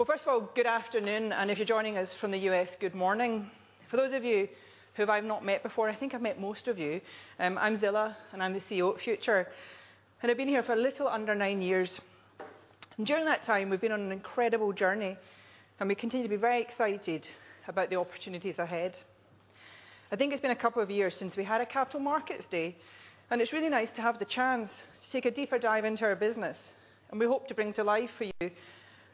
Well, first of all, good afternoon, and if you're joining us from the U.S., good morning. For those of you who I've not met before, I think I've met most of you, I'm Zillah, and I'm the CEO at Future, and I've been here for a little under nine years. During that time we've been on an incredible journey, and we continue to be very excited about the opportunities ahead. I think it's been a couple of years since we had a Capital Markets Day, and it's really nice to have the chance to take a deeper dive into our business, and we hope to bring to life for you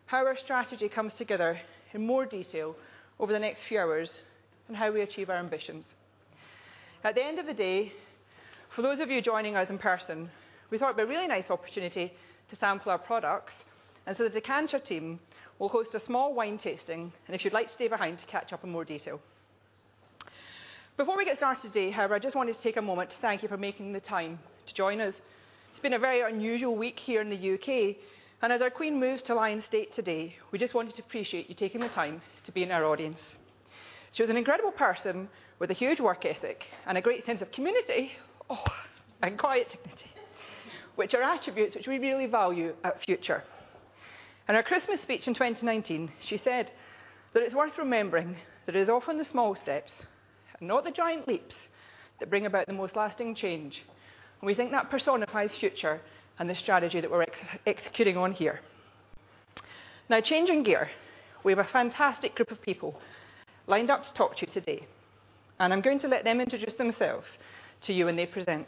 how our strategy comes together in more detail over the next few hours, and how we achieve our ambitions. At the end of the day, for those of you joining us in person, we thought it'd be a really nice opportunity to sample our products, and so the Decanter team will host a small wine tasting, and if you'd like to stay behind to catch up in more detail. Before we get started today, however, I just wanted to take a moment to thank you for making the time to join us. It's been a very unusual week here in the U.K., and as our Queen moves to lying in state today, we just wanted to appreciate you taking the time to be in our audience. She was an incredible person with a huge work ethic and a great sense of community, oh, and quiet dignity, which are attributes which we really value at Future. In her Christmas speech in 2019, she said that it's worth remembering that it is often the small steps, not the giant leaps, that bring about the most lasting change, and we think that personifies Future and the strategy that we're executing on here. Now, changing gear, we have a fantastic group of people lined up to talk to you today, and I'm going to let them introduce themselves to you when they present.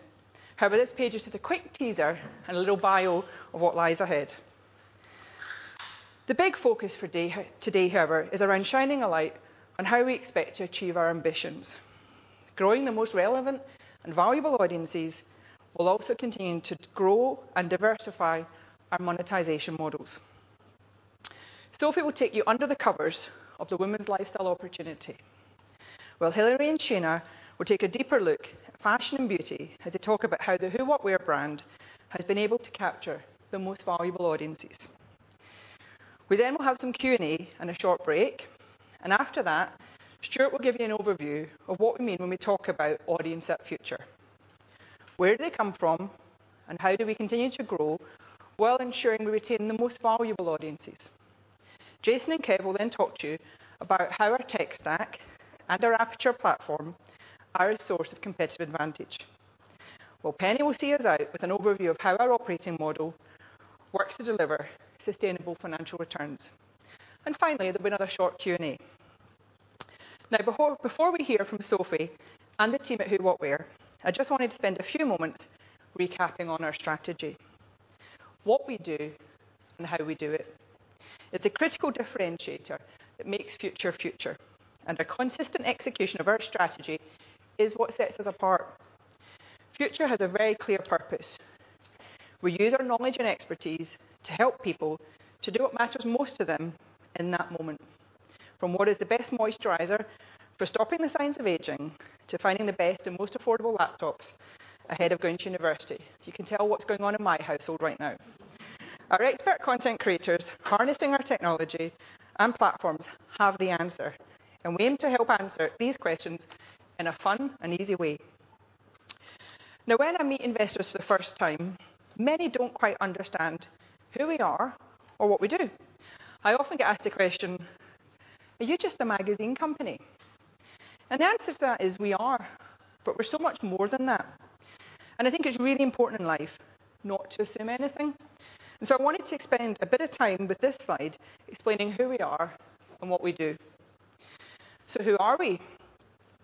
However, this page is just a quick teaser and a little bio of what lies ahead. The big focus for today, however, is around shining a light on how we expect to achieve our ambitions. Growing the most relevant and valuable audiences, we'll also continue to grow and diversify our monetization models. Sophie will take you under the covers of the women's lifestyle opportunity, while Hilary and Shayna will take a deeper look at fashion and beauty as they talk about how the Who What Wear brand has been able to capture the most valuable audiences. We then will have some Q&A and a short break, and after that, Stuart will give you an overview of what we mean when we talk about audience at Future. Where do they come from, and how do we continue to grow while ensuring we retain the most valuable audiences? Jason and Kevin will then talk to you about how our tech stack and our Aperture platform are a source of competitive advantage. While Penny will see us out with an overview of how our operating model works to deliver sustainable financial returns. Finally, there'll be another short Q&A. Now, before we hear from Sophie and the team at Who What Wear, I just wanted to spend a few moments recapping on our strategy. What we do and how we do it. It's a critical differentiator that makes Future, and the consistent execution of our strategy is what sets us apart. Future has a very clear purpose. We use our knowledge and expertise to help people to do what matters most to them in that moment. From what is the best moisturizer for stopping the signs of aging to finding the best and most affordable laptops ahead of going to university. You can tell what's going on in my household right now. Our expert content creators harnessing our technology and platforms have the answer, and we aim to help answer these questions in a fun and easy way. Now, when I meet investors for the first time, many don't quite understand who we are or what we do. I often get asked the question, "Are you just a magazine company?" The answer to that is we are, but we're so much more than that, and I think it's really important in life not to assume anything. I wanted to spend a bit of time with this slide explaining who we are and what we do. Who are we?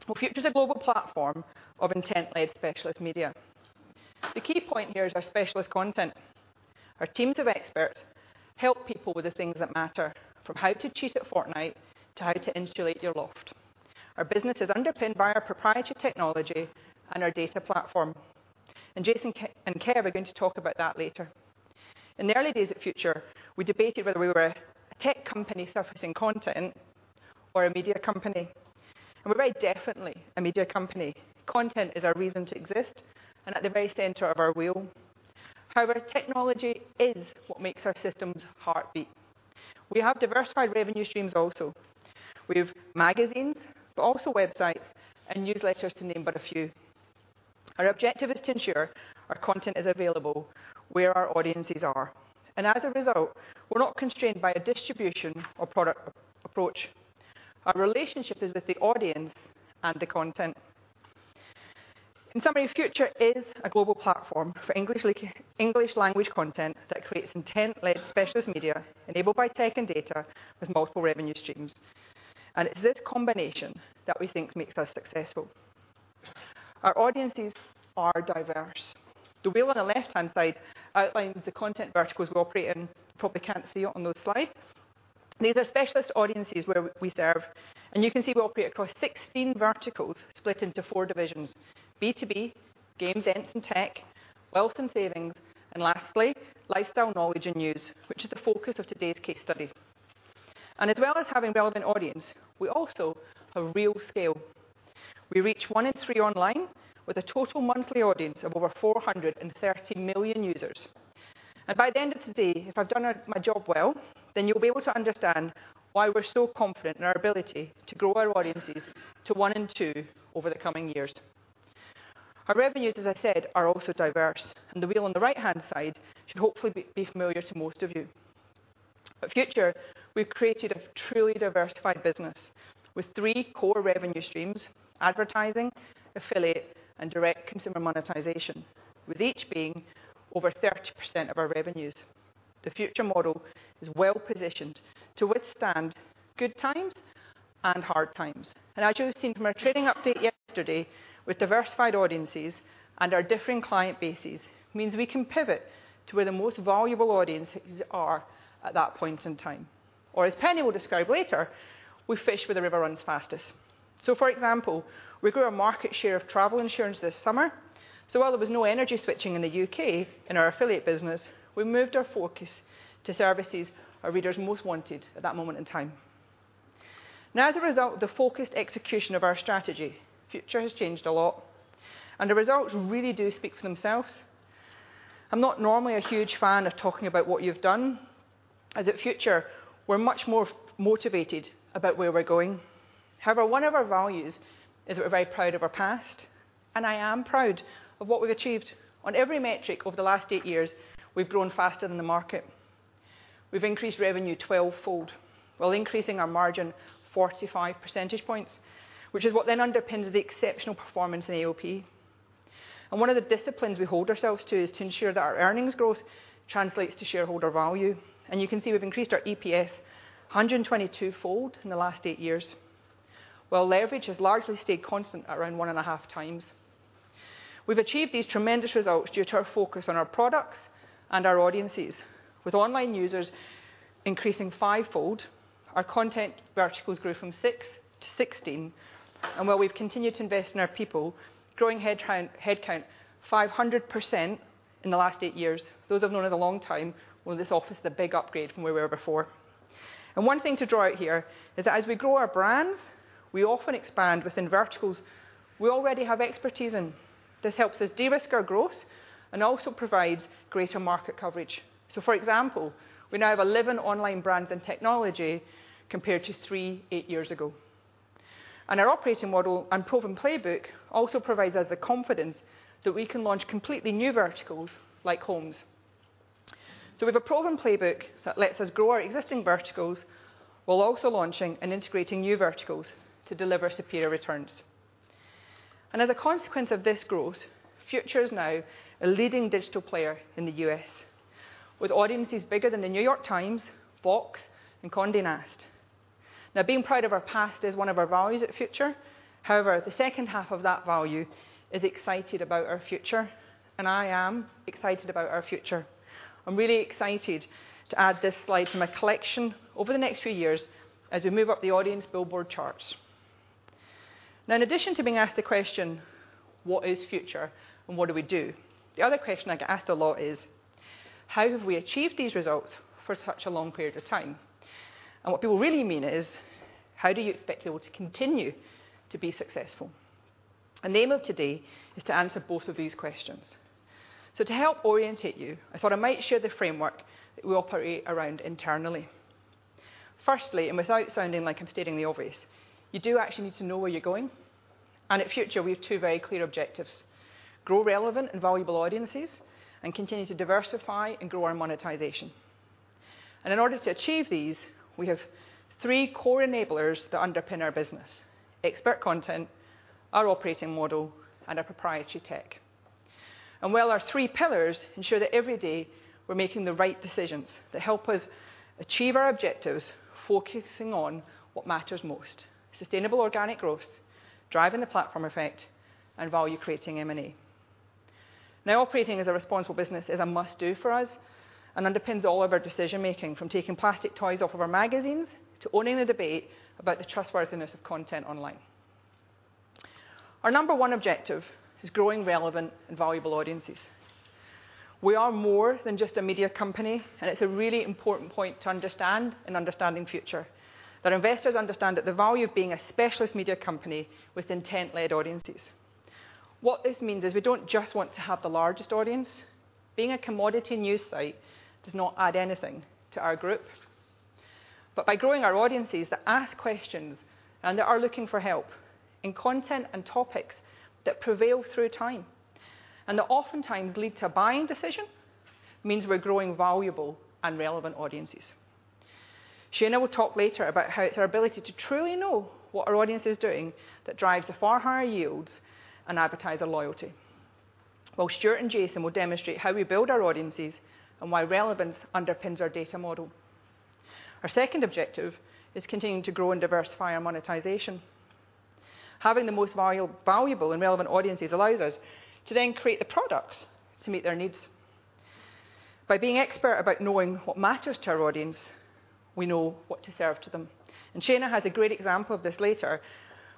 Well, Future's a global platform of intent-led specialist media. The key point here is our specialist content. Our teams of experts help people with the things that matter, from how to cheat at Fortnite to how to insulate your loft. Our business is underpinned by our proprietary technology and our data platform, and Jason and Kev are going to talk about that later. In the early days of Future, we debated whether we were a tech company surfacing content or a media company, and we're very definitely a media company. Content is our reason to exist and at the very center of our wheel. However, technology is what makes our systems heartbeat. We have diversified revenue streams also. We have magazines, but also websites and newsletters to name but a few. Our objective is to ensure our content is available where our audiences are, and as a result, we're not constrained by a distribution or product approach. Our relationship is with the audience and the content. In summary, Future is a global platform for English language content that creates intent-led specialist media enabled by tech and data with multiple revenue streams. It's this combination that we think makes us successful. Our audiences are diverse. The wheel on the left-hand side outlines the content verticals we operate in. You probably can't see it on those slides. These are specialist audiences where we serve, and you can see we operate across 16 verticals, split into four divisions, B2B, games, devs, and tech, wealth and savings, and lastly, lifestyle, knowledge, and news, which is the focus of today's case study. As well as having relevant audience, we also have real scale. We reach one in three online, with a total monthly audience of over 430 million users. By the end of today, if I've done my job well, then you'll be able to understand why we're so confident in our ability to grow our audiences to one in two over the coming years. Our revenues, as I said, are also diverse, and the wheel on the right-hand side should hopefully be familiar to most of you. At Future, we've created a truly diversified business with three core revenue streams: advertising, affiliate, and direct consumer monetization, with each being over 30% of our revenues. The Future model is well-positioned to withstand good times and hard times. As you have seen from our trading update yesterday, with diversified audiences and our differing client bases, means we can pivot to where the most valuable audiences are at that point in time. As. Penny will describe later, we fish where the river runs fastest. For example, we grew our market share of travel insurance this summer. While there was no energy switching in the U.K. in our affiliate business, we moved our focus to services our readers most wanted at that moment in time. Now, as a result of the focused execution of our strategy, Future has changed a lot, and the results really do speak for themselves. I'm not normally a huge fan of talking about what you've done. As at Future, we're much more motivated about where we're going. However, one of our values is that we're very proud of our past, and I am proud of what we've achieved. On every metric over the last eight years, we've grown faster than the market. We've increased revenue 12-fold, while increasing our margin 45 percentage points, which is what then underpins the exceptional performance in the AOP. One of the disciplines we hold ourselves to is to ensure that our earnings growth translates to shareholder value, and you can see we've increased our EPS 122-fold in the last eight years, while leverage has largely stayed constant at around 1.5x. We've achieved these tremendous results due to our focus on our products and our audiences. With online users increasing fivefold, our content verticals grew from 6-16, and while we've continued to invest in our people, growing headcount 500% in the last eight years. Those I've known a long time, well, this office is a big upgrade from where we were before. One thing to draw out here is that as we grow our brands, we often expand within verticals we already have expertise in. This helps us de-risk our growth and also provides greater market coverage. For example, we now have 11 online brands in technology compared to three, eight years ago. Our operating model and proven playbook also provides us the confidence that we can launch completely new verticals like Homes. We have a proven playbook that lets us grow our existing verticals while also launching and integrating new verticals to deliver superior returns. As a consequence of this growth, Future is now a leading digital player in the U.S., with audiences bigger than The New York Times, Fox, and Condé Nast. Now being proud of our past is one of our values at Future. The second half of that value is excited about our future, and I am excited about our future. I'm really excited to add this slide to my collection over the next few years as we move up the audience billboard charts. Now, in addition to being asked the question, what is Future and what do we do? The other question I get asked a lot is, how have we achieved these results for such a long period of time? What people really mean is, how do you expect you all to continue to be successful? The aim of today is to answer both of these questions. To help orient you, I thought I might share the framework that we operate around internally. Firstly, and without sounding like I'm stating the obvious, you do actually need to know where you're going. At Future, we have two very clear objectives, grow relevant and valuable audiences and continue to diversify and grow our monetization. In order to achieve these, we have three core enablers that underpin our business, expert content, our operating model, and our proprietary tech. While our three pillars ensure that every day we're making the right decisions that help us achieve our objectives, focusing on what matters most, sustainable organic growth, driving the platform effect, and value creating M&A. Now, operating as a responsible business is a must-do for us and underpins all of our decision-making, from taking plastic toys off of our magazines to owning the debate about the trustworthiness of content online. Our number one objective is growing relevant and valuable audiences. We are more than just a media company, and it's a really important point to understand in understanding Future, that investors understand that the value of being a specialist media company with intent-led audiences. What this means is we don't just want to have the largest audience. Being a commodity news site does not add anything to our group. By growing our audiences that ask questions and that are looking for help in content and topics that prevail through time and that oftentimes lead to a buying decision, means we're growing valuable and relevant audiences. Shayna will talk later about how it's our ability to truly know what our audience is doing that drives the far higher yields and advertiser loyalty, while Stuart and Jason will demonstrate how we build our audiences and why relevance underpins our data model. Our second objective is continuing to grow and diversify our monetization. Having the most valuable and relevant audiences allows us to then create the products to meet their needs. By being expert about knowing what matters to our audience, we know what to serve to them. Shayna has a great example of this later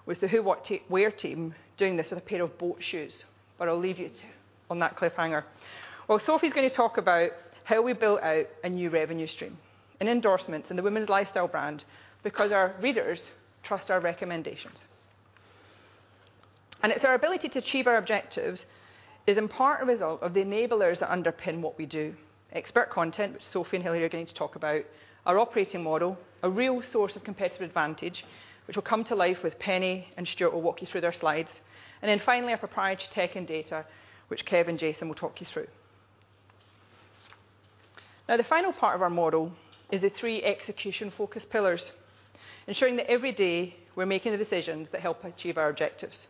with the Who What Wear team doing this with a pair of boat shoes. I'll leave you hanging on that cliffhanger, while Sophie's gonna talk about how we built out a new revenue stream and endorsements in the women's lifestyle brand because our readers trust our recommendations. It's our ability to achieve our objectives is in part a result of the enablers that underpin what we do. Expert content, which Sophie and Hilary are going to talk about. Our operating model, a real source of competitive advantage, which will come to life with Penny, and Stuart will walk you through their slides. Finally, our proprietary tech and data, which Kev and Jason will talk you through. Now, the final part of our model is the three execution focus pillars, ensuring that every day we're making the decisions that help achieve our objectives.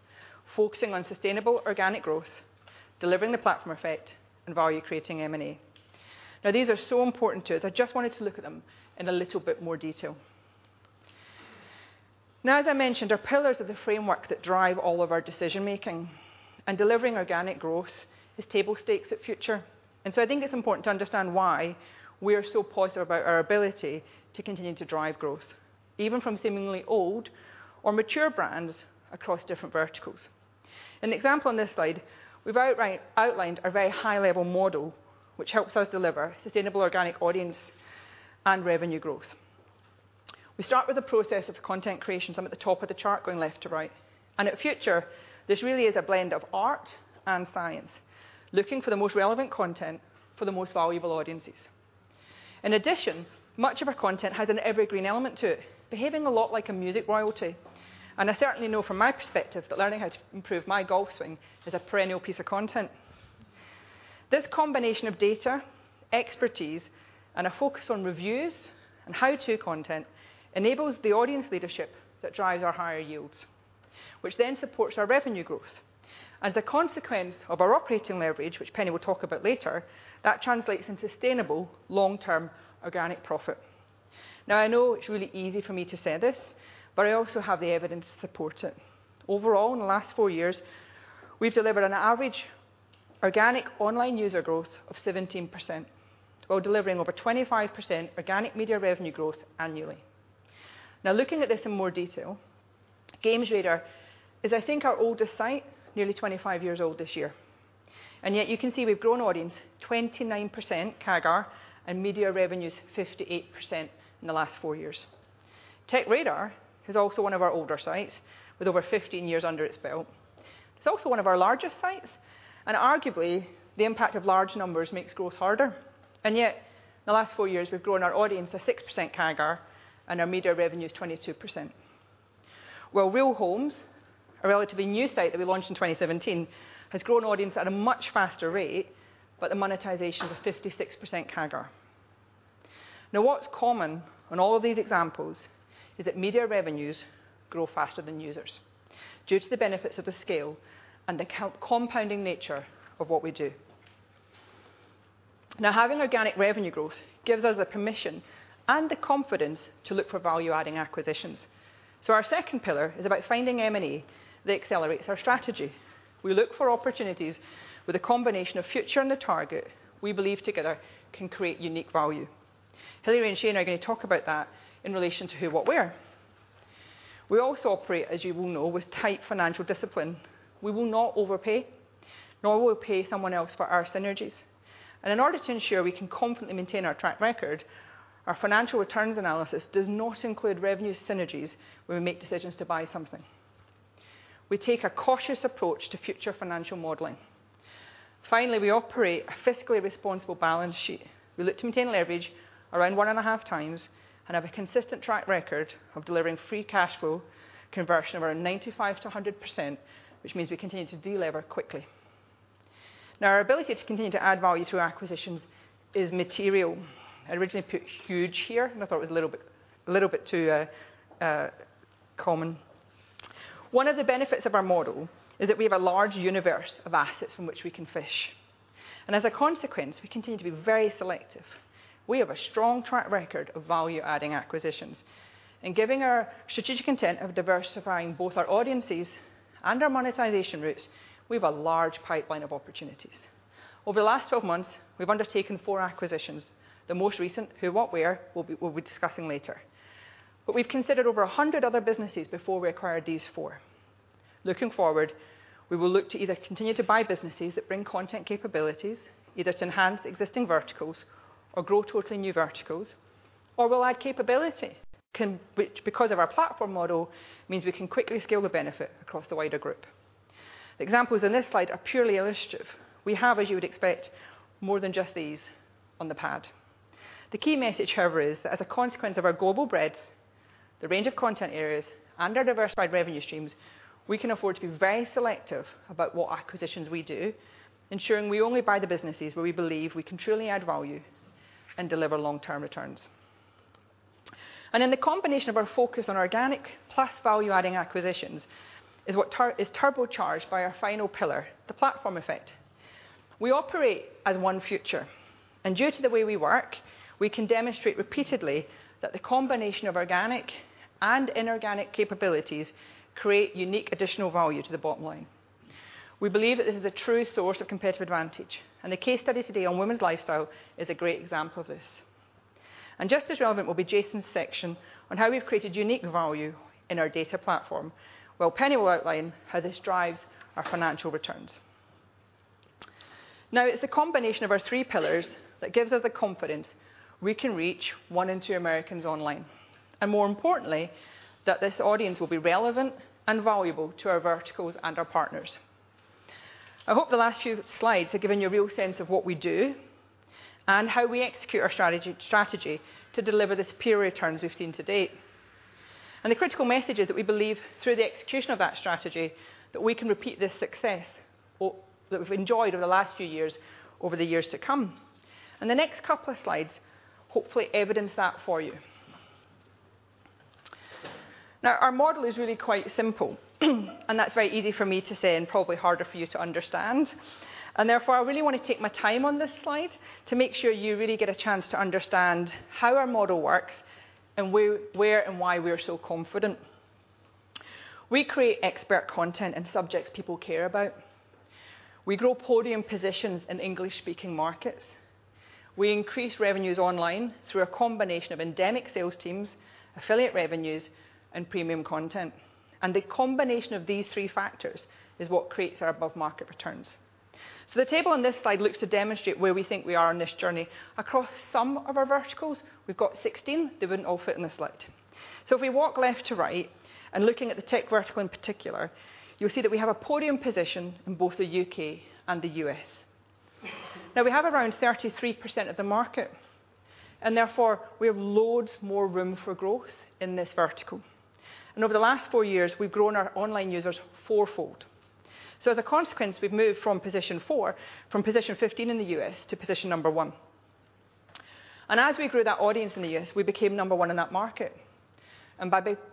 Focusing on sustainable organic growth, delivering the platform effect, and value creating M&A. Now, these are so important to us, I just wanted to look at them in a little bit more detail. Now, as I mentioned, our pillars are the framework that drive all of our decision-making, and delivering organic growth is table stakes at Future. I think it's important to understand why we are so positive about our ability to continue to drive growth, even from seemingly old or mature brands across different verticals. An example on this slide, we've outlined our very high level model, which helps us deliver sustainable organic audience and revenue growth. We start with the process of content creation, so I'm at the top of the chart going left to right. At Future, this really is a blend of art and science, looking for the most relevant content for the most valuable audiences. In addition, much of our content has an evergreen element to it, behaving a lot like a music royalty. I certainly know from my perspective that learning how to improve my golf swing is a perennial piece of content. This combination of data, expertise, and a focus on reviews and how-to content enables the audience leadership that drives our higher yields, which then supports our revenue growth. As a consequence of our operating leverage, which Penny will talk about later, that translates into sustainable long-term organic profit. Now, I know it's really easy for me to say this, but I also have the evidence to support it. Overall, in the last four years, we've delivered an average organic online user growth of 17%, while delivering over 25% organic media revenue growth annually. Now, looking at this in more detail, GamesRadar+ is, I think, our oldest site, nearly 25 years old this year. You can see we've grown audience 29% CAGR and media revenues 58% in the last four years. TechRadar is also one of our older sites, with over 15 years under its belt. It's also one of our largest sites, and arguably the impact of large numbers makes growth harder. In the last four years, we've grown our audience a 6% CAGR and our media revenue is 22%. While Real Homes, a relatively new site that we launched in 2017, has grown audience at a much faster rate, but the monetization is a 56% CAGR. Now, what's common on all of these examples is that media revenues grow faster than users due to the benefits of the scale and the compounding nature of what we do. Now, having organic revenue growth gives us the permission and the confidence to look for value-adding acquisitions. Our second pillar is about finding M&A that accelerates our strategy. We look for opportunities with a combination of Future and the target we believe together can create unique value. Hilary and Shayna are gonna talk about that in relation to Who What Wear. We also operate, as you will know, with tight financial discipline. We will not overpay, nor will we pay someone else for our synergies. In order to ensure we can confidently maintain our track record, our financial returns analysis does not include revenue synergies when we make decisions to buy something. We take a cautious approach to Future financial modeling. Finally, we operate a fiscally responsible balance sheet. We look to maintain leverage around 1.5x, and have a consistent track record of delivering free cash flow conversion of around 95%-100%, which means we continue to delever quickly. Now, our ability to continue to add value to our acquisitions is material. I originally put huge here, and I thought it was a little bit too common. One of the benefits of our model is that we have a large universe of assets from which we can fish. As a consequence, we continue to be very selective. We have a strong track record of value-adding acquisitions. Given our strategic intent of diversifying both our audiences and our monetization routes, we've a large pipeline of opportunities. Over the last 12 months, we've undertaken four acquisitions. The most recent, Who What Wear, we'll be discussing later. We've considered over 100 other businesses before we acquired these four. Looking forward, we will look to either continue to buy businesses that bring content capabilities, either to enhance existing verticals or grow totally new verticals, or will add capability which because of our platform model, means we can quickly scale the benefit across the wider group. The examples on this slide are purely illustrative. We have, as you would expect, more than just these on the pad. The key message, however, is that as a consequence of our global breadth, the range of content areas, and our diversified revenue streams, we can afford to be very selective about what acquisitions we do, ensuring we only buy the businesses where we believe we can truly add value and deliver long-term returns. The combination of our focus on organic plus value-adding acquisitions is what is turbocharged by our final pillar, the platform effect. We operate as one Future, and due to the way we work, we can demonstrate repeatedly that the combination of organic and inorganic capabilities create unique additional value to the bottom line. We believe that this is a true source of competitive advantage, and the case study today on women's lifestyle is a great example of this. Just as relevant will be Jason MacLellan's section on how we've created unique value in our data platform, while Penny Ladkin-Brand will outline how this drives our financial returns. Now, it's a combination of our three pillars that gives us the confidence we can reach one in two Americans online, and more importantly, that this audience will be relevant and valuable to our verticals and our partners. I hope the last few slides have given you a real sense of what we do and how we execute our strategy to deliver the superior returns we've seen to date. The critical message is that we believe through the execution of that strategy, that we can repeat this success of that we've enjoyed over the last few years, over the years to come. The next couple of slides hopefully evidence that for you. Now, our model is really quite simple, and that's very easy for me to say and probably harder for you to understand. Therefore, I really wanna take my time on this slide to make sure you really get a chance to understand how our model works and where and why we are so confident. We create expert content in subjects people care about. We grow podium positions in English-speaking markets. We increase revenues online through a combination of endemic sales teams, affiliate revenues, and premium content. The combination of these three factors is what creates our above-market returns. The table on this slide looks to demonstrate where we think we are in this journey. Across some of our verticals, we've got 16. They wouldn't all fit in the slide. If we walk left to right, and looking at the tech vertical in particular, you'll see that we have a podium position in both the U.K. and the U.S. Now, we have around 33% of the market, and therefore, we have loads more room for growth in this vertical. Over the last four years, we've grown our online users fourfold. As a consequence, we've moved from position four, from position fifteen in the U.S. to position number one. As we grew that audience in the U.S., we became number one in that market.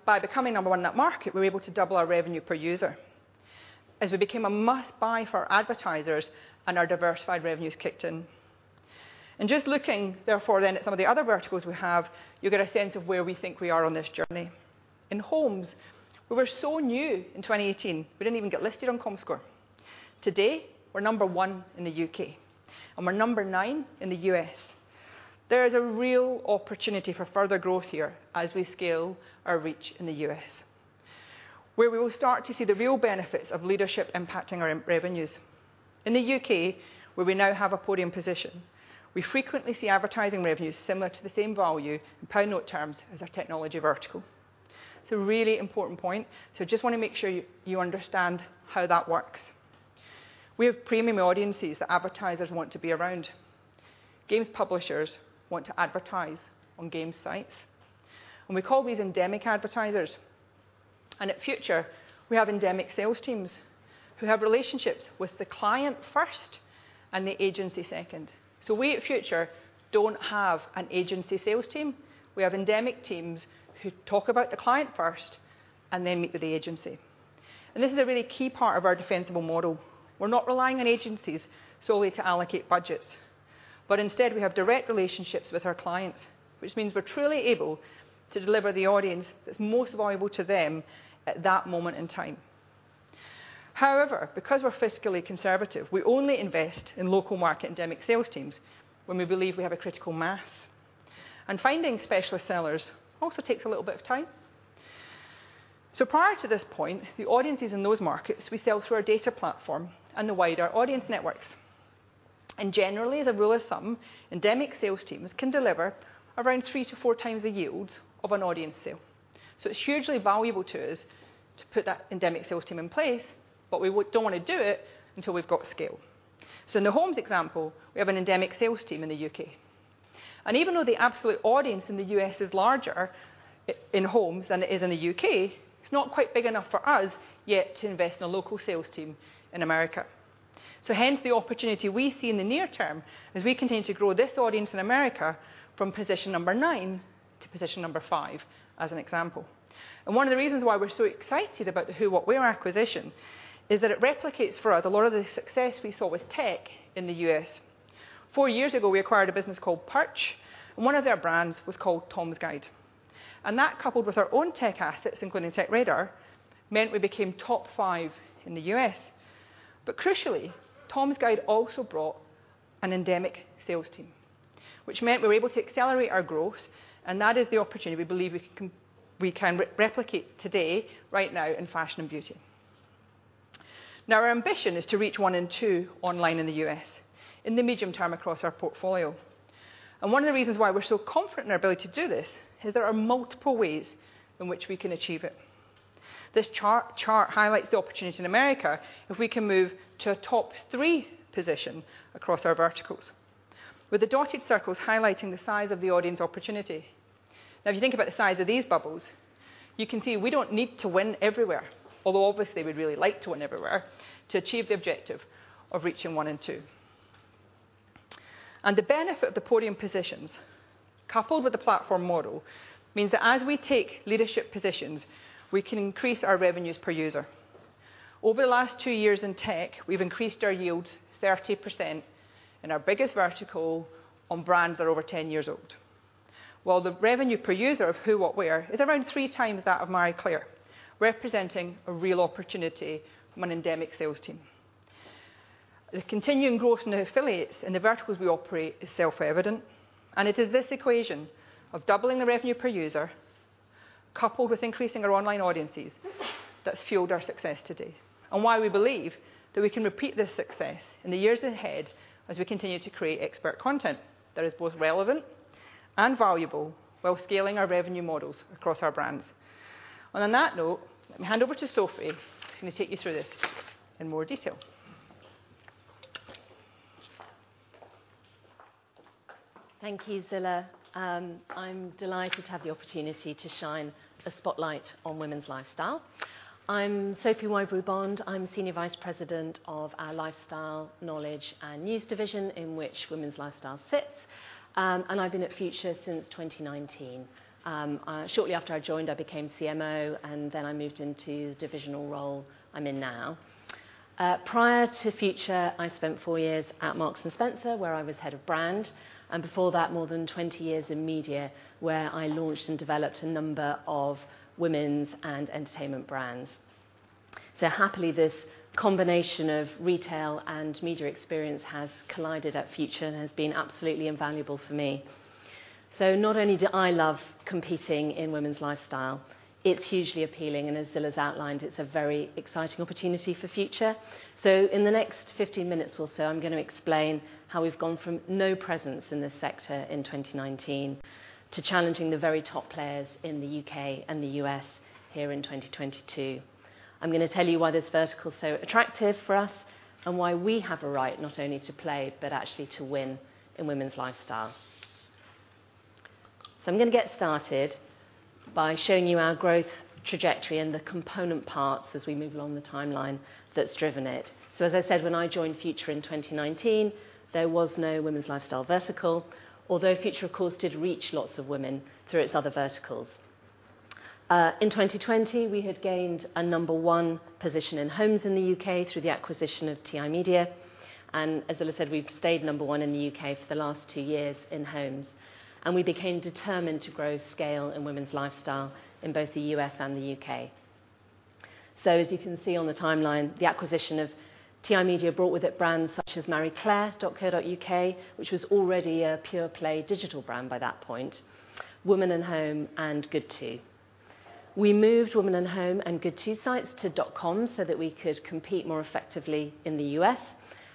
By becoming number one in that market, we were able to double our revenue per user as we became a must-buy for our advertisers and our diversified revenues kicked in. Just looking, therefore, then at some of the other verticals we have, you'll get a sense of where we think we are on this journey. In homes, we were so new in 2018, we didn't even get listed on Comscore. Today, we're number one in the U.K., and we're number nine in the U.S. There is a real opportunity for further growth here as we scale our reach in the U.S., where we will start to see the real benefits of leadership impacting our revenues. In the U.K., where we now have a podium position, we frequently see advertising revenues similar to the same value in pound note terms as our technology vertical. It's a really important point, so just wanna make sure you understand how that works. We have premium audiences that advertisers want to be around. Games publishers want to advertise on game sites, and we call these endemic advertisers. At Future, we have endemic sales teams who have relationships with the client first and the agency second. We at Future don't have an agency sales team. We have endemic teams who talk about the client first and then meet with the agency. This is a really key part of our defensible model. We're not relying on agencies solely to allocate budgets, but instead, we have direct relationships with our clients, which means we're truly able to deliver the audience that's most valuable to them at that moment in time. However, because we're fiscally conservative, we only invest in local market endemic sales teams when we believe we have a critical mass. Finding specialist sellers also takes a little bit of time. Prior to this point, the audiences in those markets we sell through our data platform and the wider audience networks. Generally, as a rule of thumb, endemic sales teams can deliver around 3-4x the yield of an audience sale. It's hugely valuable to us to put that endemic sales team in place, but we don't wanna do it until we've got scale. In the homes example, we have an endemic sales team in the U.K.. Even though the absolute audience in the U.S. is larger in homes than it is in the U.K., it's not quite big enough for us yet to invest in a local sales team in America. Hence, the opportunity we see in the near term as we continue to grow this audience in America from position number nine to position number five, as an example. One of the reasons why we're so excited about the Who What Wear acquisition is that it replicates for us a lot of the success we saw with tech in the U.S.. Four years ago, we acquired a business called Purch, and one of their brands was called Tom's Guide. That, coupled with our own tech assets, including TechRadar, meant we became top five in the U.S.. Crucially, Tom's Guide also brought an endemic sales team, which meant we were able to accelerate our growth, and that is the opportunity we believe we can re-replicate today, right now in fashion and beauty. Now, our ambition is to reach one in two online in the US in the medium term across our portfolio. One of the reasons why we're so confident in our ability to do this is there are multiple ways in which we can achieve it. This chart highlights the opportunity in America if we can move to a top-three position across our verticals. With the dotted circles highlighting the size of the audience opportunity. Now, if you think about the size of these bubbles, you can see we don't need to win everywhere, although obviously we'd really like to win everywhere, to achieve the objective of reaching one in two. The benefit of the podium positions, coupled with the platform model, means that as we take leadership positions, we can increase our revenues per user. Over the last two years in tech, we've increased our yields 30% in our biggest vertical on brands that are over ten years old. While the revenue per user of Who What Wear is around 3x that of Marie Claire, representing a real opportunity from an endemic sales team. The continuing growth in the affiliates in the verticals we operate is self-evident, and it is this equation of doubling the revenue per user, coupled with increasing our online audiences, that's fueled our success today, and why we believe that we can repeat this success in the years ahead as we continue to create expert content that is both relevant and valuable while scaling our revenue models across our brands. On that note, let me hand over to Sophie Wybrew-Bond, who's gonna take you through this in more detail. Thank you, Zillah. I'm delighted to have the opportunity to shine a spotlight on Women's Lifestyle. I'm Sophie Wybrew-Bond. I'm Senior Vice President of our Lifestyle, Knowledge, and News division in which Women's Lifestyle sits. I've been at Future since 2019. Shortly after I joined, I became CMO, and then I moved into the divisional role I'm in now. Prior to Future, I spent four years at Marks & Spencer, where I was Head of Brand, and before that, more than 20 years in media, where I launched and developed a number of women's and entertainment brands. Happily, this combination of retail and media experience has collided at Future and has been absolutely invaluable for me. Not only do I love competing in Women's Lifestyle, it's hugely appealing, and as Zillah's outlined, it's a very exciting opportunity for Future. In the next 15 minutes or so, I'm gonna explain how we've gone from no presence in this sector in 2019 to challenging the very top players in the U.K. and the U.S. here in 2022. I'm gonna tell you why this vertical is so attractive for us and why we have a right not only to play, but actually to win in Women's Lifestyle. I'm gonna get started by showing you our growth trajectory and the component parts as we move along the timeline that's driven it. As I said, when I joined Future in 2019, there was no Women's Lifestyle vertical, although Future, of course, did reach lots of women through its other verticals. In 2020, we had gained a number one position in homes in the U.K. through the acquisition of TI Media, and as Zillah said, we've stayed number one in the U.K. for the last two years in homes. We became determined to grow scale in Women's Lifestyle in both the U.S. and the U.K.. As you can see on the timeline, the acquisition of TI Media brought with it brands such as marieclaire.co.uk, which was already a pure play digital brand by that point, Woman & Home, and GoodTo. We moved Woman & Home and GoodTo sites to .com so that we could compete more effectively in the U.S.,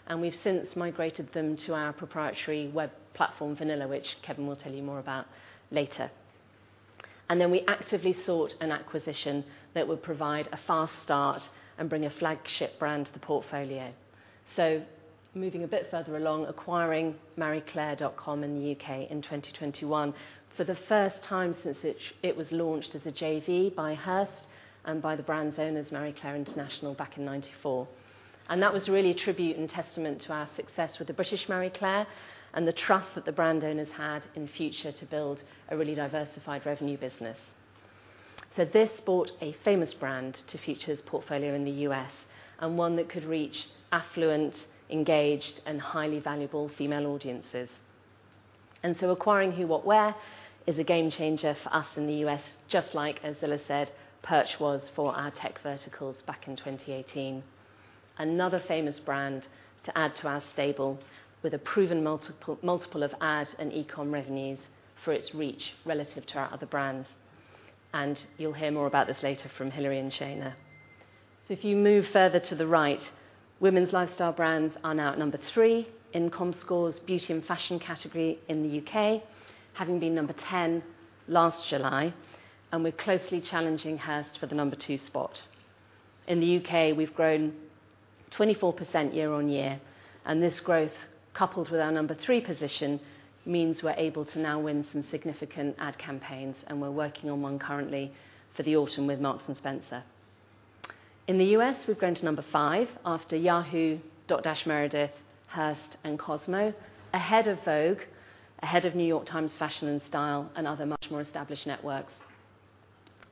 and we've since migrated them to our proprietary web platform, Vanilla, which Kevin will tell you more about later. We actively sought an acquisition that would provide a fast start and bring a flagship brand to the portfolio. Moving a bit further along, acquiring marieclaire.com in the U.S. in 2021 for the first time since it was launched as a JV by Hearst and by the brand's owners, Marie Claire International, back in 1994. That was really a tribute and testament to our success with the British Marie Claire and the trust that the brand owners had in Future to build a really diversified revenue business. This brought a famous brand to Future's portfolio in the U.S. and one that could reach affluent, engaged, and highly valuable female audiences. Acquiring Who What Wear is a game changer for us in the U.S., just like, as Zilla said, Purch was for our tech verticals back in 2018. Another famous brand to add to our stable with a proven multiple of ad and e-com revenues for its reach relative to our other brands. You'll hear more about this later from Hilary and Shayna. If you move further to the right, Women's Lifestyle brands are now at number three in Comscore's beauty and fashion category in the U.K., having been number 10 last July, and we're closely challenging Hearst for the number two spot. In the U.K., we've grown 24% year-on-year, and this growth, coupled with our number three position, means we're able to now win some significant ad campaigns, and we're working on one currently for the autumn with Marks & Spencer. In the U.S., we've grown to number five after Yahoo, Dotdash Meredith, Hearst, and Cosmo, ahead of Vogue, ahead of The New York Times Fashion and Style, and other much more established networks.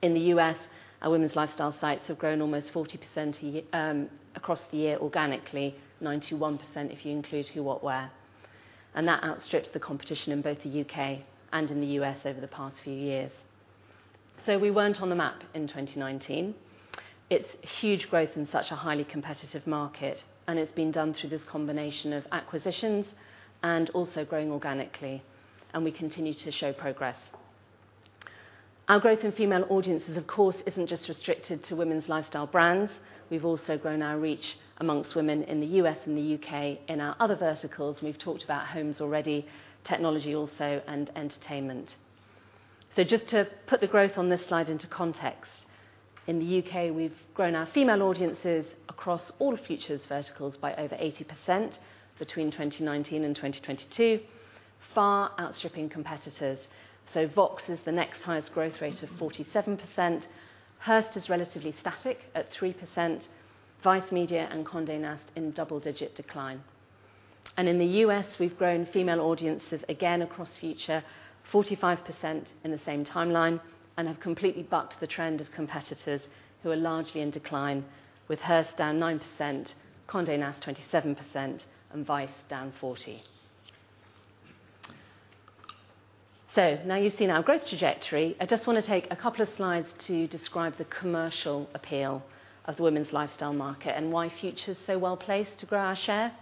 In the U.S., our Women's Lifestyle sites have grown almost 40% across the year organically, 91% if you include Who What Wear, and that outstrips the competition in both the U.K. and in the U.S. over the past few years. We weren't on the map in 2019. It's huge growth in such a highly competitive market, and it's been done through this combination of acquisitions and also growing organically, and we continue to show progress. Our growth in female audiences, of course, isn't just restricted to Women's Lifestyle brands. We've also grown our reach among women in the U.S. and the U.K. in our other verticals. We've talked about homes already, technology also, and entertainment. Just to put the growth on this slide into context, in the U.K. we've grown our female audiences across all of Future's verticals by over 80% between 2019 and 2022, far outstripping competitors. Vox is the next highest growth rate of 47%. Hearst is relatively static at 3%. Vice Media and Condé Nast in double-digit decline. In the U.S., we've grown female audiences again across Future 45% in the same timeline and have completely bucked the trend of competitors who are largely in decline, with Hearst down 9%, Condé Nast 27%, and Vice down 40%. Now you've seen our growth trajectory. I just wanna take a couple of slides to describe the commercial appeal of the Women's Lifestyle market and why Future's so well-placed to grow our share.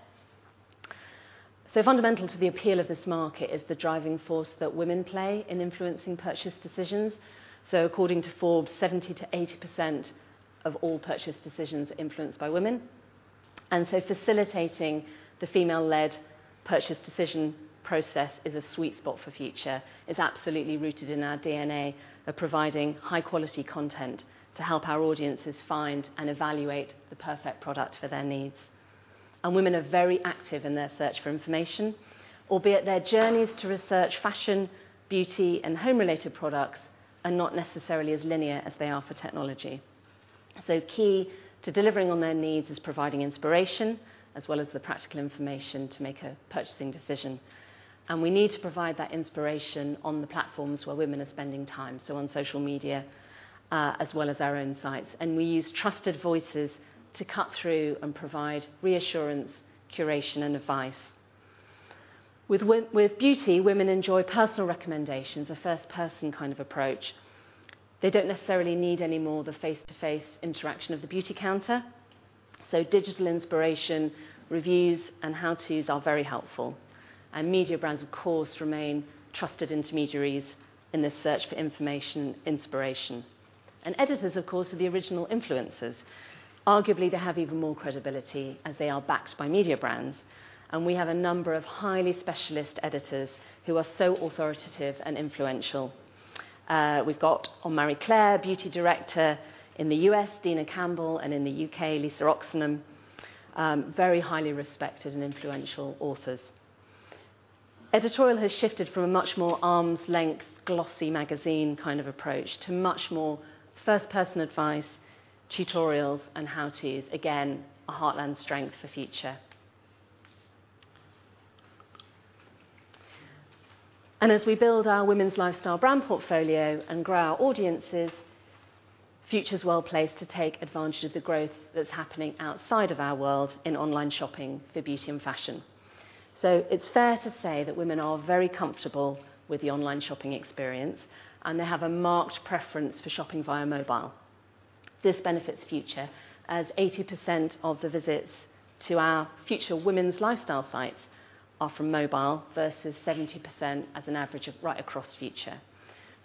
Fundamental to the appeal of this market is the driving force that women play in influencing purchase decisions. According to Forbes, 70%-80% of all purchase decisions are influenced by women. Facilitating the female-led purchase decision process is a sweet spot for Future. It's absolutely rooted in our DNA of providing high-quality content to help our audiences find and evaluate the perfect product for their needs. Women are very active in their search for information, albeit their journeys to research fashion, beauty, and home related products are not necessarily as linear as they are for technology. Key to delivering on their needs is providing inspiration as well as the practical information to make a purchasing decision. We need to provide that inspiration on the platforms where women are spending time. On social media, as well as our own sites. We use trusted voices to cut through and provide reassurance, curation, and advice. With beauty, women enjoy personal recommendations, a first-person kind of approach. They don't necessarily need any more the face-to-face interaction of the beauty counter. Digital inspiration, reviews, and how-tos are very helpful. Media brands, of course, remain trusted intermediaries in this search for information, inspiration. Editors, of course, are the original influencers. Arguably, they have even more credibility as they are backed by media brands. We have a number of highly specialist editors who are so authoritative and influential. We've got our Marie Claire Beauty Director in the U.S., Deena Campbell, and in the U.K., Lisa Oxenham, very highly respected and influential authors. Editorial has shifted from a much more arm's length glossy magazine kind of approach to much more first-person advice, tutorials, and how-tos. Again, a heartland strength for Future. As we build our women's lifestyle brand portfolio and grow our audiences, Future's well-placed to take advantage of the growth that's happening outside of our world in online shopping for beauty and fashion. It's fair to say that women are very comfortable with the online shopping experience, and they have a marked preference for shopping via mobile. This benefits Future, as 80% of the visits to our Future women's lifestyle sites are from mobile versus 70% as an average of right across Future.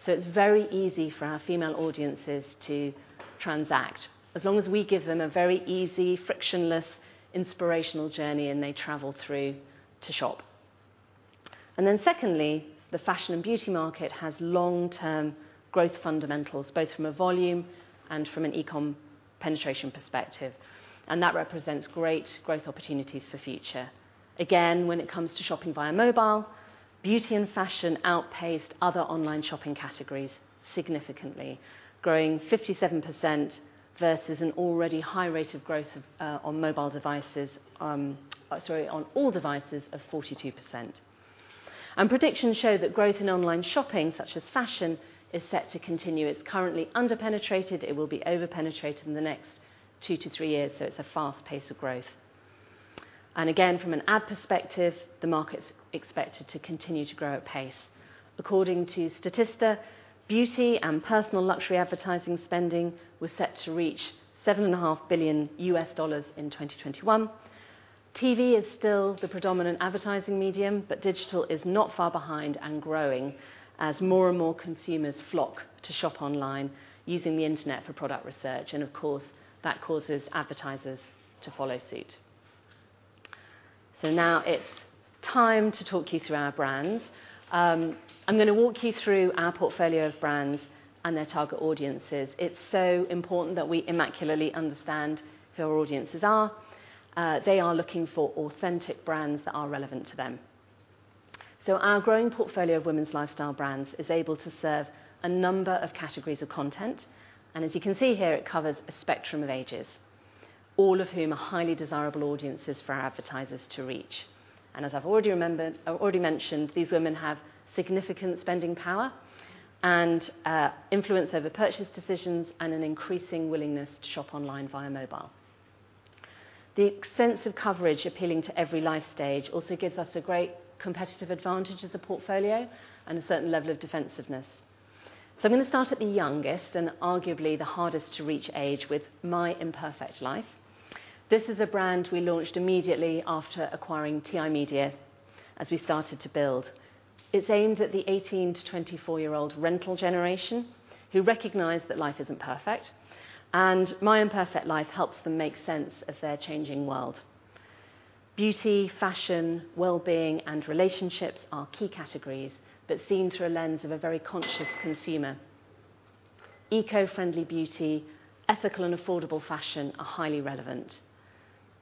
It's very easy for our female audiences to transact as long as we give them a very easy, frictionless, inspirational journey, and they travel through to shop. Secondly, the fashion and beauty market has long-term growth fundamentals, both from a volume and from an e-com penetration perspective, and that represents great growth opportunities for Future. Again, when it comes to shopping via mobile, beauty and fashion outpaced other online shopping categories significantly, growing 57% versus an already high rate of growth on mobile devices, on all devices of 42%. Predictions show that growth in online shopping, such as fashion, is set to continue. It's currently under-penetrated. It will be over-penetrated in the next two to three years, so it's a fast pace of growth. Again, from an ad perspective, the market's expected to continue to grow at pace. According to Statista, beauty and personal luxury advertising spending was set to reach $7.5 billion in 2021. TV is still the predominant advertising medium, but digital is not far behind and growing as more and more consumers flock to shop online using the internet for product research. Of course, that causes advertisers to follow suit. Now it's time to talk you through our brands. I'm gonna walk you through our portfolio of brands and their target audiences. It's so important that we immaculately understand who our audiences are. They are looking for authentic brands that are relevant to them. Our growing portfolio of women's lifestyle brands is able to serve a number of categories of content. As you can see here, it covers a spectrum of ages, all of whom are highly desirable audiences for our advertisers to reach. As I've already mentioned, these women have significant spending power and influence over purchase decisions and an increasing willingness to shop online via mobile. The sense of coverage appealing to every life stage also gives us a great competitive advantage as a portfolio and a certain level of defensiveness. I'm gonna start at the youngest and arguably the hardest to reach age with My Imperfect Life. This is a brand we launched immediately after acquiring TI Media as we started to build. It's aimed at the 18-24-year-old Gen Z who recognize that life isn't perfect, and My Imperfect Life helps them make sense of their changing world. Beauty, fashion, well-being, and relationships are key categories but seen through a lens of a very conscious consumer. Eco-friendly beauty, ethical and affordable fashion are highly relevant.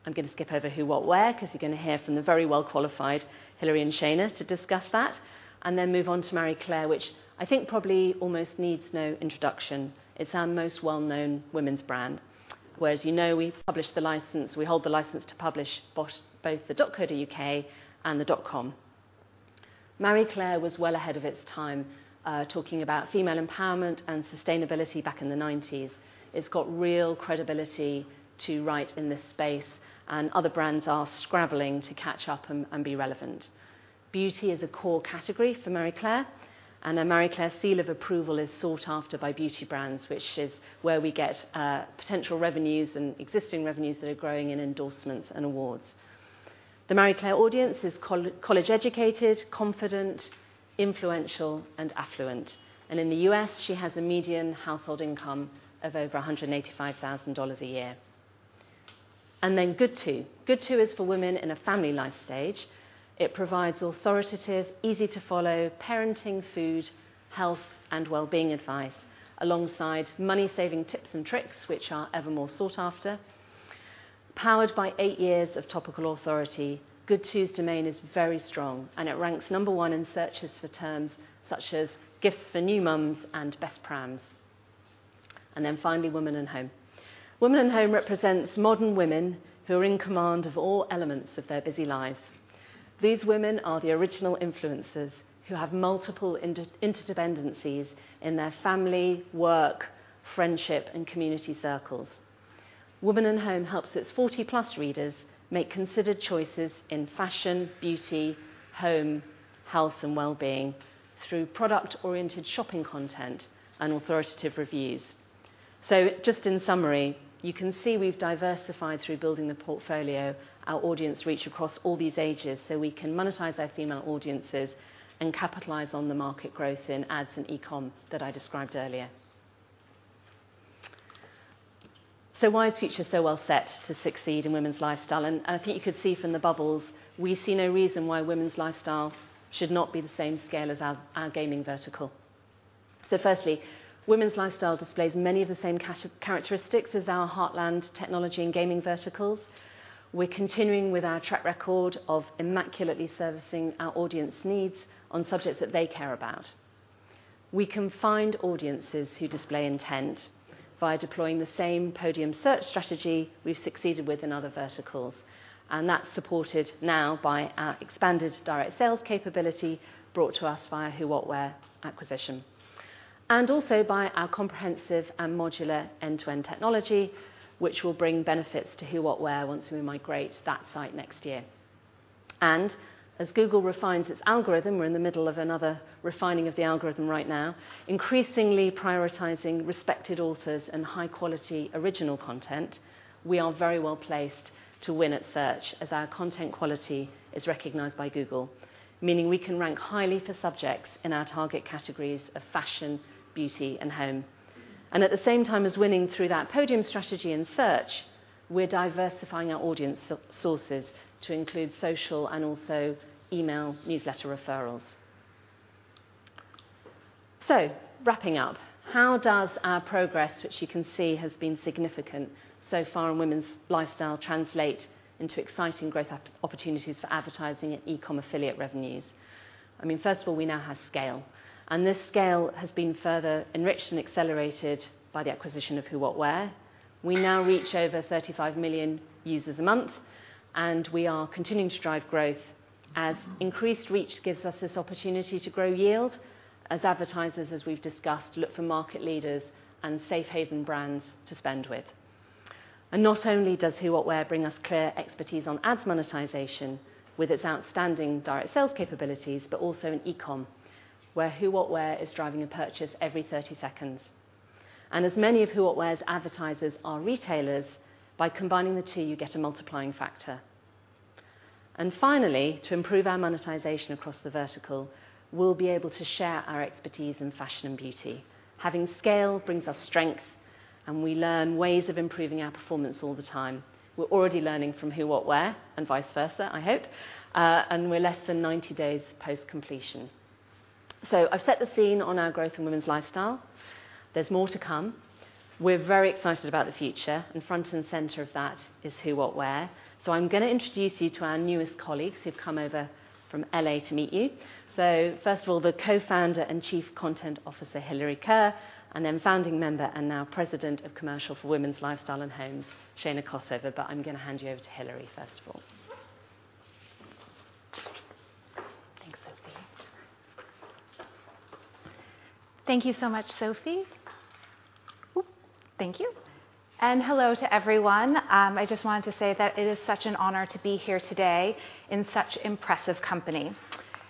I'm gonna skip over Who What Wear, 'cause you're gonna hear from the very well-qualified Hilary and Shayna to discuss that. Then move on to Marie Claire, which I think probably almost needs no introduction. It's our most well-known women's brand. Whereas, you know, we hold the license to publish both the .co.uk and the .com. Marie Claire was well ahead of its time, talking about female empowerment and sustainability back in the nineties. It's got real credibility to write in this space, and other brands are scrabbling to catch up and be relevant. Beauty is a core category for Marie Claire, and a Marie Claire seal of approval is sought after by beauty brands, which is where we get potential revenues and existing revenues that are growing in endorsements and awards. The Marie Claire audience is college educated, confident, influential and affluent. In the U.S., she has a median household income of over $185,000 a year. GoodTo. GoodTo is for women in a family life stage. It provides authoritative, easy-to-follow parenting, food, health and well-being advice, alongside money-saving tips and tricks, which are ever more sought after. Powered by eight years of topical authority, GoodTo's domain is very strong, and it ranks number one in searches for terms such as gifts for new moms and best prams. Woman & Home. Woman & Home represents modern women who are in command of all elements of their busy lives. These women are the original influencers who have multiple interdependencies in their family, work, friendship and community circles. Woman & Home helps its 40+ readers make considered choices in fashion, beauty, home, health and wellbeing through product-oriented shopping content and authoritative reviews. Just in summary, you can see we've diversified through building the portfolio, our audience reach across all these ages, so we can monetize our female audiences and capitalize on the market growth in ads and e-com that I described earlier. Why is Future so well set to succeed in Women's Lifestyle? I think you could see from the bubbles, we see no reason why Women's Lifestyle should not be the same scale as our gaming vertical. Firstly, Women's Lifestyle displays many of the same characteristics as our heartland technology and gaming verticals. We're continuing with our track record of immaculately servicing our audience needs on subjects that they care about. We can find audiences who display intent via deploying the same podium search strategy we've succeeded with in other verticals, and that's supported now by our expanded direct sales capability brought to us via Who What Wear acquisition. Also by our comprehensive and modular end-to-end technology, which will bring benefits to Who What Wear once we migrate that site next year. As Google refines its algorithm, we're in the middle of another refining of the algorithm right now, increasingly prioritizing respected authors and high-quality original content. We are very well-placed to win at search as our content quality is recognized by Google, meaning we can rank highly for subjects in our target categories of fashion, beauty, and home. At the same time as winning through that podium strategy and search, we're diversifying our audience sources to include social and also email newsletter referrals. Wrapping up, how does our progress, which you can see has been significant so far in Women's Lifestyle, translate into exciting growth opportunities for advertising and e-com affiliate revenues? I mean, first of all, we now have scale, and this scale has been further enriched and accelerated by the acquisition of Who What Wear. We now reach over 35 million users a month, and we are continuing to drive growth as increased reach gives us this opportunity to grow yield as advertisers, as we've discussed, look for market leaders and safe haven brands to spend with. Not only does Who What Wear bring us clear expertise on ads monetization with its outstanding direct sales capabilities, but also in e-com, where Who What Wear is driving a purchase every 30 seconds. As many of Who What Wear's advertisers are retailers, by combining the two, you get a multiplying factor. Finally, to improve our monetization across the vertical, we'll be able to share our expertise in fashion and beauty. Having scale brings us strength, and we learn ways of improving our performance all the time. We're already learning from Who What Wear and vice versa, I hope, and we're less than 90 days post-completion. I've set the scene on our growth in Women's Lifestyle. There's more to come. We're very excited about the future, and front and center of that is Who What Wear. I'm gonna introduce you to our newest colleagues who've come over from LA to meet you. First of all, the Co-founder and Chief Content Officer, Hilary Kerr, and then founding member and now President of Commercial for Women's Lifestyle and Homes, Shayna Kossove. I'm gonna hand you over to Hilary first of all. Thanks, Sophie. Thank you so much, Sophie. Thank you. Hello to everyone. I just wanted to say that it is such an honor to be here today in such impressive company.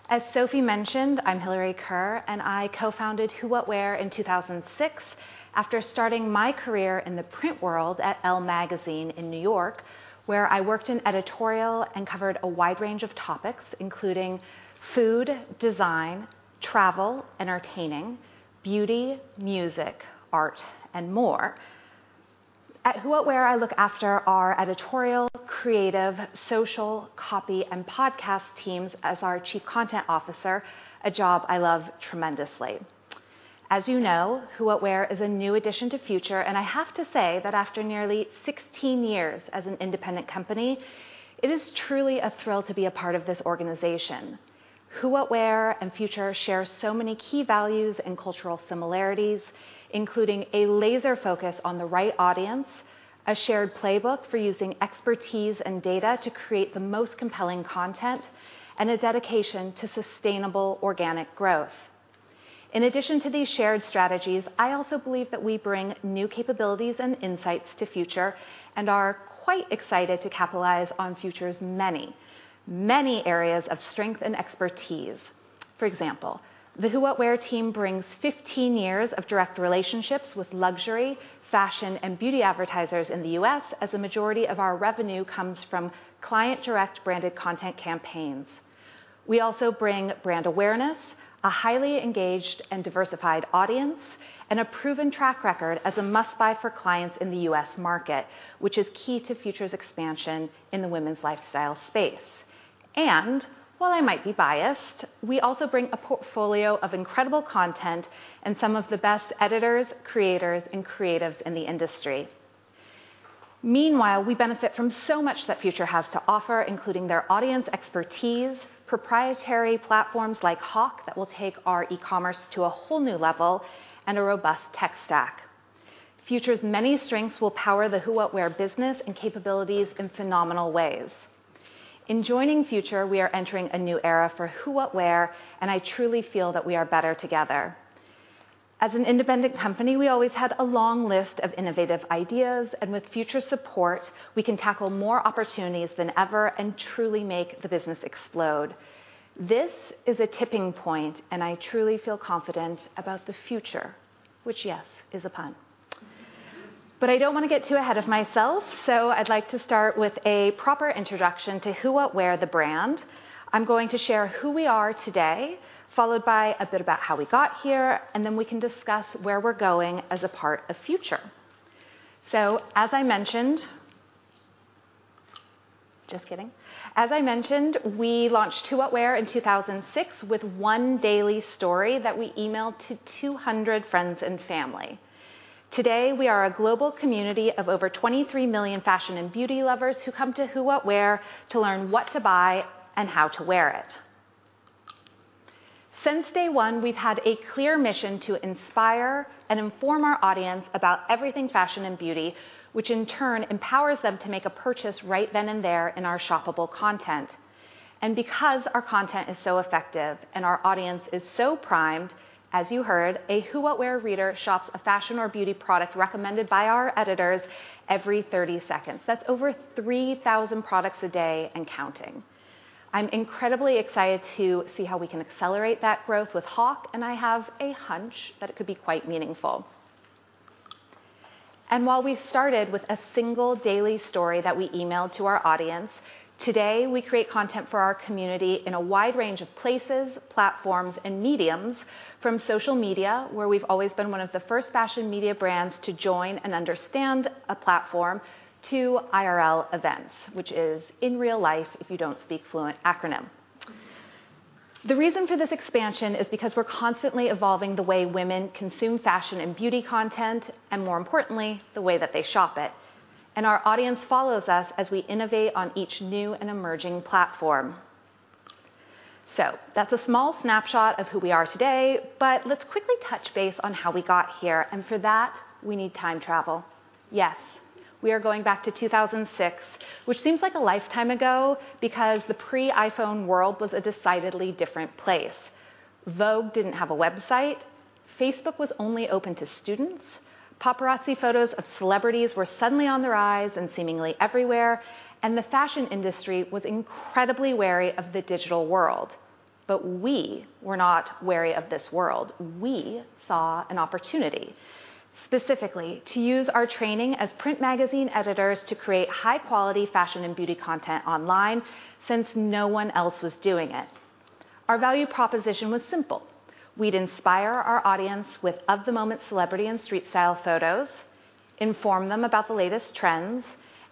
As Sophie mentioned, I'm Hilary Kerr, and I co-founded Who What Wear in 2006 after starting my career in the print world at Elle Magazine in New York, where I worked in editorial and covered a wide range of topics, including food, design, travel, entertaining, beauty, music, art, and more. At Who What Wear, I look after our editorial, creative, social, copy, and podcast teams as our chief content officer, a job I love tremendously. As you know, Who What Wear is a new addition to Future, and I have to say that after nearly 16 years as an independent company, it is truly a thrill to be a part of this organization. Who What Wear and Future share so many key values and cultural similarities, including a laser focus on the right audience, a shared playbook for using expertise and data to create the most compelling content, and a dedication to sustainable organic growth. In addition to these shared strategies, I also believe that we bring new capabilities and insights to Future and are quite excited to capitalize on Future's many, many areas of strength and expertise. For example, the Who What Wear team brings 15 years of direct relationships with luxury, fashion, and beauty advertisers in the U.S. as a majority of our revenue comes from client-direct branded content campaigns. We also bring brand awareness, a highly engaged and diversified audience, and a proven track record as a must-buy for clients in the U.S. market, which is key to Future's expansion in the women's lifestyle space. While I might be biased, we also bring a portfolio of incredible content and some of the best editors, creators, and creatives in the industry. Meanwhile, we benefit from so much that Future has to offer, including their audience expertise, proprietary platforms like Hawk that will take our e-commerce to a whole new level, and a robust tech stack. Future's many strengths will power the Who What Wear business and capabilities in phenomenal ways. In joining Future, we are entering a new era for Who What Wear, and I truly feel that we are better together. As an independent company, we always had a long list of innovative ideas, and with Future's support, we can tackle more opportunities than ever and truly make the business explode. This is a tipping point, and I truly feel confident about the future, which, yes, is a pun. I don't want to get too ahead of myself, so I'd like to start with a proper introduction to Who What Wear the brand. I'm going to share who we are today, followed by a bit about how we got here, and then we can discuss where we're going as a part of Future. As I mentioned, we launched Who What Wear in 2006 with one daily story that we emailed to 200 friends and family. Today, we are a global community of over 23 million fashion and beauty lovers who come to Who What Wear to learn what to buy and how to wear it. Since day one, we've had a clear mission to inspire and inform our audience about everything fashion and beauty, which in turn empowers them to make a purchase right then and there in our shoppable content. Because our content is so effective and our audience is so primed, as you heard, a Who What Wear reader shops a fashion or beauty product recommended by our editors every 30 seconds. That's over 3,000 products a day and counting. I'm incredibly excited to see how we can accelerate that growth with Hawk, and I have a hunch that it could be quite meaningful. While we started with a single daily story that we emailed to our audience, today, we create content for our community in a wide range of places, platforms, and mediums from social media, where we've always been one of the first fashion media brands to join and understand a platform, to IRL events, which is in real life if you don't speak fluent acronym. The reason for this expansion is because we're constantly evolving the way women consume fashion and beauty content, and more importantly, the way that they shop it. Our audience follows us as we innovate on each new and emerging platform. That's a small snapshot of who we are today, but let's quickly touch base on how we got here. For that, we need time travel. Yes, we are going back to 2006, which seems like a lifetime ago because the pre-iPhone world was a decidedly different place. Vogue didn't have a website. Facebook was only open to students. Paparazzi photos of celebrities were suddenly on the rise and seemingly everywhere, and the fashion industry was incredibly wary of the digital world. But we were not wary of this world. We saw an opportunity, specifically to use our training as print magazine editors to create high-quality fashion and beauty content online since no one else was doing it. Our value proposition was simple. We'd inspire our audience with of-the-moment celebrity and street style photos, inform them about the latest trends,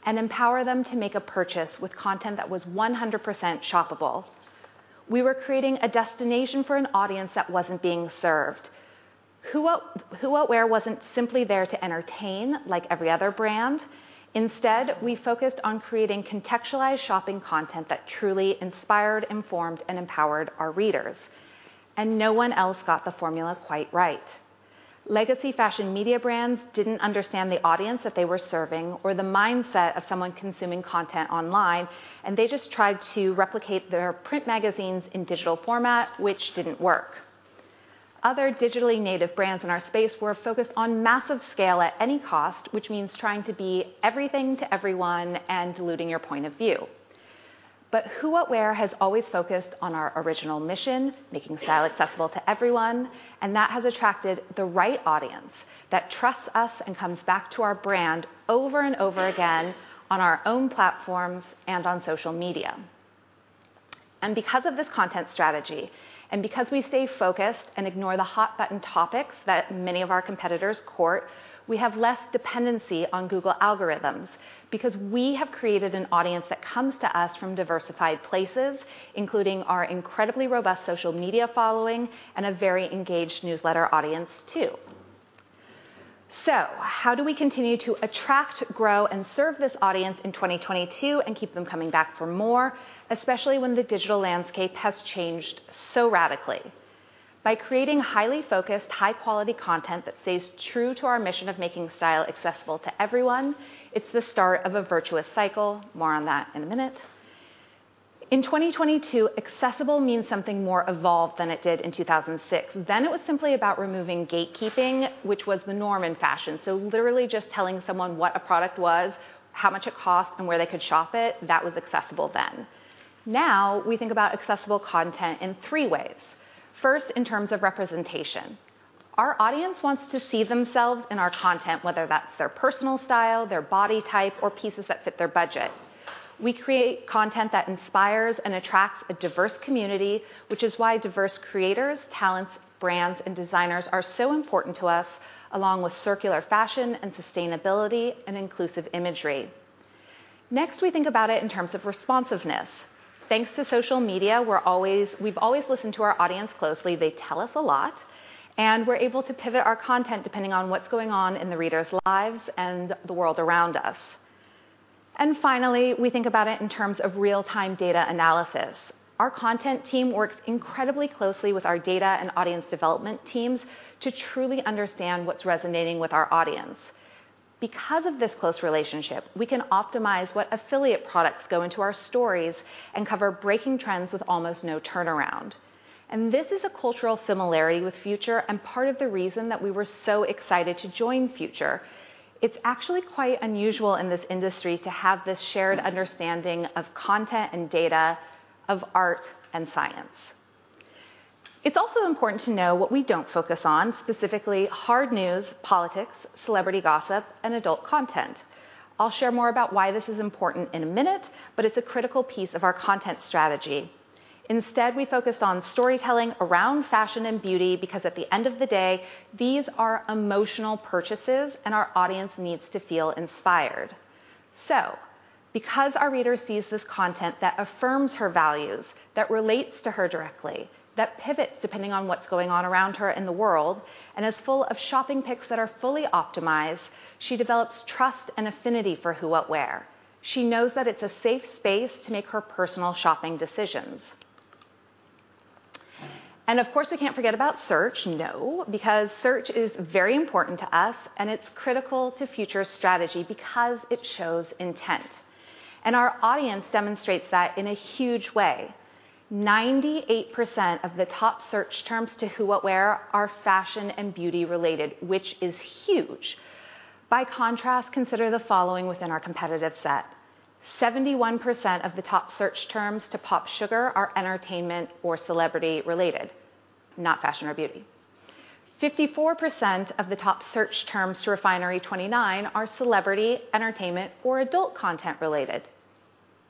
and empower them to make a purchase with content that was 100% shoppable. We were creating a destination for an audience that wasn't being served. Who What Wear wasn't simply there to entertain like every other brand. Instead, we focused on creating contextualized shopping content that truly inspired, informed, and empowered our readers. No one else got the formula quite right. Legacy fashion media brands didn't understand the audience that they were serving or the mindset of someone consuming content online, and they just tried to replicate their print magazines in digital format, which didn't work. Other digitally native brands in our space were focused on massive scale at any cost, which means trying to be everything to everyone and diluting your point of view. Who What Wear has always focused on our original mission, making style accessible to everyone, and that has attracted the right audience that trusts us and comes back to our brand over and over again on our own platforms and on social media. Because of this content strategy, and because we stay focused and ignore the hot button topics that many of our competitors court, we have less dependency on Google algorithms because we have created an audience that comes to us from diversified places, including our incredibly robust social media following and a very engaged newsletter audience too. How do we continue to attract, grow, and serve this audience in 2022 and keep them coming back for more, especially when the digital landscape has changed so radically? By creating highly focused, high-quality content that stays true to our mission of making style accessible to everyone, it's the start of a virtuous cycle. More on that in a minute. In 2022, accessible means something more evolved than it did in 2006. Then it was simply about removing gatekeeping, which was the norm in fashion. Literally just telling someone what a product was, how much it cost, and where they could shop it, that was accessible then. Now we think about accessible content in three ways. First, in terms of representation. Our audience wants to see themselves in our content, whether that's their personal style, their body type, or pieces that fit their budget. We create content that inspires and attracts a diverse community, which is why diverse creators, talents, brands, and designers are so important to us, along with circular fashion and sustainability and inclusive imagery. Next, we think about it in terms of responsiveness. Thanks to social media, we've always listened to our audience closely. They tell us a lot, and we're able to pivot our content depending on what's going on in the readers' lives and the world around us. Finally, we think about it in terms of real-time data analysis. Our content team works incredibly closely with our data and audience development teams to truly understand what's resonating with our audience. Because of this close relationship, we can optimize what affiliate products go into our stories and cover breaking trends with almost no turnaround. This is a cultural similarity with Future and part of the reason that we were so excited to join Future. It's actually quite unusual in this industry to have this shared understanding of content and data, of art and science. It's also important to know what we don't focus on, specifically hard news, politics, celebrity gossip, and adult content. I'll share more about why this is important in a minute, but it's a critical piece of our content strategy. Instead, we focus on storytelling around fashion and beauty, because at the end of the day, these are emotional purchases, and our audience needs to feel inspired. Because our reader sees this content that affirms her values, that relates to her directly, that pivots depending on what's going on around her in the world, and is full of shopping picks that are fully optimized, she develops trust and affinity for Who What Wear. She knows that it's a safe space to make her personal shopping decisions. Of course, we can't forget about search. No. Because search is very important to us, and it's critical to Future's strategy because it shows intent, and our audience demonstrates that in a huge way. 98% of the top search terms to Who What Wear are fashion and beauty related, which is huge. By contrast, consider the following within our competitive set. 71% of the top search terms to POPSUGAR are entertainment or celebrity related, not fashion or beauty. 54% of the top search terms to Refinery29 are celebrity, entertainment, or adult content related,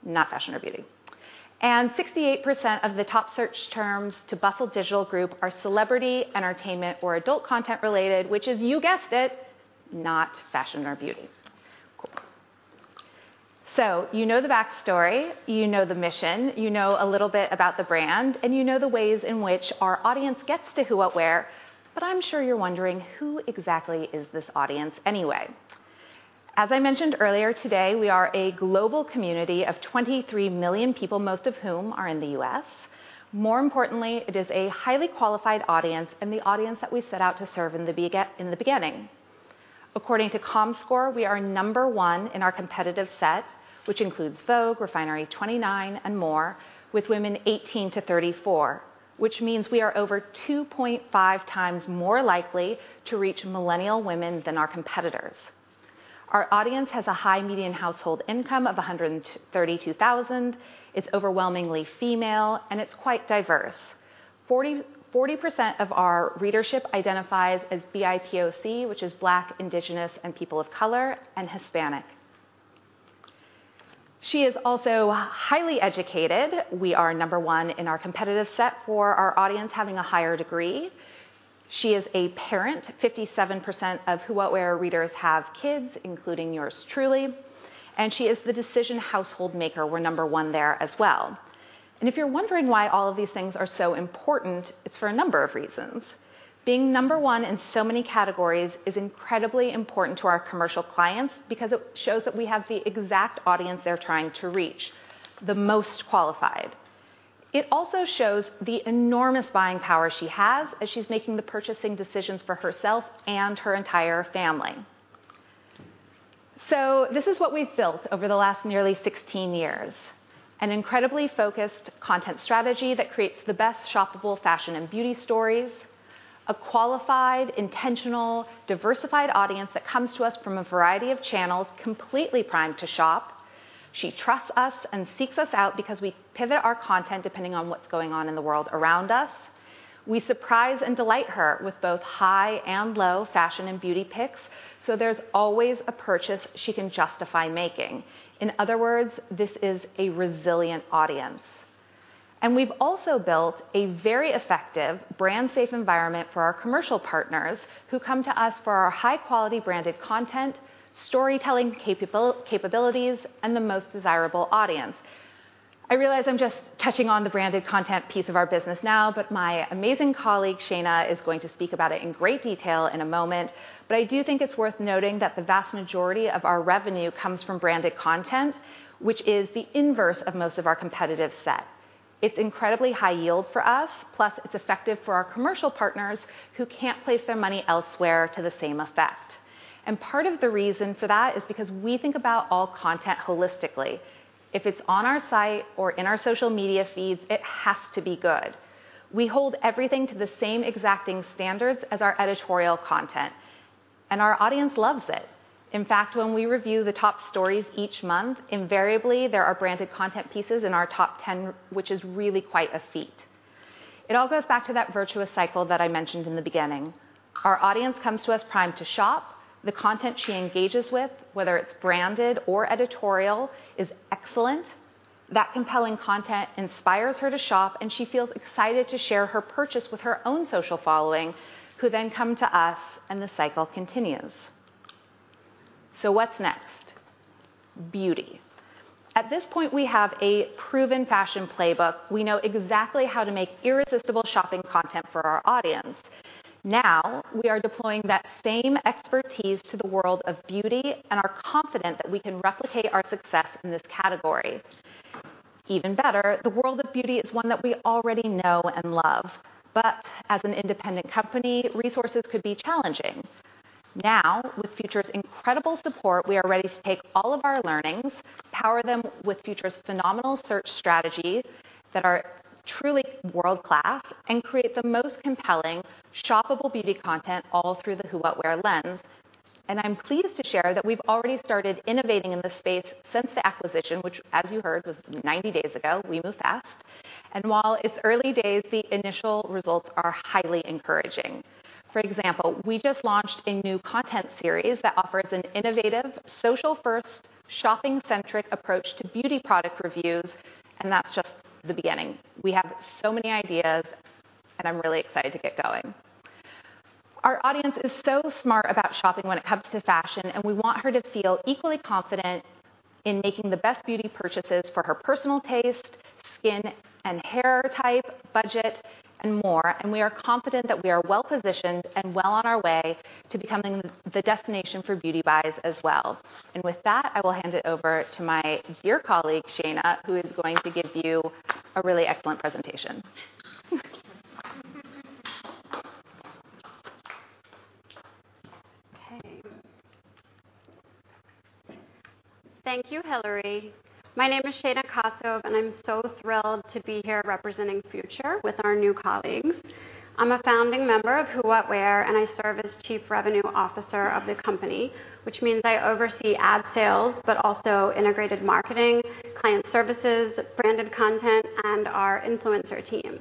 not fashion or beauty. 68% of the top search terms to Bustle Digital Group are celebrity, entertainment, or adult content related, which is, you guessed it, not fashion or beauty. You know the backstory, you know the mission, you know a little bit about the brand, and you know the ways in which our audience gets to Who What Wear, but I'm sure you're wondering who exactly is this audience anyway. As I mentioned earlier today, we are a global community of 23 million people, most of whom are in the U.S.. More importantly, it is a highly qualified audience and the audience that we set out to serve in the beginning. According to Comscore, we are number one in our competitive set, which includes Vogue, Refinery29, and more, with women 18-34, which means we are over 2.5x more likely to reach millennial women than our competitors. Our audience has a high median household income of $132,000. It's overwhelmingly female, and it's quite diverse. 40% of our readership identifies as BIPOC, which is Black, Indigenous, and people of color, and Hispanic. She is also highly educated. We are number one in our competitive set for our audience having a higher degree. She is a parent. 57% of Who What Wear readers have kids, including yours truly. She is the decision household maker. We're number one there as well. If you're wondering why all of these things are so important, it's for a number of reasons. Being number one in so many categories is incredibly important to our commercial clients because it shows that we have the exact audience they're trying to reach, the most qualified. It also shows the enormous buying power she has as she's making the purchasing decisions for herself and her entire family. This is what we've built over the last nearly 16 years, an incredibly focused content strategy that creates the best shoppable fashion and beauty stories, a qualified, intentional, diversified audience that comes to us from a variety of channels, completely primed to shop. She trusts us and seeks us out because we pivot our content depending on what's going on in the world around us. We surprise and delight her with both high and low fashion and beauty picks, so there's always a purchase she can justify making. In other words, this is a resilient audience. We've also built a very effective brand safe environment for our commercial partners who come to us for our high-quality branded content, storytelling capabilities, and the most desirable audience. I realize I'm just touching on the branded content piece of our business now, but my amazing colleague, Shayna, is going to speak about it in great detail in a moment. I do think it's worth noting that the vast majority of our revenue comes from branded content, which is the inverse of most of our competitive set. It's incredibly high yield for us, plus it's effective for our commercial partners who can't place their money elsewhere to the same effect. Part of the reason for that is because we think about all content holistically. If it's on our site or in our social media feeds, it has to be good. We hold everything to the same exacting standards as our editorial content, and our audience loves it. In fact, when we review the top stories each month, invariably there are branded content pieces in our top ten, which is really quite a feat. It all goes back to that virtuous cycle that I mentioned in the beginning. Our audience comes to us primed to shop. The content she engages with, whether it's branded or editorial, is excellent. That compelling content inspires her to shop, and she feels excited to share her purchase with her own social following, who then come to us, and the cycle continues. What's next? Beauty. At this point, we have a proven fashion playbook. We know exactly how to make irresistible shopping content for our audience. Now, we are deploying that same expertise to the world of beauty and are confident that we can replicate our success in this category. Even better, the world of beauty is one that we already know and love. But as an independent company, resources could be challenging. Now, with Future's incredible support, we are ready to take all of our learnings, power them with Future's phenomenal search strategies that are truly world-class, and create the most compelling, shoppable beauty content all through the Who What Wear lens. I'm pleased to share that we've already started innovating in this space since the acquisition, which as you heard, was 90 days ago. We move fast. While it's early days, the initial results are highly encouraging. For example, we just launched a new content series that offers an innovative, social-first, shopping-centric approach to beauty product reviews, and that's just the beginning. We have so many ideas, and I'm really excited to get going. Our audience is so smart about shopping when it comes to fashion, and we want her to feel equally confident in making the best beauty purchases for her personal taste, skin and hair type, budget, and more, and we are confident that we are well-positioned and well on our way to becoming the destination for beauty buys as well. With that, I will hand it over to my dear colleague, Shayna, who is going to give you a really excellent presentation. Okay. Thank you, Hilary. My name is Shayna Kossove, and I'm so thrilled to be here representing Future with our new colleagues. I'm a founding member of Who What Wear, and I serve as Chief Revenue Officer of the company, which means I oversee ad sales, but also integrated marketing, client services, branded content, and our influencer teams.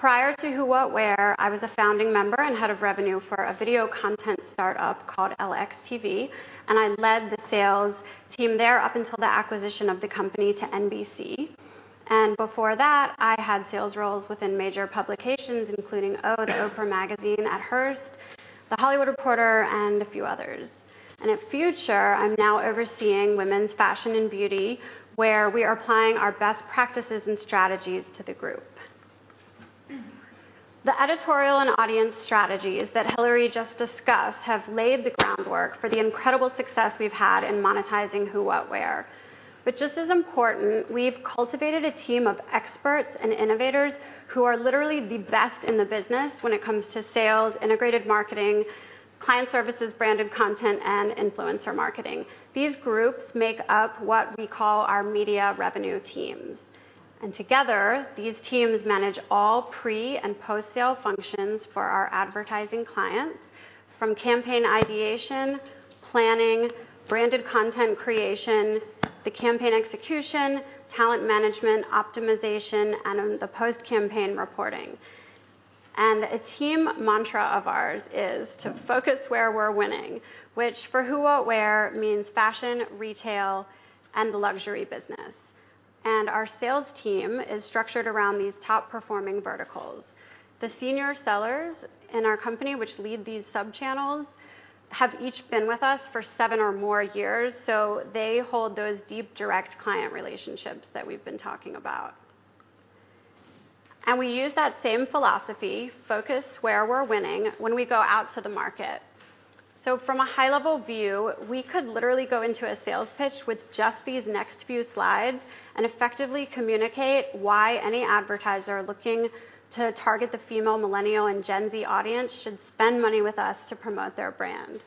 Prior to Who What Wear, I was a founding member and Head of Revenue for a video content startup called LXTV, and I led the sales team there up until the acquisition of the company to NBC. Before that, I had sales roles within major publications, including O, The Oprah Magazine at Hearst, The Hollywood Reporter, and a few others. At Future, I'm now overseeing women's fashion and beauty, where we are applying our best practices and strategies to the group. The editorial and audience strategies that Hilary just discussed have laid the groundwork for the incredible success we've had in monetizing Who What Wear. Just as important, we've cultivated a team of experts and innovators who are literally the best in the business when it comes to sales, integrated marketing, client services, branded content, and influencer marketing. These groups make up what we call our media revenue teams. Together, these teams manage all pre- and post-sale functions for our advertising clients, from campaign ideation, planning, branded content creation, the campaign execution, talent management, optimization, and the post-campaign reporting. A team mantra of ours is to focus where we're winning, which for Who What Wear means fashion, retail, and the luxury business. Our sales team is structured around these top-performing verticals. The senior sellers in our company, which lead these sub-channels, have each been with us for seven or more years, so they hold those deep direct client relationships that we've been talking about. We use that same philosophy, focus where we're winning, when we go out to the market. From a high-level view, we could literally go into a sales pitch with just these next few slides and effectively communicate why any advertiser looking to target the female millennial and Gen Z audience should spend money with us to promote their brand.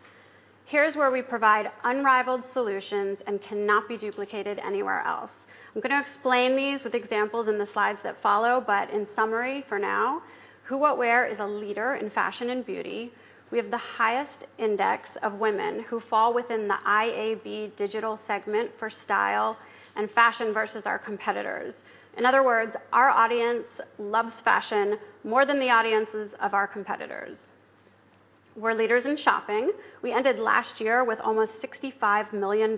Here's where we provide unrivaled solutions and cannot be duplicated anywhere else. I'm gonna explain these with examples in the slides that follow, but in summary for now, Who What Wear is a leader in fashion and beauty. We have the highest index of women who fall within the IAB digital segment for style and fashion versus our competitors. In other words, our audience loves fashion more than the audiences of our competitors. We're leaders in shopping. We ended last year with almost $65 million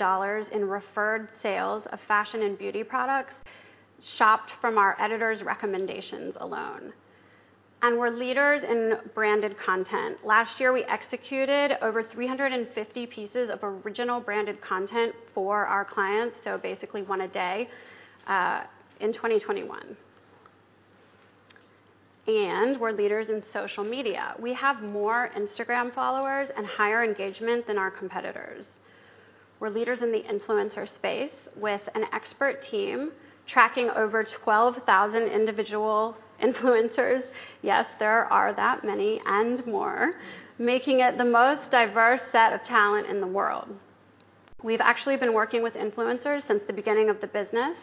in referred sales of fashion and beauty products shopped from our editors' recommendations alone. We're leaders in branded content. Last year, we executed over 350 pieces of original branded content for our clients, so basically one a day in 2021. We're leaders in social media. We have more Instagram followers and higher engagement than our competitors. We're leaders in the influencer space with an expert team tracking over 12,000 individual influencers, yes, there are that many and more, making it the most diverse set of talent in the world. We've actually been working with influencers since the beginning of the business,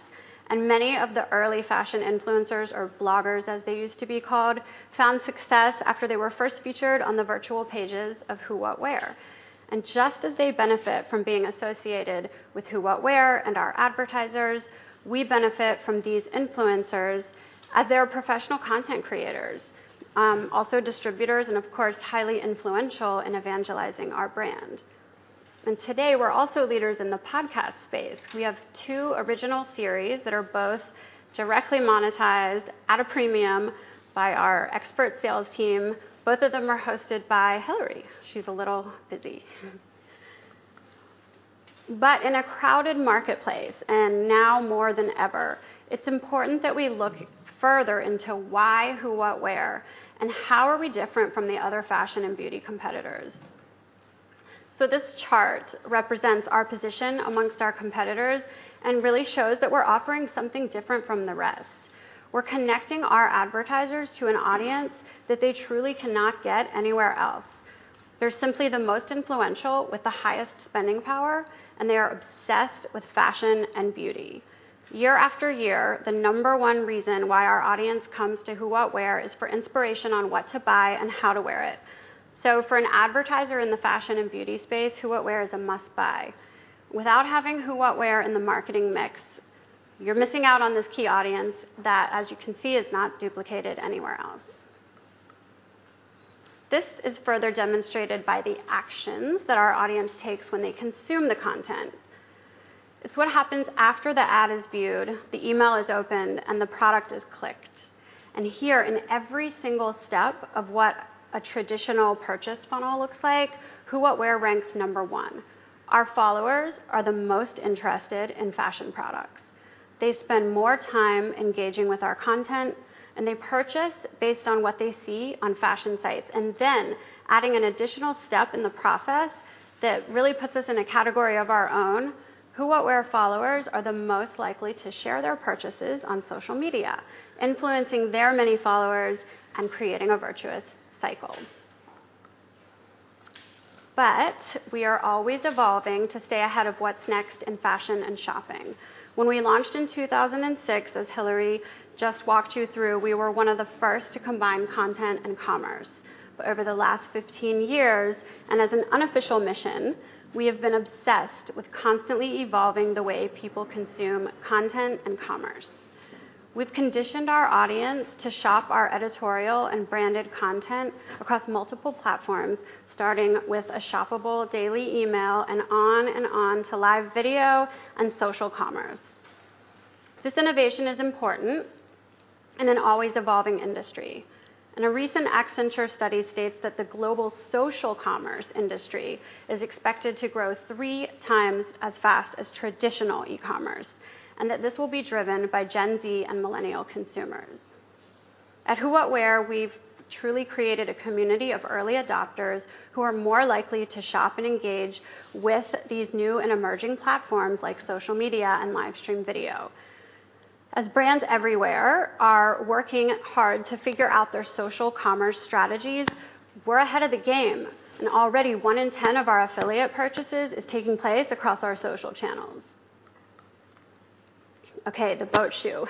and many of the early fashion influencers or bloggers, as they used to be called, found success after they were first featured on the virtual pages of Who What Wear. Just as they benefit from being associated with Who What Wear and our advertisers, we benefit from these influencers as they are professional content creators, also distributors, and of course, highly influential in evangelizing our brand. Today, we're also leaders in the podcast space. We have two original series that are both directly monetized at a premium by our expert sales team. Both of them are hosted by Hilary. She's a little busy. In a crowded marketplace, and now more than ever, it's important that we look further into why Who What Wear and how are we different from the other fashion and beauty competitors. This chart represents our position among our competitors and really shows that we're offering something different from the rest. We're connecting our advertisers to an audience that they truly cannot get anywhere else. They're simply the most influential with the highest spending power, and they are obsessed with fashion and beauty. Year after year, the number one reason why our audience comes to Who What Wear is for inspiration on what to buy and how to wear it. For an advertiser in the fashion and beauty space, Who What Wear is a must-buy. Without having Who What Wear in the marketing mix, you're missing out on this key audience that, as you can see, is not duplicated anywhere else. This is further demonstrated by the actions that our audience takes when they consume the content. It's what happens after the ad is viewed, the email is opened, and the product is clicked. Here in every single step of what a traditional purchase funnel looks like, Who What Wear ranks number one. Our followers are the most interested in fashion products. They spend more time engaging with our content, and they purchase based on what they see on fashion sites. Adding an additional step in the process that really puts us in a category of our own, Who What Wear followers are the most likely to share their purchases on social media, influencing their many followers and creating a virtuous cycle. We are always evolving to stay ahead of what's next in fashion and shopping. When we launched in 2006, as Hilary just walked you through, we were one of the first to combine content and commerce. Over the last 15 years, and as an unofficial mission, we have been obsessed with constantly evolving the way people consume content and commerce. We've conditioned our audience to shop our editorial and branded content across multiple platforms, starting with a shoppable daily email and on and on to live video and social commerce. This innovation is important in an always evolving industry. A recent Accenture study states that the global social commerce industry is expected to grow 3x as fast as traditional e-commerce, and that this will be driven by Gen Z and millennial consumers. At Who What Wear, we've truly created a community of early adopters who are more likely to shop and engage with these new and emerging platforms like social media and live stream video. As brands everywhere are working hard to figure out their social commerce strategies, we're ahead of the game, and already 1 in 10 of our affiliate purchases is taking place across our social channels. Okay, the boat shoe.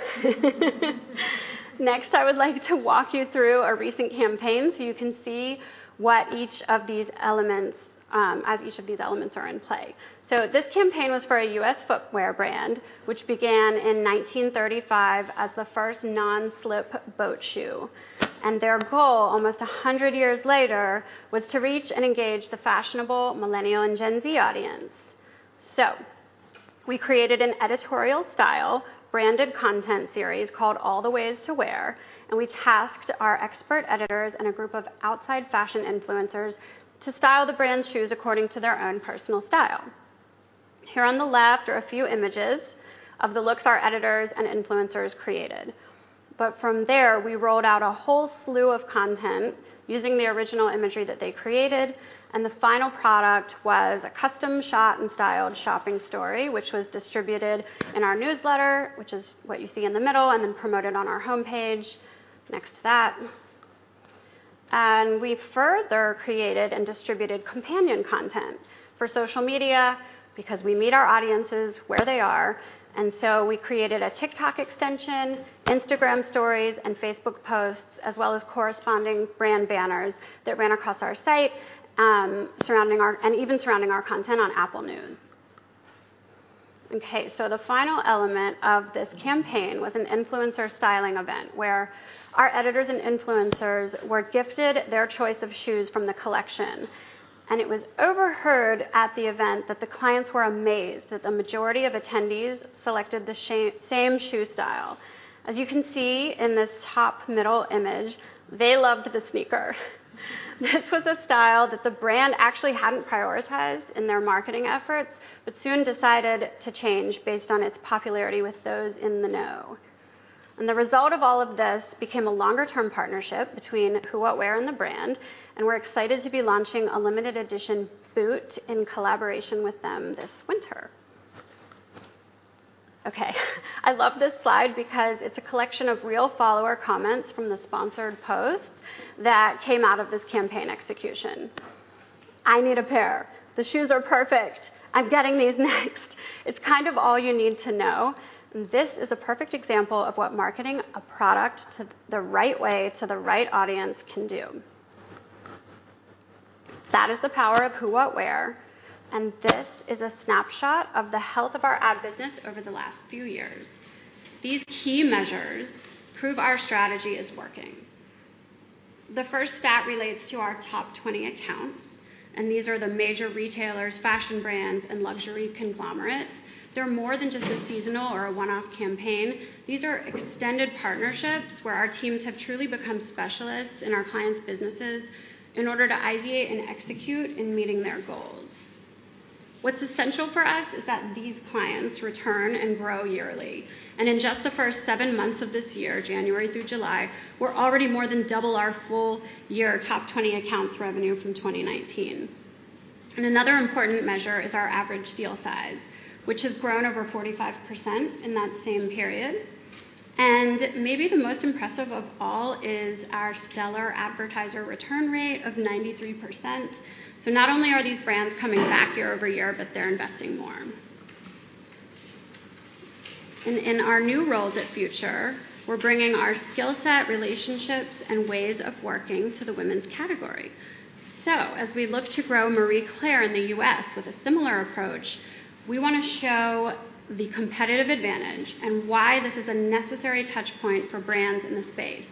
Next, I would like to walk you through a recent campaign so you can see what each of these elements as each of these elements are in play. This campaign was for a US footwear brand, which began in 1935 as the first non-slip boat shoe. Their goal, almost 100 years later, was to reach and engage the fashionable millennial and Gen Z audience. We created an editorial style branded content series called All The Ways to Wear, and we tasked our expert editors and a group of outside fashion influencers to style the brand's shoes according to their own personal style. Here on the left are a few images of the looks our editors and influencers created. From there, we rolled out a whole slew of content using the original imagery that they created, and the final product was a custom shot and styled shopping story, which was distributed in our newsletter, which is what you see in the middle, and then promoted on our homepage next to that. We further created and distributed companion content for social media because we meet our audiences where they are. We created a TikTok extension, Instagram stories, and Facebook posts, as well as corresponding brand banners that ran across our site, surrounding our content on Apple News. The final element of this campaign was an influencer styling event where our editors and influencers were gifted their choice of shoes from the collection. It was overheard at the event that the clients were amazed that the majority of attendees selected the same shoe style. As you can see in this top middle image, they loved the sneaker. This was a style that the brand actually hadn't prioritized in their marketing efforts, but soon decided to change based on its popularity with those in the know. The result of all of this became a longer-term partnership between Who What Wear and the brand, and we're excited to be launching a limited edition boot in collaboration with them this winter. Okay. I love this slide because it's a collection of real follower comments from the sponsored post that came out of this campaign execution. I need a pair. The shoes are perfect. I'm getting these next. It's kind of all you need to know. This is a perfect example of what marketing a product the right way to the right audience can do. That is the power of Who What Wear, and this is a snapshot of the health of our ad business over the last few years. These key measures prove our strategy is working. The first stat relates to our top 20 accounts, and these are the major retailers, fashion brands, and luxury conglomerates. They're more than just a seasonal or a one-off campaign. These are extended partnerships where our teams have truly become specialists in our clients' businesses in order to ideate and execute in meeting their goals. What's essential for us is that these clients return and grow yearly. In just the first seven months of this year, January through July, we're already more than double our full year top 20 accounts revenue from 2019. Another important measure is our average deal size, which has grown over 45% in that same period. Maybe the most impressive of all is our stellar advertiser return rate of 93%. Not only are these brands coming back year-over-year, but they're investing more. In our new roles at Future, we're bringing our skill set, relationships, and ways of working to the women's category. As we look to grow Marie Claire in the U.S. with a similar approach, we wanna show the competitive advantage and why this is a necessary touch point for brands in the space.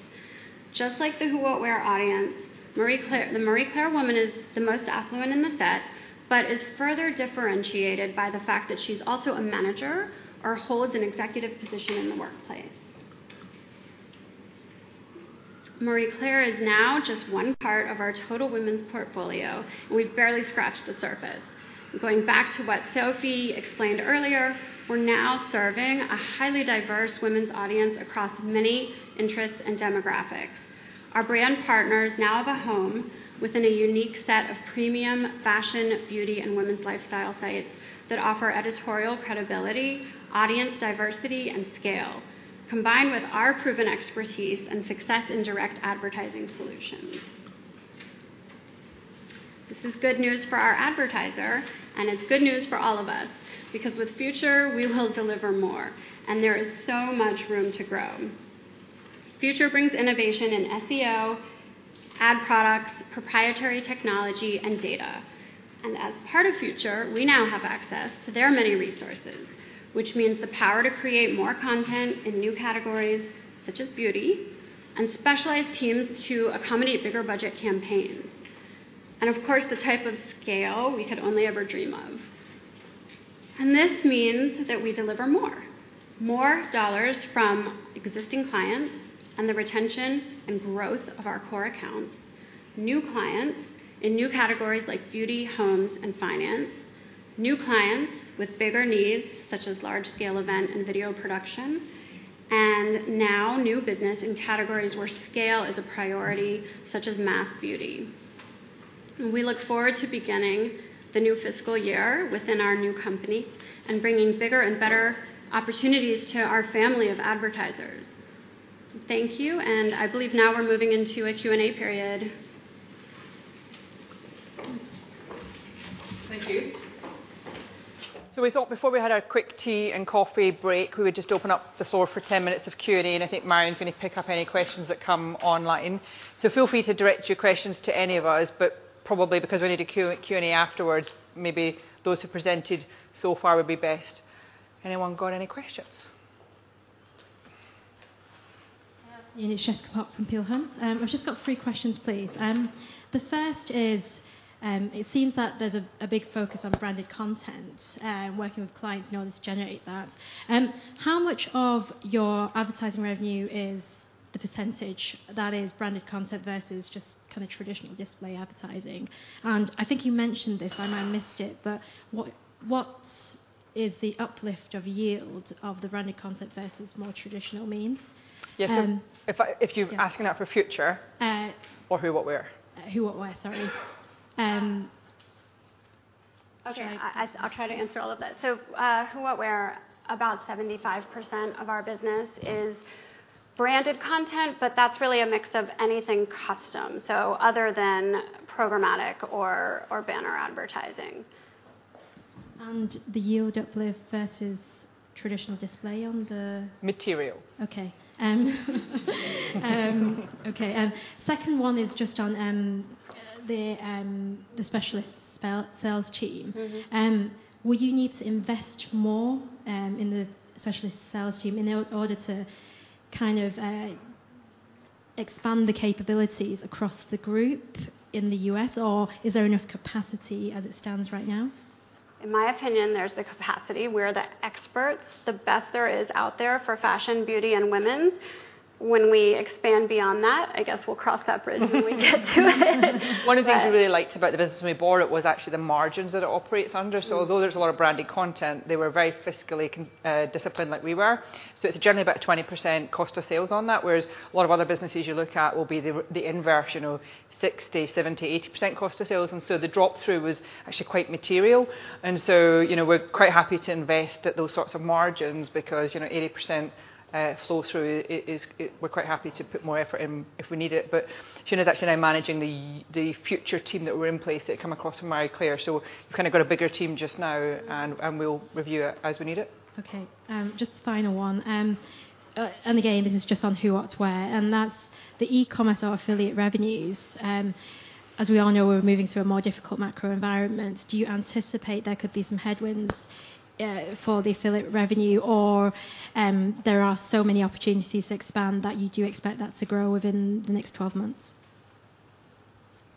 Just like the Who What Wear audience, Marie Claire, the Marie Claire woman is the most affluent in the set, but is further differentiated by the fact that she's also a manager or holds an executive position in the workplace. Marie Claire is now just one part of our total women's portfolio. We've barely scratched the surface. Going back to what Sophie explained earlier, we're now serving a highly diverse women's audience across many interests and demographics. Our brand partners now have a home within a unique set of premium fashion, beauty, and women's lifestyle sites that offer editorial credibility, audience diversity, and scale, combined with our proven expertise and success in direct advertising solutions. This is good news for our advertiser, and it's good news for all of us because with Future we will deliver more, and there is so much room to grow. Future brings innovation in SEO, ad products, proprietary technology, and data. As part of Future, we now have access to their many resources, which means the power to create more content in new categories such as beauty and specialized teams to accommodate bigger budget campaigns and of course, the type of scale we could only ever dream of. This means that we deliver more. More dollars from existing clients and the retention and growth of our core accounts. New clients in new categories like beauty, homes, and finance. New clients with bigger needs such as large scale event and video production, and now new business in categories where scale is a priority, such as mass beauty. We look forward to beginning the new fiscal year within our new company and bringing bigger and better opportunities to our family of advertisers. Thank you, and I believe now we're moving into a Q&A period. Thank you. We thought before we had our quick tea and coffee break, we would just open up the floor for 10 minutes of Q&A, and I think Marion's gonna pick up any questions that come online. Feel free to direct your questions to any of us, but probably because we need a Q&A afterwards, maybe those who presented so far would be best. Anyone got any questions? Nina Sheikh from Peel Hunt. I've just got three questions, please. The first is, it seems that there's a big focus on branded content and working with clients in order to generate that. How much of your advertising revenue is the percentage that is branded content versus just kinda traditional display advertising? I think you mentioned this, and I missed it, but what is the uplift of yield of the branded content versus more traditional means? Yeah. If you're asking that for Future- Uh- Who What Wear? Who What Wear, sorry. I'll try to answer all of that. Who What Wear, about 75% of our business is branded content, but that's really a mix of anything custom other than programmatic or banner advertising. The yield uplift versus traditional display on the Material. Second one is just on the specialist sales team. Mm-hmm. Will you need to invest more in the specialist sales team in order to expand the capabilities across the group in the U.S., or is there enough capacity as it stands right now? In my opinion, there's the capacity. We're the experts, the best there is out there for fashion, beauty, and women. When we expand beyond that, I guess we'll cross that bridge when we get to it. One of the things we really liked about the business when we bought it was actually the margins that it operates under. Although there's a lot of branded content, they were very fiscally disciplined like we were. It's generally about 20% cost of sales on that, whereas a lot of other businesses you look at will be the inversion of 60%, 70%, 80% cost of sales, and the drop-through was actually quite material. You know, we're quite happy to invest at those sorts of margins because, you know, 80% flow through is. We're quite happy to put more effort in if we need it. Shayna's actually now managing the Future team that were in place that come across from Marie Claire, so we've kind of got a bigger team just now, and we'll review it as we need it. Okay. Just the final one. Again, this is just on Who What Wear, and that's the e-commerce or affiliate revenues. As we all know, we're moving through a more difficult macro environment. Do you anticipate there could be some headwinds for the affiliate revenue? There are so many opportunities to expand that you do expect that to grow within the next 12 months?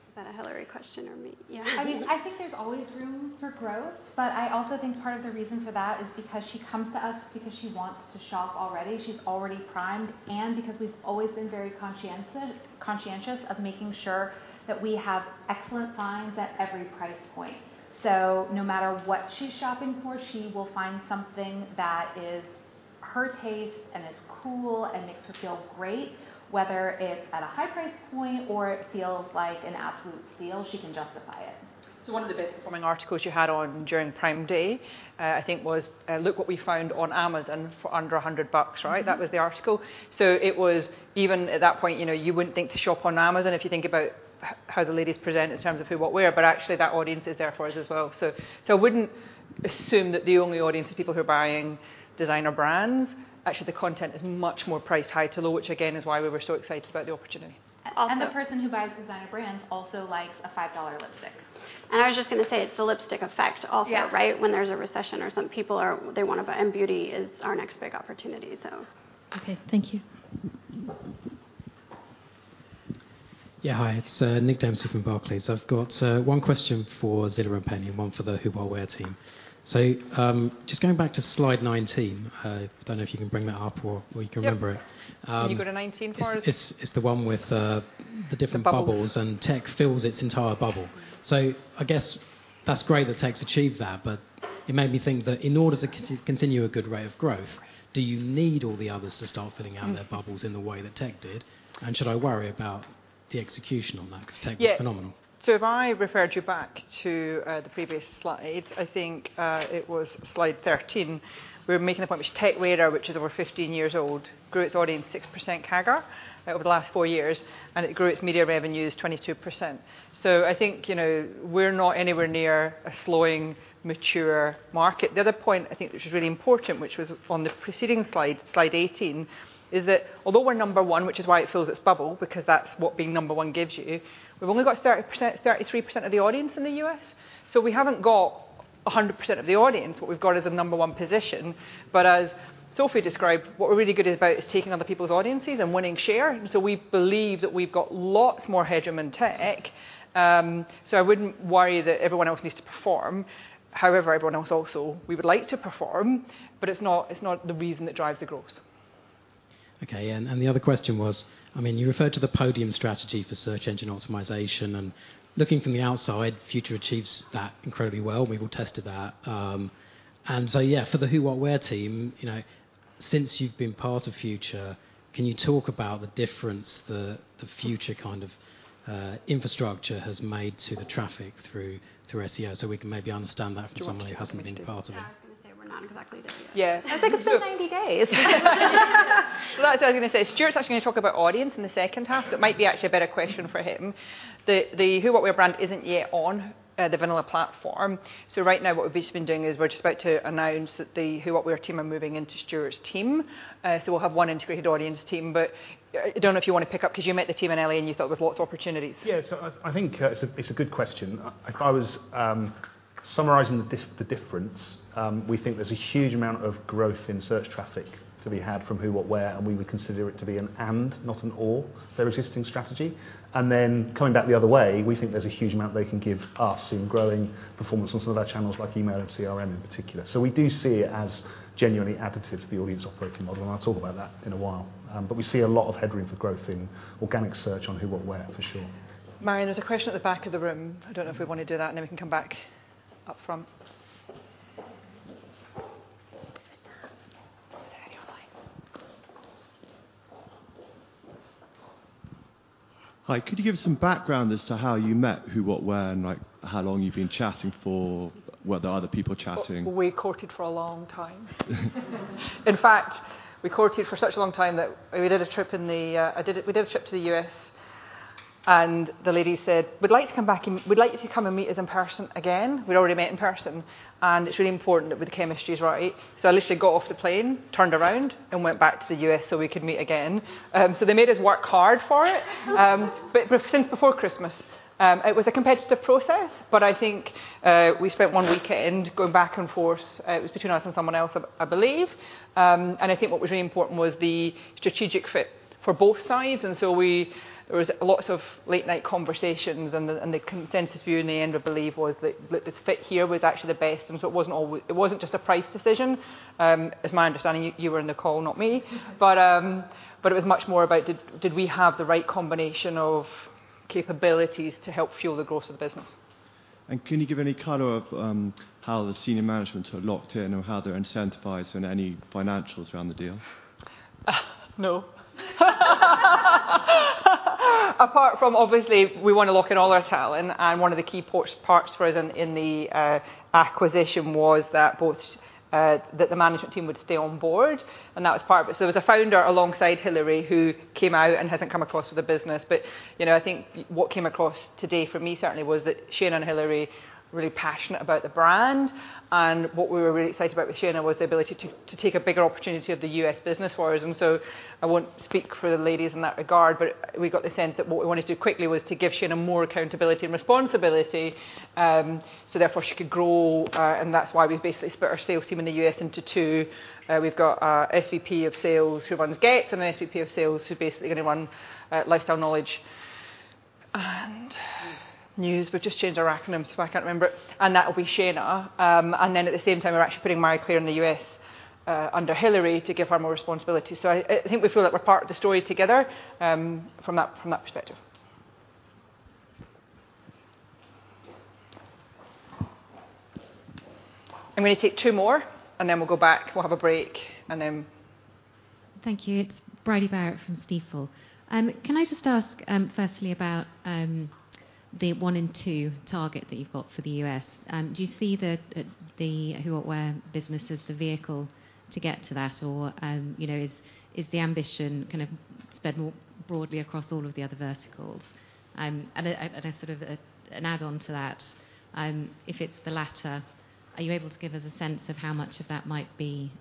Is that a Hilary question or me? Yeah. I mean, I think there's always room for growth, but I also think part of the reason for that is because she comes to us because she wants to shop already. She's already primed, and because we've always been very conscientious of making sure that we have excellent finds at every price point. So no matter what she's shopping for, she will find something that is her taste, and it's cool and makes her feel great. Whether it's at a high price point or it feels like an absolute steal, she can justify it. One of the best performing articles you had on during Prime Day, I think was, "Look what we found on Amazon for under $100," right? Mm-hmm. That was the article. Even at that point, you know, you wouldn't think to shop on Amazon if you think about how the ladies present in terms of Who What Wear, but actually that audience is there for us as well. I wouldn't assume that the only audience is people who are buying designer brands. Actually, the content is much more priced high to low, which again, is why we were so excited about the opportunity. Also- The person who buys designer brands also likes a $5 lipstick. I was just gonna say, it's the lipstick effect also. Yeah. Right? When there's a recession or some people are. Beauty is our next big opportunity, so. Okay. Thank you. Yeah. Hi. It's Nick Dempsey from Barclays. I've got one question for Zillah Byng-Thorne and Penny Ladkin-Brand and one for the Who What Wear team. Just going back to slide 19. Don't know if you can bring that up or you can remember it. Yep. Can you go to 19 for us? It's the one with the different bubbles. The bubbles. Tech fills its entire bubble. I guess that's great that Tech's achieved that, but it made me think that in order to continue a good rate of growth, do you need all the others to start filling out their bubbles in the way that Tech did? Should I worry about the execution on that? Yeah. 'Cause Tech was phenomenal. If I referred you back to the previous slide, I think it was slide 13, we were making a point which TechRadar, which is over 15 years old, grew its audience 6% CAGR over the last four years, and it grew its media revenues 22%. I think, you know, we're not anywhere near a slowing, mature market. The other point I think which is really important, which was on the preceding slide 18, is that although we're number one, which is why it fills its bubble, because that's what being number one gives you, we've only got 30%, 33% of the audience in the U.S. We haven't got 100% of the audience. What we've got is a number one position. As Sophie described, what we're really good about is taking other people's audiences and winning share. We believe that we've got lots more headroom in Tech. I wouldn't worry that everyone else needs to perform. However, everyone else also, we would like to perform, but it's not the reason that drives the growth. Okay. The other question was, I mean, you referred to the podium strategy for search engine optimization, and looking from the outside, Future achieves that incredibly well. We all tested that. For the Who What Wear team, you know, since you've been part of Future, can you talk about the difference the Future kind of infrastructure has made to the traffic through SEO, so we can maybe understand that from somebody who hasn't been part of it? Stuart should answer. Yeah, I was gonna say we're not exactly there yet. Yeah. It's like it's been 90 days. Well, that's what I was gonna say. Stuart's actually gonna talk about audience in the second half, so it might be actually a better question for him. The Who What Wear brand isn't yet on the Vanilla platform. Right now what we've actually been doing is we're just about to announce that the Who What Wear team are moving into Stuart's team. We'll have one integrated audience team. I don't know if you wanna pick up, 'cause you met the team in LA and you thought there was lots of opportunities. Yeah. I think it's a good question. If I was summarizing the difference, we think there's a huge amount of growth in search traffic to be had from Who What Wear, and we would consider it to be an and, not an or to their existing strategy. Then coming back the other way, we think there's a huge amount they can give us in growing performance on some of our channels like email and CRM in particular. We do see it as genuinely additive to the audience operating model, and I'll talk about that in a while. We see a lot of headroom for growth in organic search on Who What Wear, for sure. Marion, there's a question at the back of the room. I don't know if we wanna do that, and then we can come back up front. Hi. Could you give some background as to how you met Who What Wear and, like, how long you've been chatting for, were there other people chatting? We courted for a long time. In fact, we courted for such a long time that we did a trip to the U.S. and the lady said, "We'd like to come back and we'd like you to come and meet us in person again." We'd already met in person. "And it's really important that the chemistry's right." I literally got off the plane, turned around, and went back to the U.S. so we could meet again. They made us work hard for it. But since before Christmas. It was a competitive process, but I think we spent one weekend going back and forth. It was between us and someone else, I believe. I think what was really important was the strategic fit for both sides. There was lots of late night conversations and the consensus view in the end, I believe, was that the fit here was actually the best, and so it wasn't just a price decision. It's my understanding you were in the call, not me It was much more about did we have the right combination of capabilities to help fuel the growth of the business. Can you give any color on how the senior management are locked in or how they're incentivized in any financials around the deal? No. Apart from obviously we wanna lock in all our talent, and one of the key parts for us in the acquisition was that both that the management team would stay on board, and that was part of it. There was a founder alongside Hilary who came out and hasn't come across with the business. You know, I think what came across today for me certainly was that Shayna and Hilary are really passionate about the brand. What we were really excited about with Shayna was the ability to take a bigger opportunity of the U.S. business for us. I won't speak for the ladies in that regard, but we got the sense that what we wanted to do quickly was to give Shayna Kossove more accountability and responsibility, so therefore she could grow, and that's why we've basically split our sales team in the U.S. into two. We've got our SVP of sales who runs Games and an SVP of sales who's basically gonna run Lifestyle Knowledge and News. We've just changed our acronyms, so I can't remember it. That will be Shayna Kossove. And then at the same time, we're actually putting Marie Claire in the U.S. under Hilary Kerr to give her more responsibility. I think we feel like we're part of the story together from that perspective. I'm gonna take two more and then we'll go back. We'll have a break and then. Thank you. It's Bridie Barrett from Stifel. Can I just ask, firstly about, the one and two target that you've got for the U.S.? Do you see the Who What Wear business as the vehicle to get to that? Or, you know, is the ambition kind of spread more broadly across all of the other verticals? And a sort of an add-on to that, if it's the latter, are you able to give us a sense of how much of that might be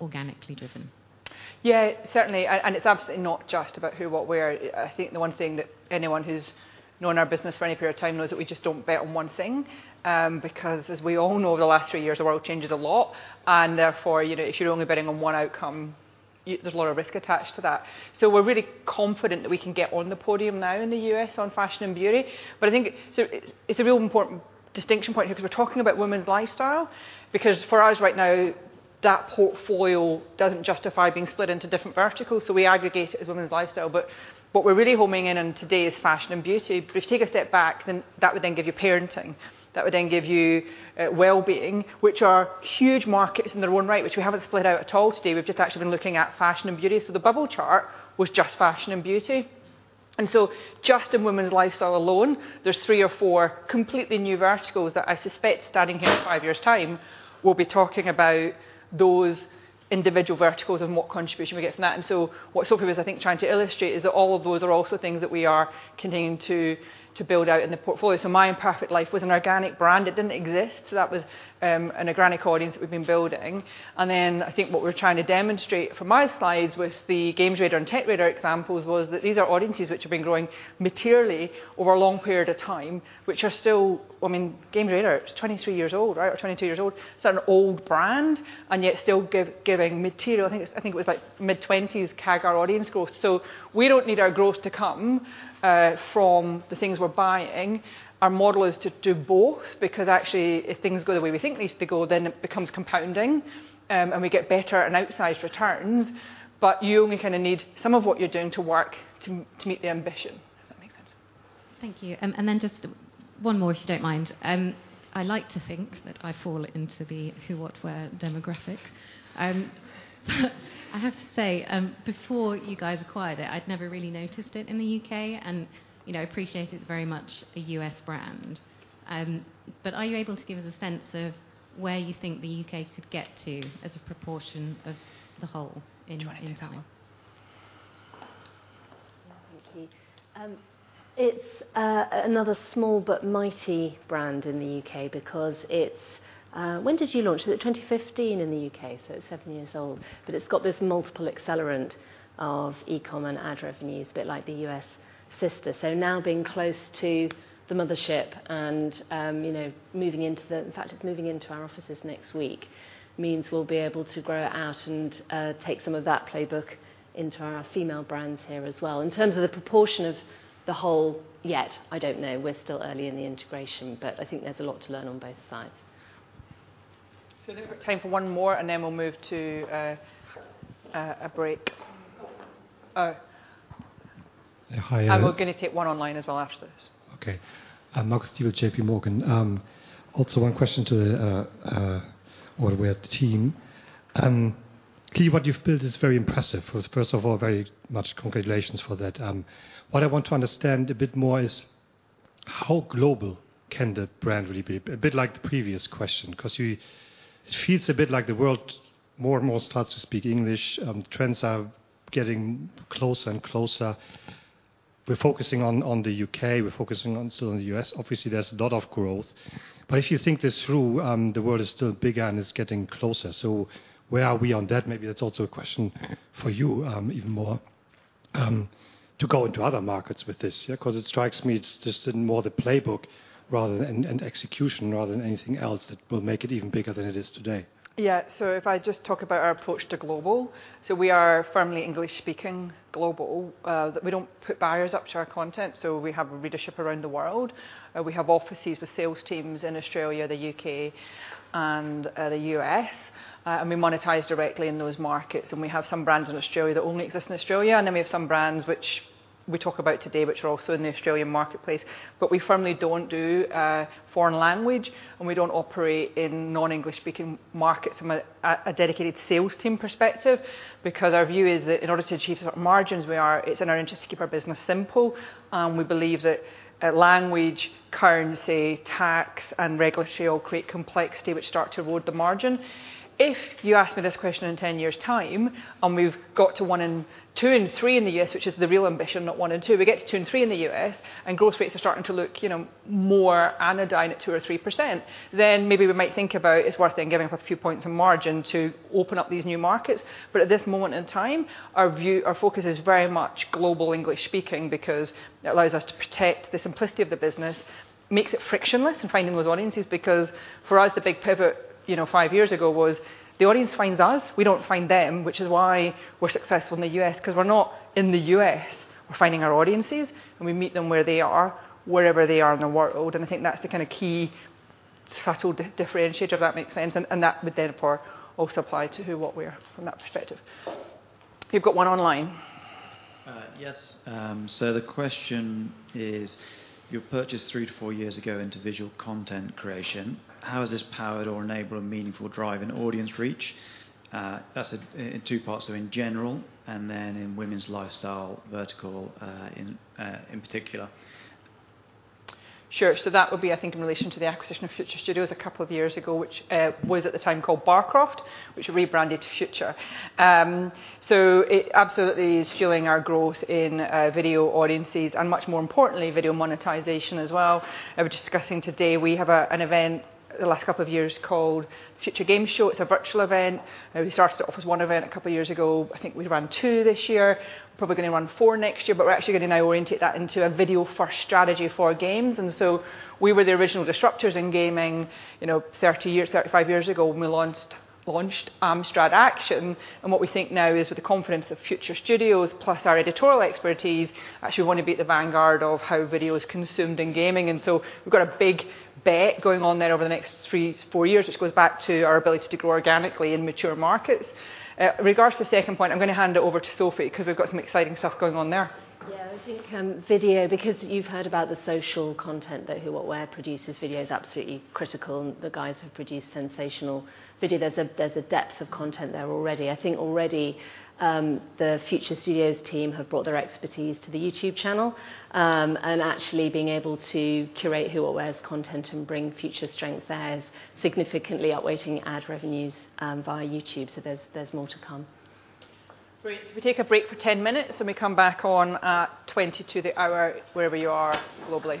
organically driven? Yeah, certainly, and it's absolutely not just about Who What Wear. I think the one thing that anyone who's known our business for any period of time knows that we just don't bet on one thing. Because as we all know, over the last three years, the world changes a lot and therefore, you know, if you're only betting on one outcome, there's a lot of risk attached to that. We're really confident that we can get on the podium now in the U.S. on fashion and beauty. I think it's a real important distinction point here 'cause we're talking about women's lifestyle, because for us right now, that portfolio doesn't justify being split into different verticals. We aggregate it as women's lifestyle. What we're really homing in on today is fashion and beauty. If you take a step back, that would give you parenting, that would give you well-being, which are huge markets in their own right, which we haven't split out at all today. We've just actually been looking at fashion and beauty. The bubble chart was just fashion and beauty. Just in women's lifestyle alone, there's three or four completely new verticals that I suspect standing here in five years' time, we'll be talking about those individual verticals and what contribution we get from that. What Sophie was, I think, trying to illustrate is that all of those are also things that we are continuing to build out in the portfolio. My Imperfect Life was an organic brand. It didn't exist. That was an organic audience that we've been building. I think what we're trying to demonstrate from my slides with the GamesRadar+ and TechRadar examples was that these are audiences which have been growing materially over a long period of time, which are still. I mean, GamesRadar+ is 23 years old, right? Or 22 years old. It's an old brand and yet still giving material. I think it was like mid-20s CAGR audience growth. We don't need our growth to come from the things we're buying. Our model is to do both because actually if things go the way we think needs to go, then it becomes compounding, and we get better and outsized returns. You only kinda need some of what you're doing to work to meet the ambition, if that makes sense. Thank you. Just one more, if you don't mind. I like to think that I fall into the Who What Wear demographic. I have to say, before you guys acquired it, I'd never really noticed it in the U.K. and, you know, appreciate it's very much a US brand. Are you able to give us a sense of where you think the U.K. could get to as a proportion of the whole in time? Do you wanna take that one? Thank you. It's another small but mighty brand in the U.K. because it's. When did you launch? Was it 2015 in the U.K.? It's seven years old, but it's got this multiple accelerant of e-commerce and ad revenues, a bit like the US sister. Now being close to the mothership and, you know, In fact, it's moving into our offices next week, means we'll be able to grow it out and, take some of that playbook into our female brands here as well. In terms of the proportion of the whole, yet I don't know. We're still early in the integration, but I think there's a lot to learn on both sides. I think we've got time for one more, and then we'll move to a break. Oh. Hi. We're gonna take one online as well after this. Okay. I'm Marcus Dyer with JPMorgan. Also one question to the Who What Wear team. Clearly what you've built is very impressive. First of all, very much congratulations for that. What I want to understand a bit more is how global can the brand really be? A bit like the previous question, 'cause you. It feels a bit like the world more and more starts to speak English, trends are getting closer and closer. We're focusing on the U.K., we're focusing on still in the U.S. Obviously, there's a lot of growth. If you think this through, the world is still bigger and it's getting closer. Where are we on that? Maybe that's also a question for you, even more, to go into other markets with this. Yeah, 'cause it strikes me it's just more in the playbook rather than execution rather than anything else that will make it even bigger than it is today. Yeah. If I just talk about our approach to global. We are firmly English-speaking global, that we don't put barriers up to our content. We have a readership around the world. We have offices with sales teams in Australia, the U.K., and the U.S.. We monetize directly in those markets, and we have some brands in Australia that only exist in Australia, and then we have some brands which we talk about today, which are also in the Australian marketplace. We firmly don't do foreign language, and we don't operate in non-English speaking markets from a dedicated sales team perspective, because our view is that in order to achieve certain margins, it's in our interest to keep our business simple. We believe that language, currency, tax, and regulatory all create complexity which start to erode the margin. If you ask me this question in 10 years' time, and we've got to one and two and three in the U.S., which is the real ambition, not one and two. We get to two and three in the U.S. And growth rates are starting to look, you know, more anodyne at 2% or 3%, then maybe we might think about it's worth then giving up a few points of margin to open up these new markets. But at this moment in time, our view, our focus is very much global English speaking because it allows us to protect the simplicity of the business, makes it frictionless in finding those audiences. Because for us, the big pivot, you know, five years ago was the audience finds us, we don't find them, which is why we're successful in the U.S. 'cause we're not in the U.S.. We're finding our audiences, and we meet them where they are, wherever they are in the world, and I think that's the kinda key subtle differentiator, if that makes sense. That would therefore also apply to Who What Wear from that perspective. You've got one online. The question is, your purchase 3-4 years ago into visual content creation, how has this powered or enabled a meaningful drive in audience reach? That's in two parts, so in general, and then in women's lifestyle vertical, in particular. Sure. That would be, I think, in relation to the acquisition of Future Studios a couple of years ago, which was at the time called Barcroft, which rebranded to Future Studios. It absolutely is fueling our growth in video audiences and much more importantly, video monetization as well. We were just discussing today, we have an event the last couple of years called Future Games Show. It's a virtual event. We started it off as one event a couple of years ago. I think we ran two this year. Probably gonna run four next year, but we're actually gonna now orientate that into a video-first strategy for our games. We were the original disruptors in gaming, you know, 30 years, 35 years ago when we launched Amstrad Action. What we think now is with the confidence of Future Studios plus our editorial expertise, actually wanna be at the vanguard of how video is consumed in gaming. We've got a big bet going on there over the next 3-4 years, which goes back to our ability to grow organically in mature markets. Regards to the second point, I'm gonna hand it over to Sophie 'cause we've got some exciting stuff going on there. Yeah. I think video, because you've heard about the social content that Who What Wear produces, video is absolutely critical, and the guys have produced sensational video. There's a depth of content there already. I think already, the Future Studios team have brought their expertise to the YouTube channel. And actually being able to curate Who What Wear's content and bring Future's strength there has significantly outweighing ad revenues via YouTube, so there's more to come. Great. We take a break for 10 minutes, and we come back on at 20 to the hour wherever you are globally.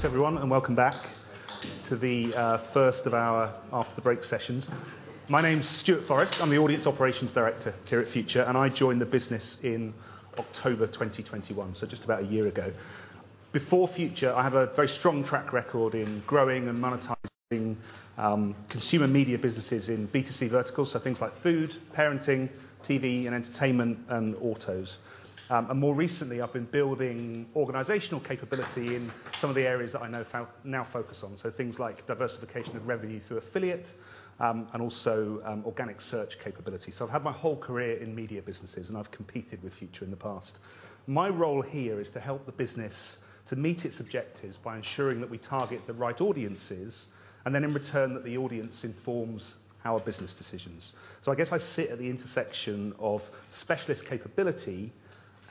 Thanks everyone, and welcome back to the first of our after the break sessions. My name's Stuart Forrest. I'm the audience operations director here at Future, and I joined the business in October 2021, so just about a year ago. Before Future, I have a very strong track record in growing and monetizing consumer media businesses in B2C verticals, so things like food, parenting, TV, and entertainment, and autos. And more recently, I've been building organizational capability in some of the areas that I now focus on. Things like diversification of revenue through affiliate and also organic search capability. I've had my whole career in media businesses, and I've competed with Future in the past. My role here is to help the business to meet its objectives by ensuring that we target the right audiences, and then in return, that the audience informs our business decisions. I guess I sit at the intersection of specialist capability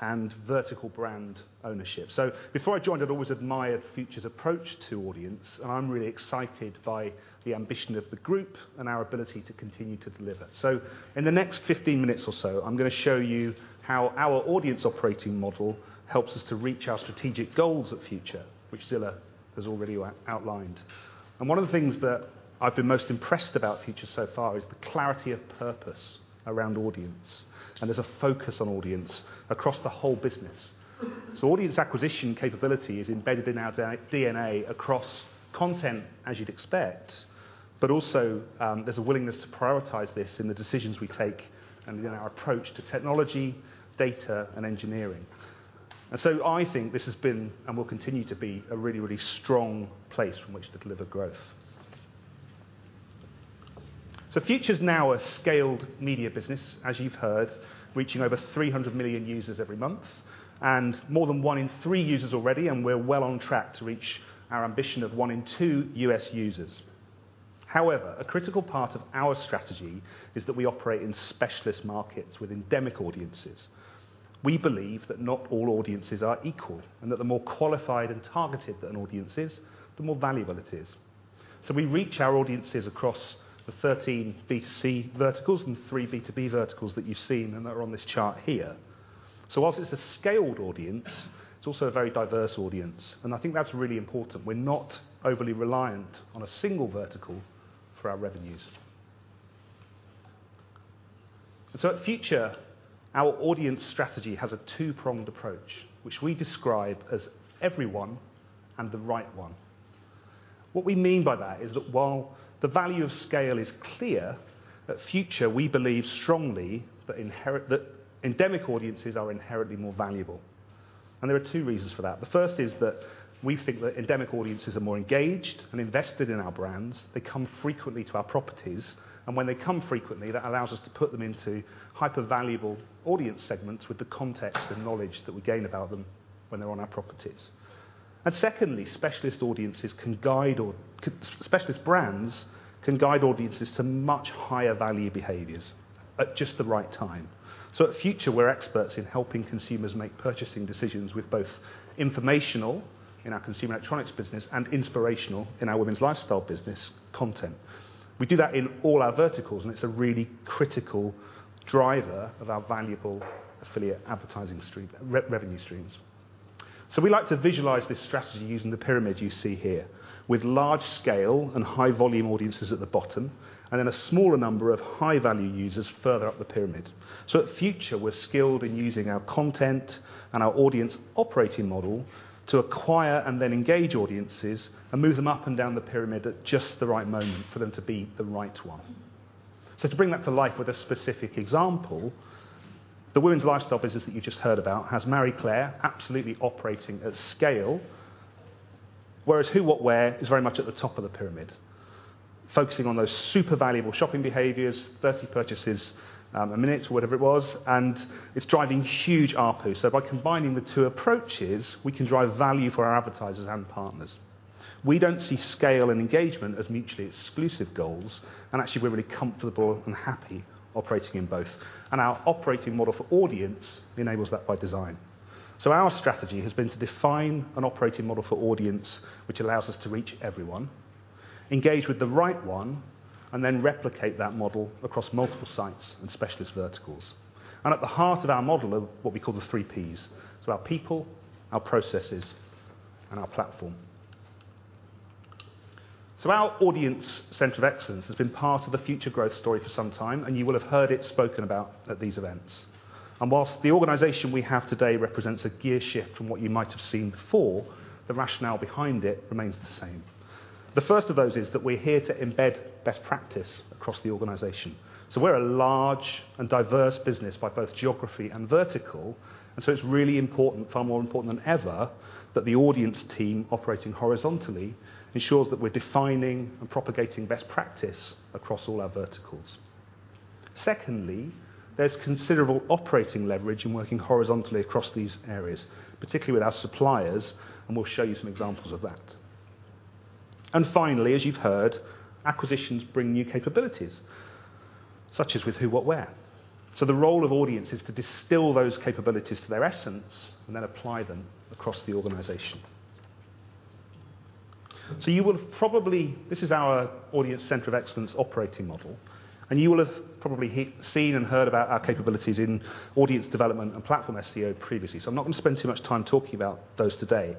and vertical brand ownership. Before I joined, I've always admired Future's approach to audience, and I'm really excited by the ambition of the group and our ability to continue to deliver. In the next 15 minutes or so, I'm gonna show you how our audience operating model helps us to reach our strategic goals at Future, which Zillah has already outlined. One of the things that I've been most impressed about Future so far is the clarity of purpose around audience, and there's a focus on audience across the whole business. Audience acquisition capability is embedded in our DNA across content, as you'd expect. There's a willingness to prioritize this in the decisions we take and in our approach to technology, data, and engineering. I think this has been, and will continue to be, a really, really strong place from which to deliver growth. Future's now a scaled media business, as you've heard, reaching over 300 million users every month, and more than 1/3 users already, and we're well on track to reach our ambition of 1/2 U.S. users. However, a critical part of our strategy is that we operate in specialist markets with endemic audiences. We believe that not all audiences are equal, and that the more qualified and targeted an audience is, the more valuable it is. We reach our audiences across the 13 B2C verticals and 3 B2B verticals that you've seen and that are on this chart here. While it's a scaled audience, it's also a very diverse audience, and I think that's really important. We're not overly reliant on a single vertical for our revenues. At Future, our audience strategy has a two-pronged approach, which we describe as everyone and the right one. What we mean by that is that while the value of scale is clear, at Future, we believe strongly that endemic audiences are inherently more valuable, and there are two reasons for that. The first is that we think that endemic audiences are more engaged and invested in our brands. They come frequently to our properties, and when they come frequently, that allows us to put them into hyper-valuable audience segments with the context and knowledge that we gain about them when they're on our properties. Secondly, specialist audiences can guide or specialist brands can guide audiences to much higher value behaviors at just the right time. At Future, we're experts in helping consumers make purchasing decisions with both informational, in our consumer electronics business, and inspirational, in our women's lifestyle business, content. We do that in all our verticals, and it's a really critical driver of our valuable affiliate advertising revenue streams. We like to visualize this strategy using the pyramid you see here, with large scale and high volume audiences at the bottom, and then a smaller number of high-value users further up the pyramid. At Future, we're skilled in using our content and our audience operating model to acquire and then engage audiences and move them up and down the pyramid at just the right moment for them to be the right one. To bring that to life with a specific example, the women's lifestyle business that you just heard about has Marie Claire absolutely operating at scale, whereas Who What Wear is very much at the top of the pyramid, focusing on those super valuable shopping behaviors, 30 purchases a minute or whatever it was, and it's driving huge ARPU. By combining the two approaches, we can drive value for our advertisers and partners. We don't see scale and engagement as mutually exclusive goals, and actually, we're really comfortable and happy operating in both. Our operating model for audience enables that by design. Our strategy has been to define an operating model for audience which allows us to reach everyone, engage with the right one, and then replicate that model across multiple sites and specialist verticals. At the heart of our model are what we call the three Ps. Our people, our processes, and our platform. Our audience center of excellence has been part of the future growth story for some time, and you will have heard it spoken about at these events. While the organization we have today represents a gear shift from what you might have seen before, the rationale behind it remains the same. The first of those is that we're here to embed best practice across the organization. We're a large and diverse business by both geography and vertical, and so it's really important, far more important than ever, that the audience team operating horizontally ensures that we're defining and propagating best practice across all our verticals. Secondly, there's considerable operating leverage in working horizontally across these areas, particularly with our suppliers, and we'll show you some examples of that. Finally, as you've heard, acquisitions bring new capabilities, such as with Who What Wear. The role of audience is to distill those capabilities to their essence and then apply them across the organization. This is our audience center of excellence operating model, and you will have probably seen and heard about our capabilities in audience development and platform SEO previously, so I'm not gonna spend too much time talking about those today.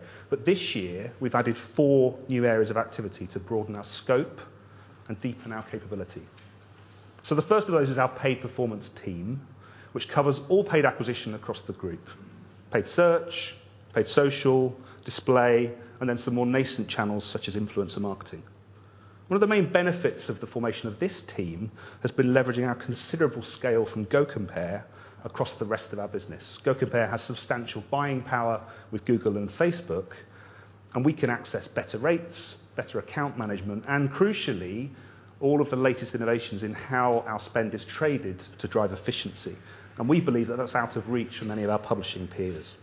This year, we've added four new areas of activity to broaden our scope and deepen our capability. The first of those is our paid performance team, which covers all paid acquisition across the group, paid search, paid social, display, and then some more nascent channels such as influencer marketing. One of the main benefits of the formation of this team has been leveraging our considerable scale from GoCompare across the rest of our business. GoCompare has substantial buying power with Google and Facebook, and we can access better rates, better account management, and crucially, all of the latest innovations in how our spend is traded to drive efficiency. We believe that that's out of reach for many of our publishing peers.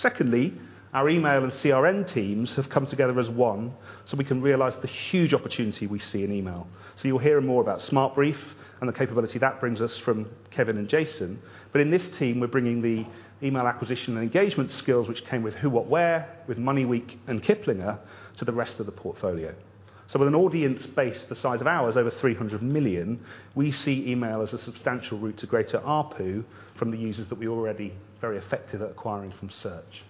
Secondly, our email and CRM teams have come together as one, so we can realize the huge opportunity we see in email. You'll hear more about SmartBrief and the capability that brings us from Kevin and Jason. In this team, we're bringing the email acquisition and engagement skills which came with Who What Wear, with MoneyWeek and Kiplinger to the rest of the portfolio. With an audience base the size of ours, over 300 million, we see email as a substantial route to greater ARPU from the users that we're already very effective at acquiring from search.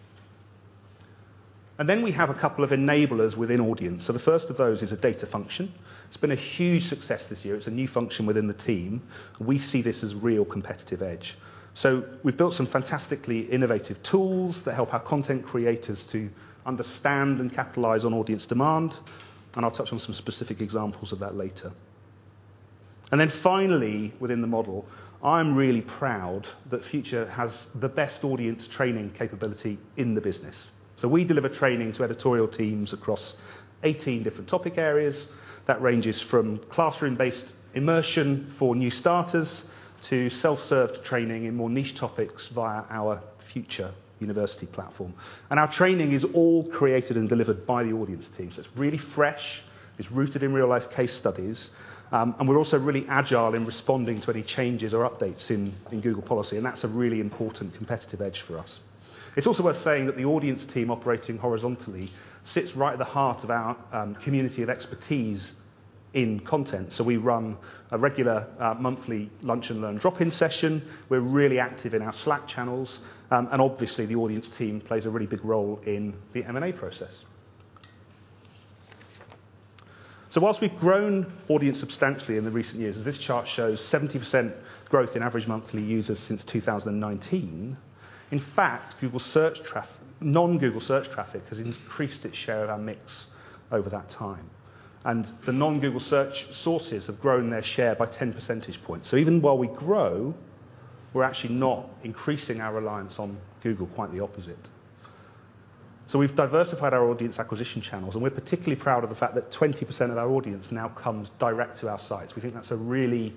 Then we have a couple of enablers within audience. The first of those is a data function. It's been a huge success this year. It's a new function within the team. We see this as real competitive edge. We've built some fantastically innovative tools that help our content creators to understand and capitalize on audience demand, and I'll touch on some specific examples of that later. Finally, within the model, I'm really proud that Future has the best audience training capability in the business. We deliver training to editorial teams across 18 different topic areas. That ranges from classroom-based immersion for new starters to self-serve training in more niche topics via our Future University platform. Our training is all created and delivered by the audience team. It's really fresh, it's rooted in real-life case studies, and we're also really agile in responding to any changes or updates in Google policy, and that's a really important competitive edge for us. It's also worth saying that the audience team operating horizontally sits right at the heart of our community of expertise in content. We run a regular monthly lunch and learn drop-in session. We're really active in our Slack channels, and obviously, the audience team plays a really big role in the M&A process. While we've grown audience substantially in the recent years, as this chart shows 70% growth in average monthly users since 2019, in fact, non-Google search traffic has increased its share of our mix over that time. The non-Google search sources have grown their share by 10 percentage points. Even while we grow, we're actually not increasing our reliance on Google. Quite the opposite. We've diversified our audience acquisition channels, and we're particularly proud of the fact that 20% of our audience now comes direct to our sites. We think that's a really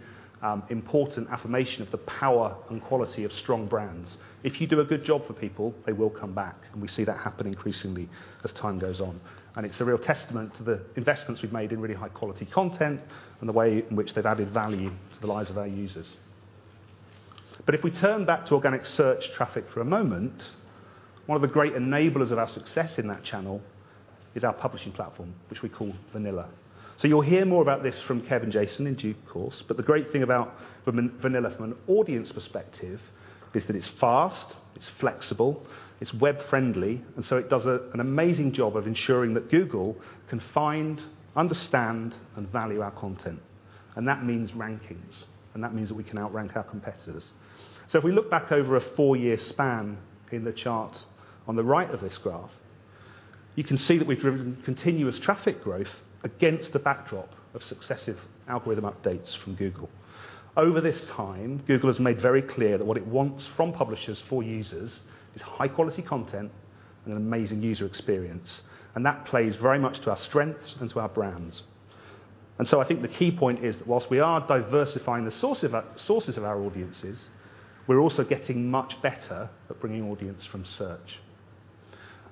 important affirmation of the power and quality of strong brands. If you do a good job for people, they will come back, and we see that happen increasingly as time goes on. It's a real testament to the investments we've made in really high-quality content and the way in which they've added value to the lives of our users. If we turn back to organic search traffic for a moment, one of the great enablers of our success in that channel is our publishing platform, which we call Vanilla. You'll hear more about this from Kev and Jason in due course. The great thing about Vanilla from an audience perspective is that it's fast, it's flexible, it's web-friendly, and so it does an amazing job of ensuring that Google can find, understand, and value our content. That means rankings, and that means that we can outrank our competitors. If we look back over a four-year span in the chart on the right of this graph, you can see that we've driven continuous traffic growth against the backdrop of successive algorithm updates from Google. Over this time, Google has made very clear that what it wants from publishers for users is high-quality content and an amazing user experience, and that plays very much to our strengths and to our brands. I think the key point is that while we are diversifying the sources of our audiences, we're also getting much better at bringing audience from search.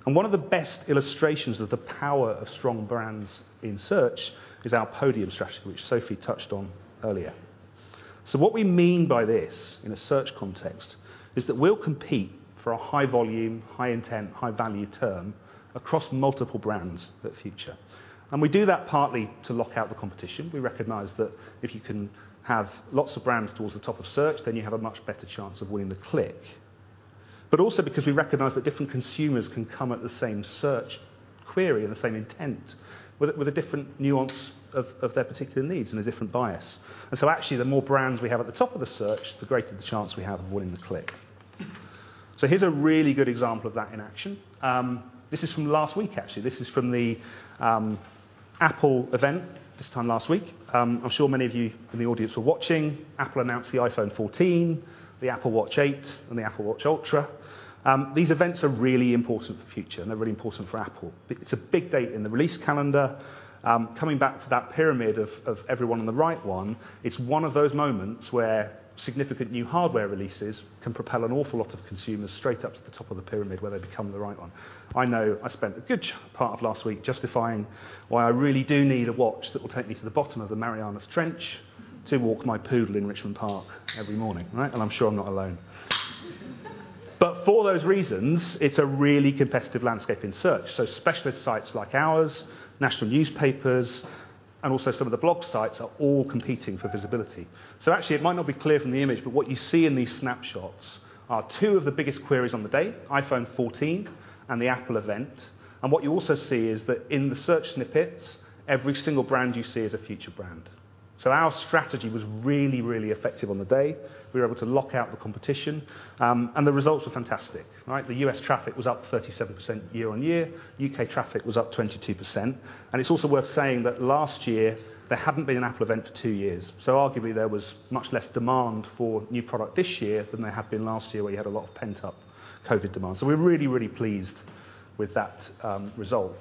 One of the best illustrations of the power of strong brands in search is our podium strategy, which Sophie touched on earlier. What we mean by this in a search context is that we'll compete for a high volume, high intent, high value term across multiple brands at Future. We do that partly to lock out the competition. We recognize that if you can have lots of brands towards the top of search, then you have a much better chance of winning the click. Also because we recognize that different consumers can come at the same search query and the same intent with a different nuance of their particular needs and a different bias. Actually, the more brands we have at the top of the search, the greater the chance we have of winning the click. Here's a really good example of that in action. This is from last week, actually. This is from the Apple event this time last week. I'm sure many of you in the audience were watching. Apple announced the iPhone 14, the Apple Watch 8, and the Apple Watch Ultra. These events are really important for Future, and they're really important for Apple. It's a big date in the release calendar. Coming back to that pyramid of everyone and the right one, it's one of those moments where significant new hardware releases can propel an awful lot of consumers straight up to the top of the pyramid where they become the right one. I know I spent a good part of last week justifying why I really do need a watch that will take me to the bottom of the Mariana Trench to walk my poodle in Richmond Park every morning, right? And I'm sure I'm not alone. For those reasons, it's a really competitive landscape in search. Specialist sites like ours, national newspapers, and also some of the blog sites are all competing for visibility. Actually, it might not be clear from the image, but what you see in these snapshots are two of the biggest queries on the day, iPhone 14 and the Apple Event. What you also see is that in the search snippets, every single brand you see is a Future brand. Our strategy was really, really effective on the day. We were able to lock out the competition, and the results were fantastic, right? The US traffic was up 37% year-on-year. UK traffic was up 22%. It's also worth saying that last year, there hadn't been an Apple event for two years, so arguably there was much less demand for new product this year than there had been last year, where you had a lot of pent-up COVID demand. We're really, really pleased with that result.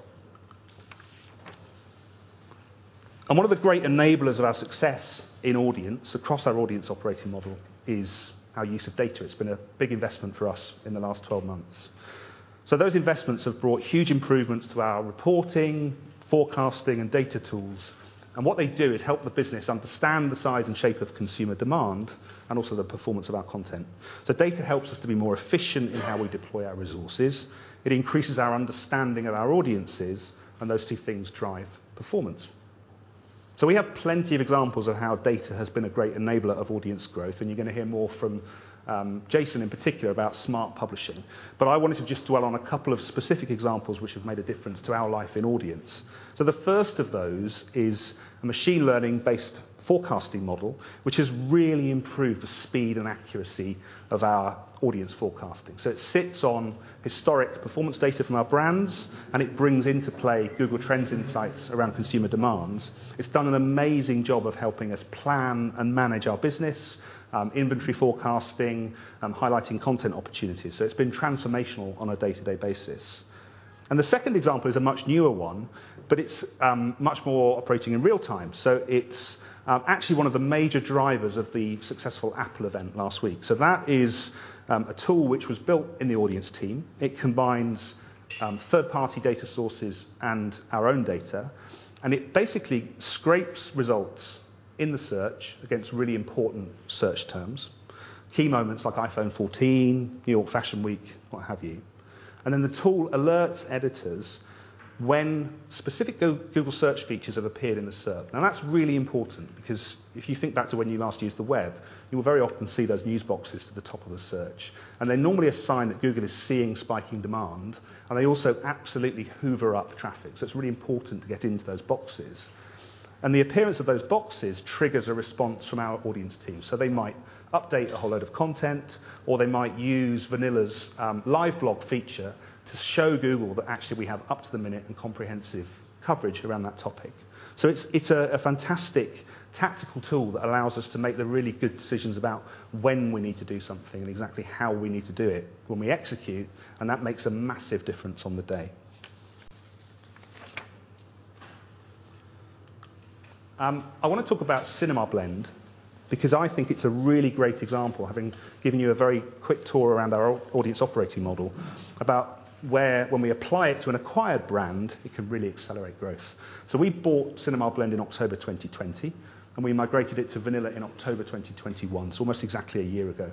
One of the great enablers of our success in audience, across our audience operating model, is our use of data. It's been a big investment for us in the last 12 months. Those investments have brought huge improvements to our reporting, forecasting, and data tools, and what they do is help the business understand the size and shape of consumer demand and also the performance of our content. Data helps us to be more efficient in how we deploy our resources. It increases our understanding of our audiences, and those two things drive performance. We have plenty of examples of how data has been a great enabler of audience growth, and you're gonna hear more from Jason in particular about smart publishing. I wanted to just dwell on a couple of specific examples which have made a difference to our life in audience. The first of those is a machine learning-based forecasting model, which has really improved the speed and accuracy of our audience forecasting. It sits on historic performance data from our brands, and it brings into play Google Trends insights around consumer demands. It's done an amazing job of helping us plan and manage our business, inventory forecasting, and highlighting content opportunities. It's been transformational on a day-to-day basis. The second example is a much newer one, but it's much more operating in real time. It's actually one of the major drivers of the successful Apple event last week. That is a tool which was built in the audience team. It combines third-party data sources and our own data, and it basically scrapes results in the search against really important search terms, key moments like iPhone 14, New York Fashion Week, what have you. Then the tool alerts editors when specific Google Search features have appeared in the SERP. Now, that's really important because if you think back to when you last used the web, you will very often see those news boxes at the top of the search, and they're normally a sign that Google is seeing spiking demand, and they also absolutely hoover up traffic, so it's really important to get into those boxes. The appearance of those boxes triggers a response from our audience team. They might update a whole load of content, or they might use Vanilla's live blog feature to show Google that actually we have up-to-the-minute and comprehensive coverage around that topic. It's a fantastic tactical tool that allows us to make the really good decisions about when we need to do something and exactly how we need to do it when we execute, and that makes a massive difference on the day. I wanna talk about CinemaBlend because I think it's a really great example, having given you a very quick tour around our audience operating model, about where, when we apply it to an acquired brand, it can really accelerate growth. We bought CinemaBlend in October 2020, and we migrated it to Vanilla in October 2021. Almost exactly a year ago.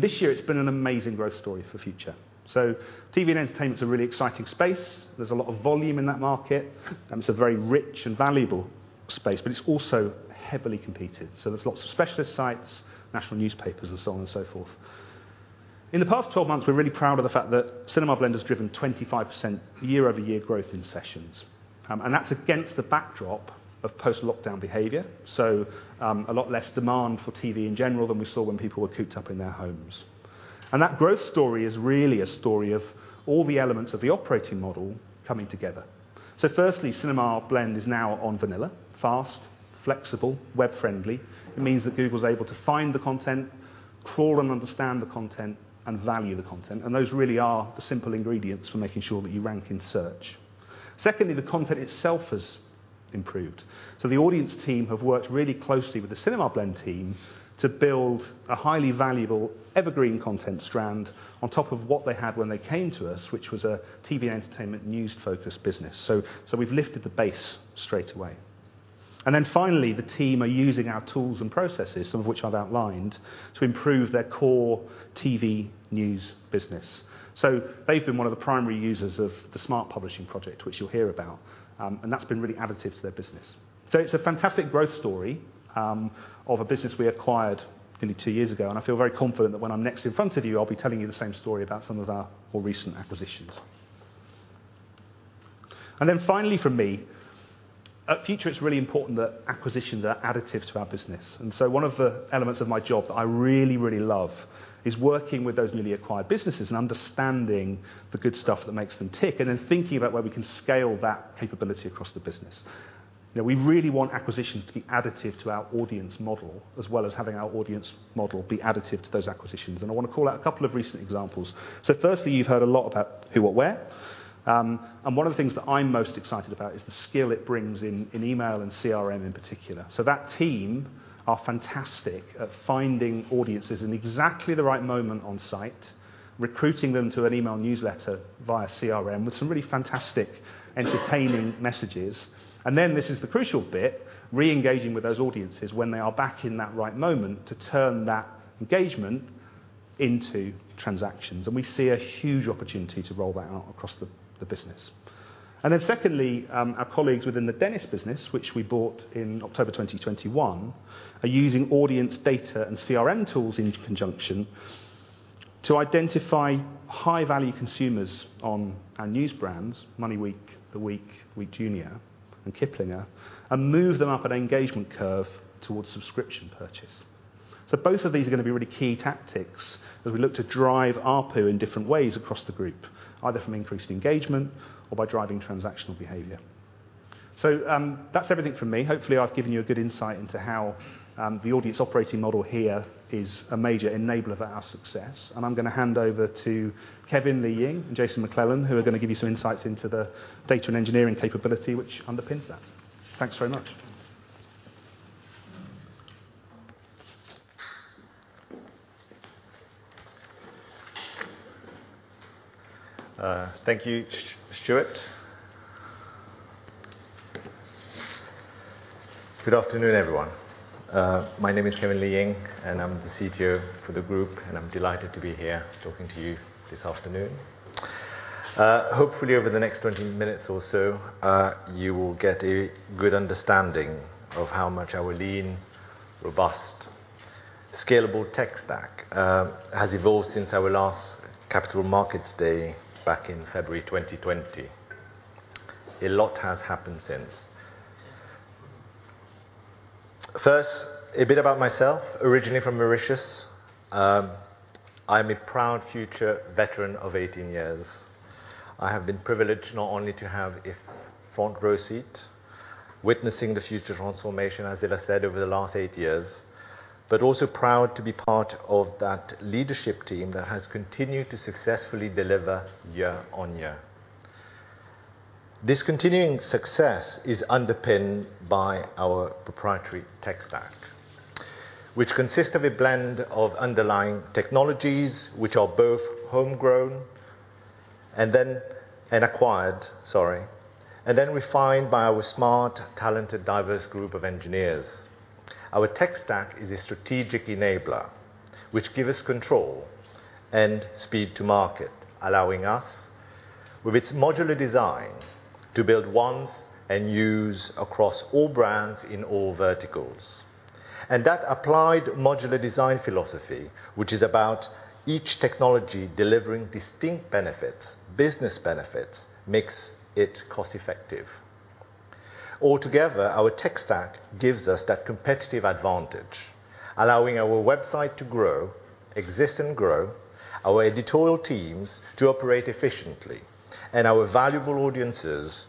This year it's been an amazing growth story for Future. TV and entertainment is a really exciting space. There's a lot of volume in that market, and it's a very rich and valuable space, but it's also heavily competed. There's lots of specialist sites, national newspapers and so on and so forth. In the past 12 months, we're really proud of the fact that CinemaBlend has driven 25% year-over-year growth in sessions. That's against the backdrop of post-lockdown behavior, so, a lot less demand for TV in general than we saw when people were cooped up in their homes. That growth story is really a story of all the elements of the operating model coming together. Firstly, CinemaBlend is now on Vanilla, fast, flexible, web-friendly. It means that Google's able to find the content, crawl and understand the content, and value the content, and those really are the simple ingredients for making sure that you rank in Search. Secondly, the content itself has improved. The audience team have worked really closely with the CinemaBlend team to build a highly valuable evergreen content strand on top of what they had when they came to us, which was a TV entertainment news-focused business. We've lifted the base straight away. Finally, the team are using our tools and processes, some of which I've outlined, to improve their core TV news business. They've been one of the primary users of the Smart Publishing project, which you'll hear about. That's been really additive to their business. It's a fantastic growth story of a business we acquired nearly two years ago, and I feel very confident that when I'm next in front of you, I'll be telling you the same story about some of our more recent acquisitions. Finally from me, at Future, it's really important that acquisitions are additive to our business. One of the elements of my job that I really, really love is working with those newly acquired businesses and understanding the good stuff that makes them tick, and then thinking about where we can scale that capability across the business. You know, we really want acquisitions to be additive to our audience model, as well as having our audience model be additive to those acquisitions, and I wanna call out a couple of recent examples. Firstly, you've heard a lot about Who What Wear, and one of the things that I'm most excited about is the skill it brings in email and CRM in particular. That team are fantastic at finding audiences in exactly the right moment on site, recruiting them to an email newsletter via CRM with some really fantastic entertaining messages, and then this is the crucial bit, re-engaging with those audiences when they are back in that right moment to turn that engagement into transactions. We see a huge opportunity to roll that out across the business. Secondly, our colleagues within the Dennis Publishing business, which we bought in October 2021, are using audience data and CRM tools in conjunction to identify high-value consumers on our news brands, MoneyWeek, The Week, The Week Junior, and Kiplinger, and move them up an engagement curve towards subscription purchase. Both of these are gonna be really key tactics as we look to drive ARPU in different ways across the group, either from increased engagement or by driving transactional behavior. That's everything from me. Hopefully, I've given you a good insight into how the audience operating model here is a major enabler for our success, and I'm gonna hand over to Kevin Li Ying and Jason MacLellan, who are gonna give you some insights into the data and engineering capability which underpins that. Thanks very much. Thank you, Stuart. Good afternoon, everyone. My name is Kevin Li Ying, and I'm the CTO for the group, and I'm delighted to be here talking to you this afternoon. Hopefully, over the next 20 minutes or so, you will get a good understanding of how much our lean, robust- Scalable tech stack has evolved since our last capital markets day back in February 2020. A lot has happened since. First, a bit about myself. Originally from Mauritius, I'm a proud Future veteran of 18 years. I have been privileged not only to have a front row seat witnessing the Future transformation, as Ella said, over the last eight years, but also proud to be part of that leadership team that has continued to successfully deliver year-on-year. This continuing success is underpinned by our proprietary tech stack, which consists of a blend of underlying technologies, which are both homegrown and acquired, and then refined by our smart, talented, diverse group of engineers. Our tech stack is a strategic enabler, which give us control and speed to market, allowing us, with its modular design, to build once and use across all brands in all verticals. That applied modular design philosophy, which is about each technology delivering distinct benefits, business benefits, makes it cost-effective. Altogether, our tech stack gives us that competitive advantage, allowing our website to grow, exist and grow, our editorial teams to operate efficiently, and our valuable audiences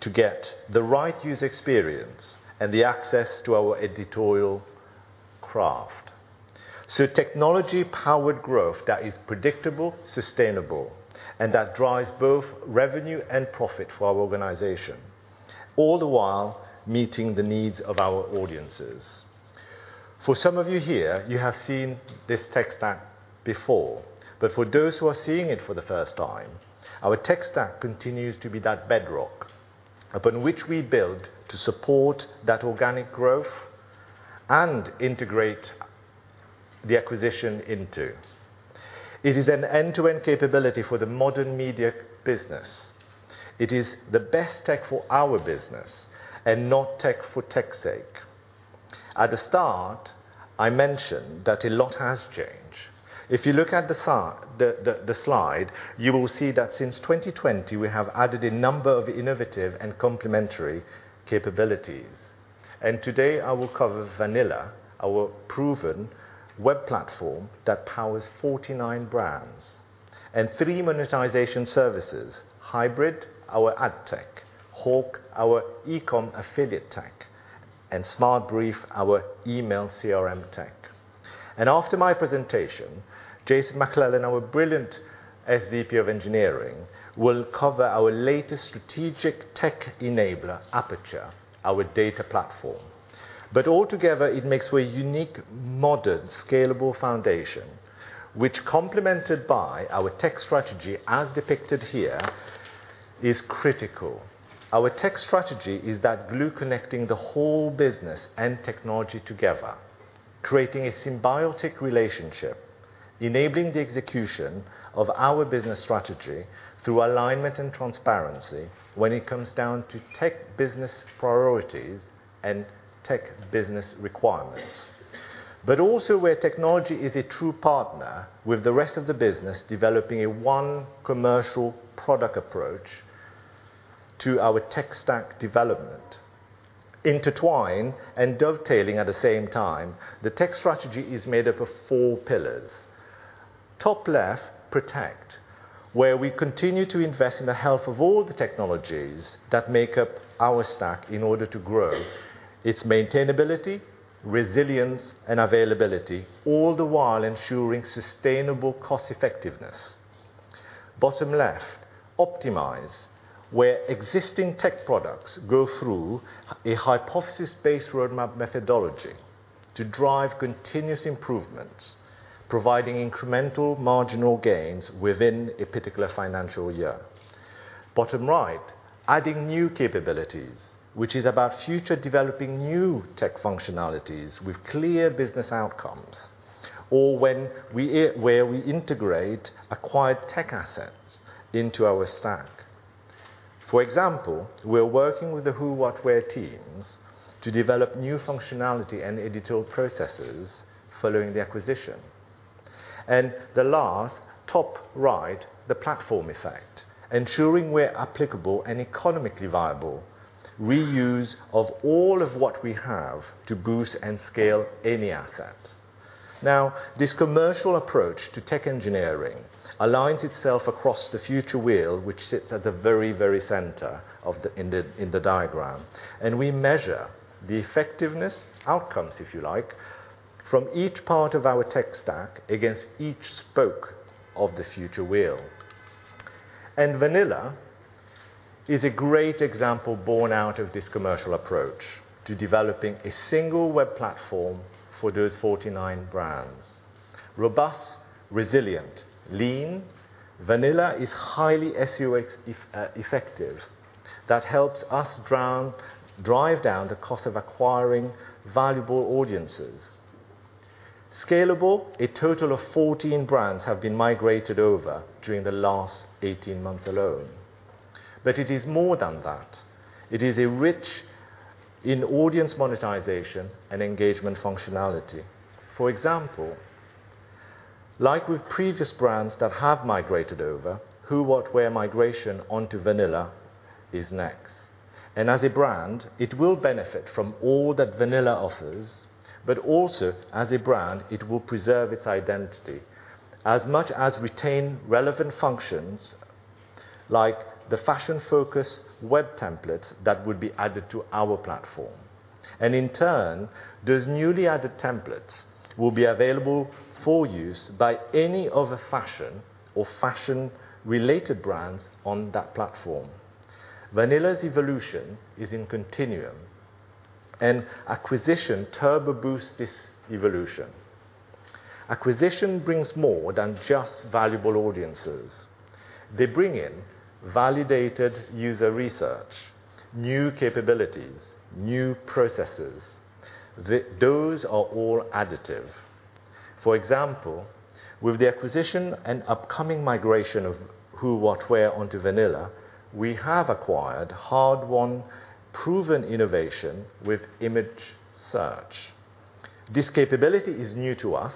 to get the right user experience and the access to our editorial craft. Technology-powered growth that is predictable, sustainable, and that drives both revenue and profit for our organization, all the while meeting the needs of our audiences. For some of you here, you have seen this tech stack before, but for those who are seeing it for the first time, our tech stack continues to be that bedrock upon which we build to support that organic growth and integrate the acquisition into. It is an end-to-end capability for the modern media business. It is the best tech for our business and not tech for tech's sake. At the start, I mentioned that a lot has changed. If you look at the slide, you will see that since 2020, we have added a number of innovative and complementary capabilities. Today, I will cover Vanilla, our proven web platform that powers 49 brands, and three monetization services, Hybrid, our ad tech, Hawk, our eCom affiliate tech, and SmartBrief, our email CRM tech. After my presentation, Jason MacLellan, our brilliant SVP of Engineering, will cover our latest strategic tech enabler, Aperture, our data platform. Altogether, it makes for a unique, modern, scalable foundation, which complemented by our tech strategy as depicted here, is critical. Our tech strategy is that glue connecting the whole business and technology together, creating a symbiotic relationship, enabling the execution of our business strategy through alignment and transparency when it comes down to tech business priorities and tech business requirements. Also where technology is a true partner with the rest of the business developing a one commercial product approach to our tech stack development. Intertwine and dovetailing at the same time, the tech strategy is made up of four pillars. Top left, protect, where we continue to invest in the health of all the technologies that make up our stack in order to grow its maintainability, resilience, and availability, all the while ensuring sustainable cost effectiveness. Bottom left, optimize, where existing tech products go through a hypothesis-based roadmap methodology to drive continuous improvements, providing incremental marginal gains within a particular financial year. Bottom right, adding new capabilities, which is about Future developing new tech functionalities with clear business outcomes, or when we integrate acquired tech assets into our stack. For example, we're working with the Who What Wear teams to develop new functionality and editorial processes following the acquisition. The last, top right, the platform effect, ensuring we're applicable and economically viable, reuse of all of what we have to boost and scale any asset. Now, this commercial approach to tech engineering aligns itself across the Future wheel, which sits at the very, very center of the diagram, and we measure the effectiveness, outcomes, if you like, from each part of our tech stack against each spoke of the Future wheel. Vanilla is a great example born out of this commercial approach to developing a single web platform for those 49 brands. Robust, resilient, lean. Vanilla is highly UX effective. That helps us drive down the cost of acquiring valuable audiences. Scalable. A total of 14 brands have been migrated over during the last 18 months alone. It is more than that. It is rich in audience monetization and engagement functionality. For example, like with previous brands that have migrated over, Who What Wear migration onto Vanilla is next. As a brand, it will benefit from all that Vanilla offers, but also as a brand, it will preserve its identity as much as retain relevant functions like the fashion-focused web templates that would be added to our platform. In turn, those newly added templates will be available for use by any other fashion or fashion-related brands on that platform. Vanilla's evolution is in continuum, and acquisition turbo boost this evolution. Acquisition brings more than just valuable audiences. They bring in validated user research, new capabilities, new processes. Those are all additive. For example, with the acquisition and upcoming migration of Who What Wear onto Vanilla, we have acquired hard-won proven innovation with image search. This capability is new to us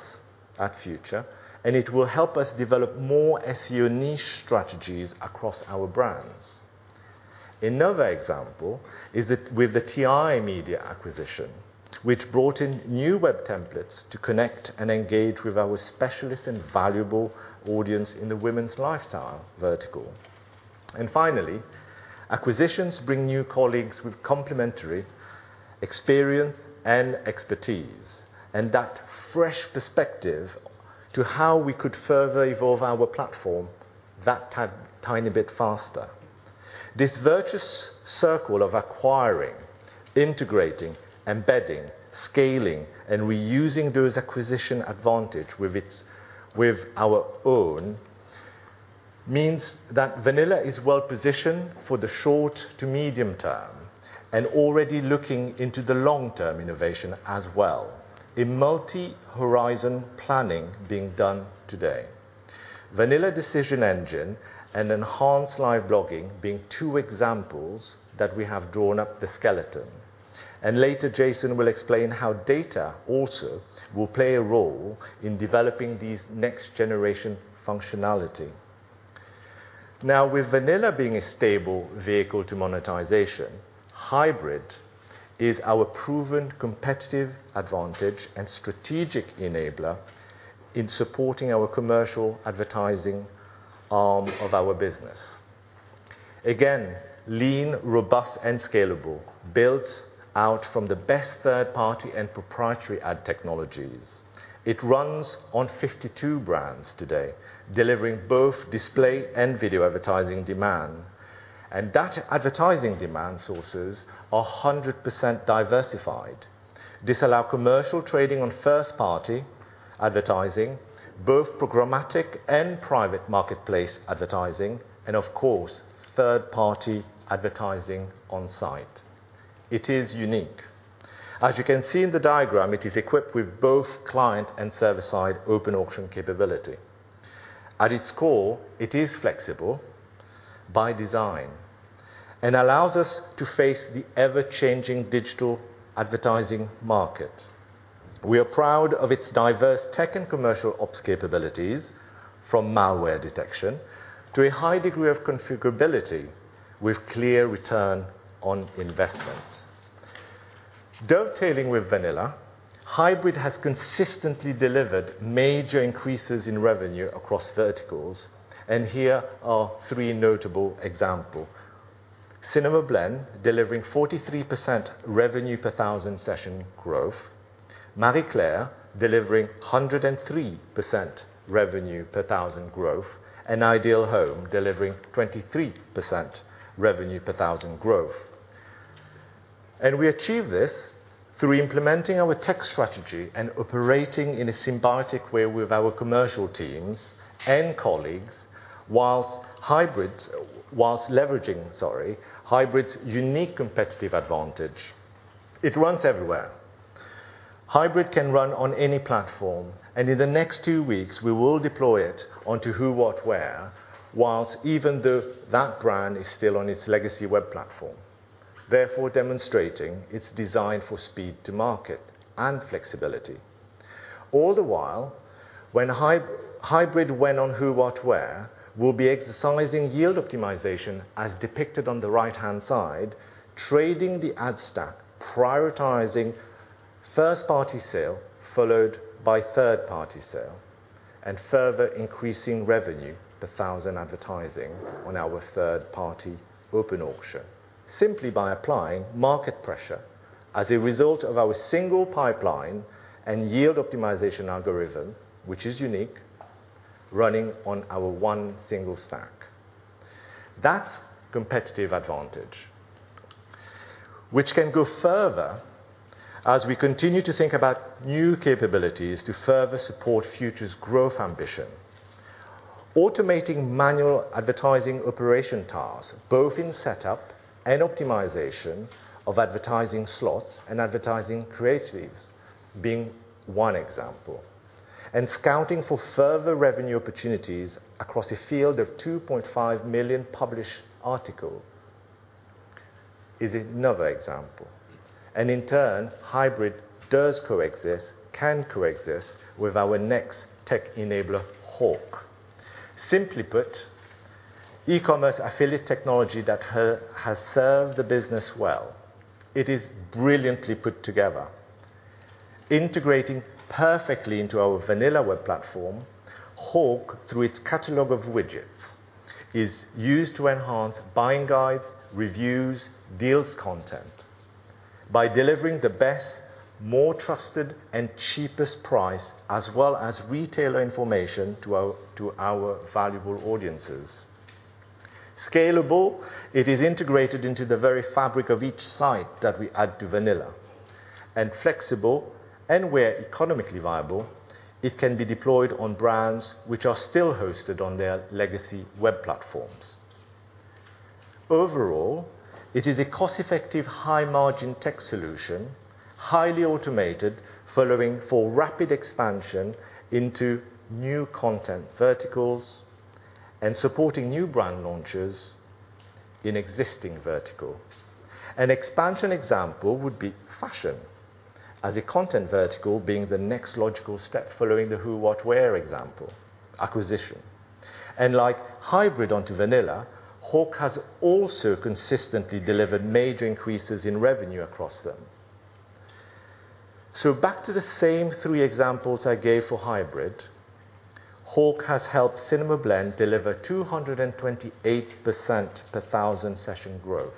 at Future, and it will help us develop more SEO niche strategies across our brands. Another example is that with the TI Media acquisition, which brought in new web templates to connect and engage with our specialist and valuable audience in the women's lifestyle vertical. Finally, acquisitions bring new colleagues with complementary experience and expertise, and that fresh perspective to how we could further evolve our platform a tiny bit faster. This virtuous circle of acquiring, integrating, embedding, scaling, and reusing those acquisition advantage with our own means that Vanilla is well-positioned for the short to medium term and already looking into the long-term innovation as well. A multi-horizon planning being done today. Vanilla decision engine and enhanced live blogging being two examples that we have drawn up the skeleton. Later, Jason will explain how data also will play a role in developing these next-generation functionality. Now, with Vanilla being a stable vehicle to monetization, Hybrid is our proven competitive advantage and strategic enabler in supporting our commercial advertising arm of our business. Again, lean, robust, and scalable, built out from the best third-party and proprietary ad technologies. It runs on 52 brands today, delivering both display and video advertising demand. That advertising demand sources are 100% diversified. This allows commercial trading on first-party advertising, both programmatic and private marketplace advertising, and of course, third-party advertising on site. It is unique. As you can see in the diagram, it is equipped with both client and server-side open auction capability. At its core, it is flexible by design and allows us to face the ever-changing digital advertising market. We are proud of its diverse tech and commercial ops capabilities, from malware detection to a high degree of configurability with clear return on investment. Dovetailing with Vanilla, Hybrid has consistently delivered major increases in revenue across verticals, and here are three notable examples. CinemaBlend, delivering 43% revenue per thousand session growth. Marie Claire, delivering 103% revenue per thousand growth. Ideal Home, delivering 23% revenue per thousand growth. We achieve this through implementing our tech strategy and operating in a symbiotic way with our commercial teams and colleagues, while leveraging Hybrid's unique competitive advantage. It runs everywhere. Hybrid can run on any platform, and in the next two weeks, we will deploy it onto Who What Wear, while even though that brand is still on its legacy web platform, therefore demonstrating its designed for speed to market and flexibility. All the while, when Hybrid went on Who What Wear, we'll be exercising yield optimization as depicted on the right-hand side, trading the ad stack, prioritizing first-party sale, followed by third-party sale, and further increasing revenue per thousand advertising on our third-party open auction, simply by applying market pressure as a result of our single pipeline and yield optimization algorithm, which is unique, running on our one single stack. That's competitive advantage, which can go further as we continue to think about new capabilities to further support Future's growth ambition. Automating manual advertising operation tasks, both in setup and optimization of advertising slots and advertising creatives being one example. Scouting for further revenue opportunities across a field of 2.5 million published article is another example. In turn, Hybrid does coexist, can coexist with our next tech enabler, Hawk. Simply put, e-commerce affiliate technology that has served the business well. It is brilliantly put together. Integrating perfectly into our Vanilla web platform, Hawk, through its catalog of widgets, is used to enhance buying guides, reviews, deals content by delivering the best, more trusted and cheapest price as well as retailer information to our valuable audiences. Scalable, it is integrated into the very fabric of each site that we add to Vanilla. Flexible, anywhere economically viable, it can be deployed on brands which are still hosted on their legacy web platforms. Overall, it is a cost-effective high margin tech solution, highly automated, following for rapid expansion into new content verticals and supporting new brand launches in existing verticals. An expansion example would be fashion as a content vertical being the next logical step following the Who What Wear example acquisition. Like Hybrid onto Vanilla, Hawk has also consistently delivered major increases in revenue across them. Back to the same three examples I gave for Hybrid. Hawk has helped CinemaBlend deliver 228% per thousand session growth.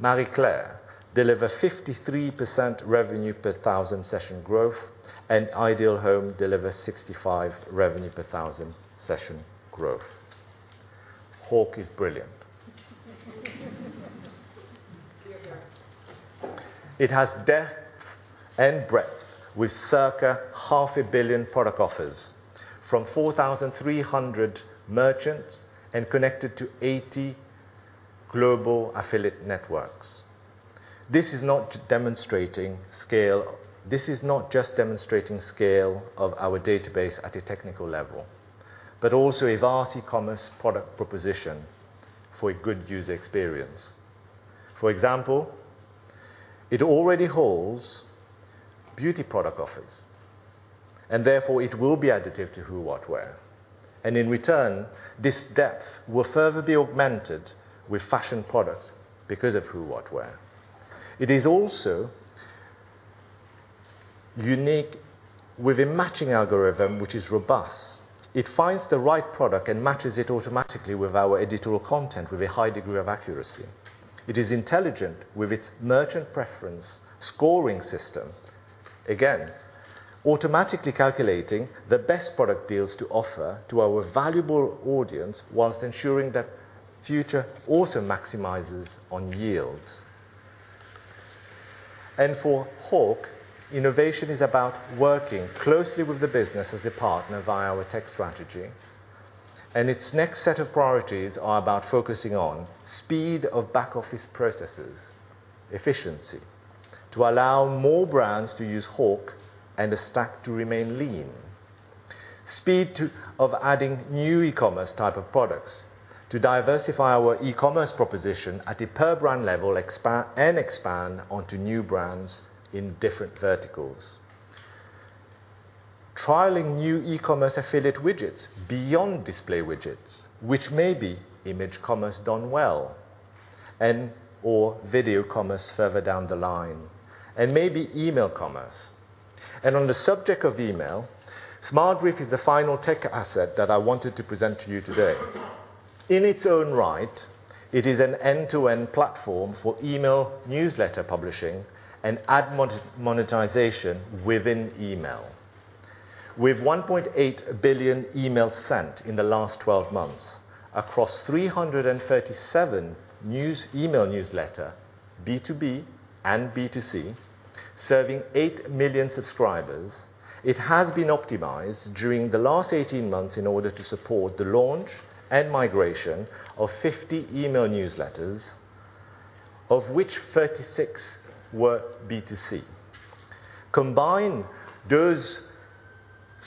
Marie Claire deliver 53% revenue per thousand session growth, and Ideal Home deliver 65 revenue per thousand session growth. Hawk is brilliant. It has depth and breadth with circa 500 million product offers from 4,300 merchants and connected to 80 global affiliate networks. This is not just demonstrating scale of our database at a technical level, but also a vast e-commerce product proposition for a good user experience. For example, it already holds beauty product offers, and therefore, it will be additive to Who What Wear. In return, this depth will further be augmented with fashion products because of Who What Wear. It is also unique with a matching algorithm, which is robust. It finds the right product and matches it automatically with our editorial content with a high degree of accuracy. It is intelligent with its merchant preference scoring system. Again, automatically calculating the best product deals to offer to our valuable audience while ensuring that Future also maximizes on yields. For Hawk, innovation is about working closely with the business as a partner via our tech strategy. Its next set of priorities are about focusing on speed of back office processes, efficiency to allow more brands to use Hawk and the stack to remain lean. Speed of adding new e-commerce type of products to diversify our e-commerce proposition at a per brand level, expand onto new brands in different verticals. Trialing new e-commerce affiliate widgets beyond display widgets, which may be image commerce done well and/or video commerce further down the line, and maybe email commerce. On the subject of email, SmartBrief is the final tech asset that I wanted to present to you today. In its own right, it is an end-to-end platform for email newsletter publishing and ad monetization within email. With 1.8 billion emails sent in the last 12 months across 337 news email newsletters, B2B and B2C, serving 8 million subscribers. It has been optimized during the last 18 months in order to support the launch and migration of 50 email newsletters, of which 36 were B2C. Combined, those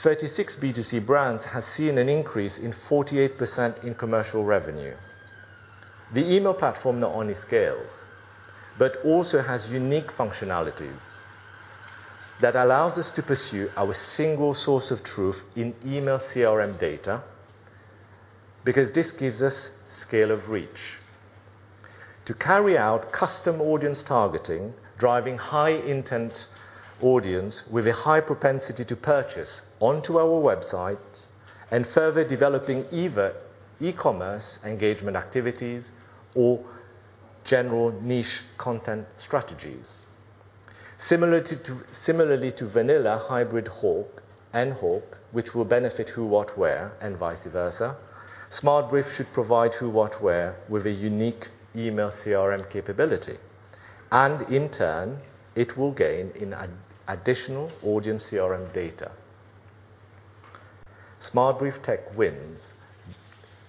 36 B2C brands has seen an increase in 48% in commercial revenue. The email platform not only scales, but also has unique functionalities that allows us to pursue our single source of truth in email CRM data, because this gives us scale of reach. To carry out custom audience targeting, driving high intent audience with a high propensity to purchase onto our websites and further developing either e-commerce engagement activities or general niche content strategies. Similarly to Vanilla, Hybrid, Hawk and Hawk, which will benefit Who What Wear and vice versa. SmartBrief should provide Who What Wear with a unique email CRM capability, and in turn, it will gain in additional audience CRM data. SmartBrief Tech wins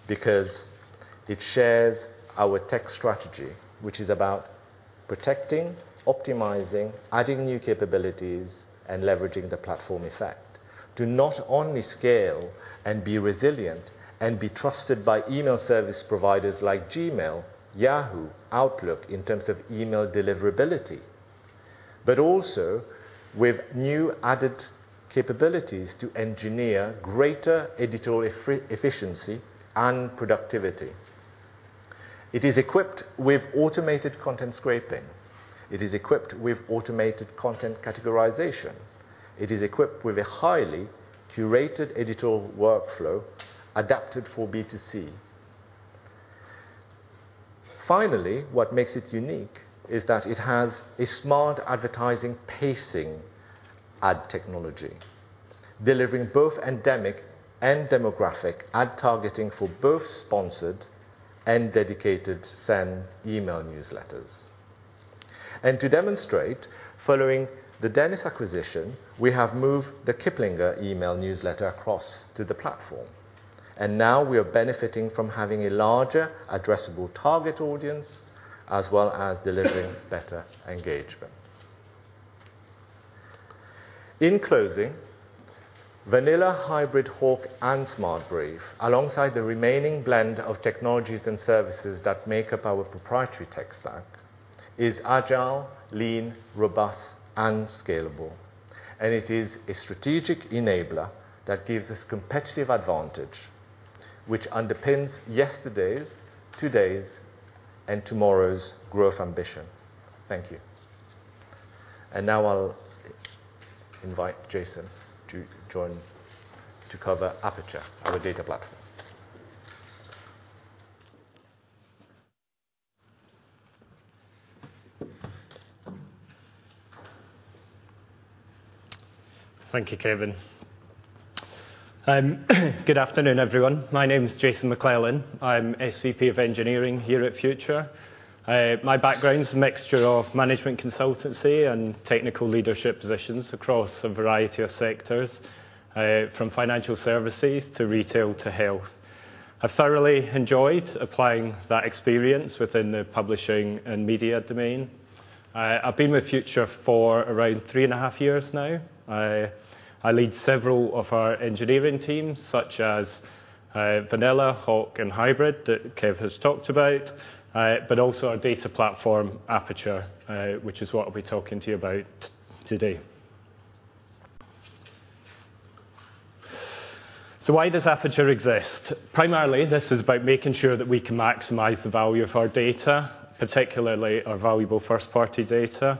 because it shares our tech strategy, which is about protecting, optimizing, adding new capabilities, and leveraging the platform effect to not only scale and be resilient and be trusted by email service providers like Gmail, Yahoo, Outlook in terms of email deliverability, but also with new added capabilities to engineer greater editorial efficiency and productivity. It is equipped with automated content scraping. It is equipped with automated content categorization. It is equipped with a highly curated editorial workflow adapted for B2C. Finally, what makes it unique is that it has a smart advertising pacing ad technology, delivering both endemic and demographic ad targeting for both sponsored and dedicated send email newsletters. To demonstrate, following the Dennis Publishing acquisition, we have moved the Kiplinger email newsletter across to the platform, and now we are benefiting from having a larger addressable target audience, as well as delivering better engagement. In closing, Vanilla, Hybrid, Hawk, and SmartBrief, alongside the remaining blend of technologies and services that make up our proprietary tech stack, is agile, lean, robust and scalable. It is a strategic enabler that gives us competitive advantage, which underpins yesterday's, today's, and tomorrow's growth ambition. Thank you. Now I'll invite Jason MacLellan to cover Aperture, our data platform. Thank you, Kevin. Good afternoon, everyone. My name is Jason McLellan. I'm SVP of Engineering here at Future. My background is a mixture of management consultancy and technical leadership positions across a variety of sectors, from financial services to retail to health. I've thoroughly enjoyed applying that experience within the publishing and media domain. I've been with Future for around 3.5 years now. I lead several of our engineering teams, such as Vanilla, Hawk, and Hybrid that Kev has talked about, but also our data platform, Aperture, which is what I'll be talking to you about today. Why does Aperture exist? Primarily, this is about making sure that we can maximize the value of our data, particularly our valuable first-party data.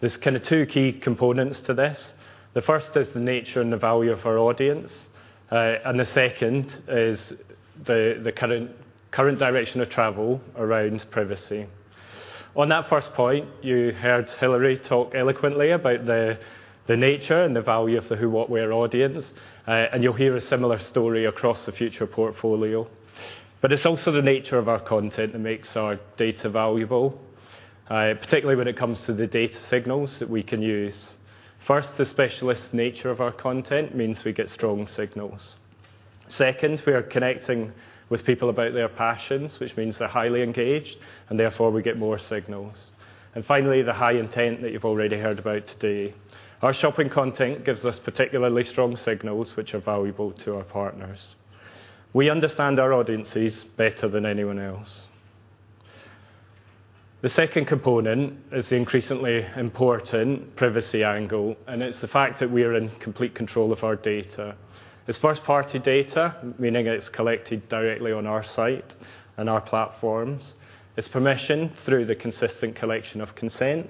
There's kind of two key components to this. The first is the nature and the value of our audience, and the second is the current direction of travel around privacy. On that first point, you heard Hilary talk eloquently about the nature and the value of the Who What Wear audience, and you'll hear a similar story across the Future portfolio. It's also the nature of our content that makes our data valuable, particularly when it comes to the data signals that we can use. First, the specialist nature of our content means we get strong signals. Second, we are connecting with people about their passions, which means they're highly engaged, and therefore we get more signals. Finally, the high intent that you've already heard about today. Our shopping content gives us particularly strong signals, which are valuable to our partners. We understand our audiences better than anyone else. The second component is the increasingly important privacy angle, and it's the fact that we are in complete control of our data. It's first-party data, meaning it's collected directly on our site and our platforms. It's permissioned through the consistent collection of consent.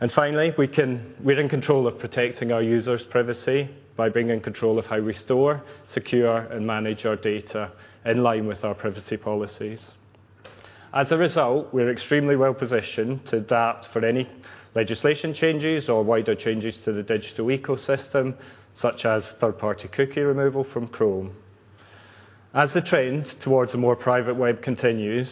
And finally, we're in control of protecting our users' privacy by being in control of how we store, secure, and manage our data in line with our privacy policies. As a result, we're extremely well-positioned to adapt for any legislation changes or wider changes to the digital ecosystem, such as third-party cookie removal from Chrome. As the trend towards a more private web continues,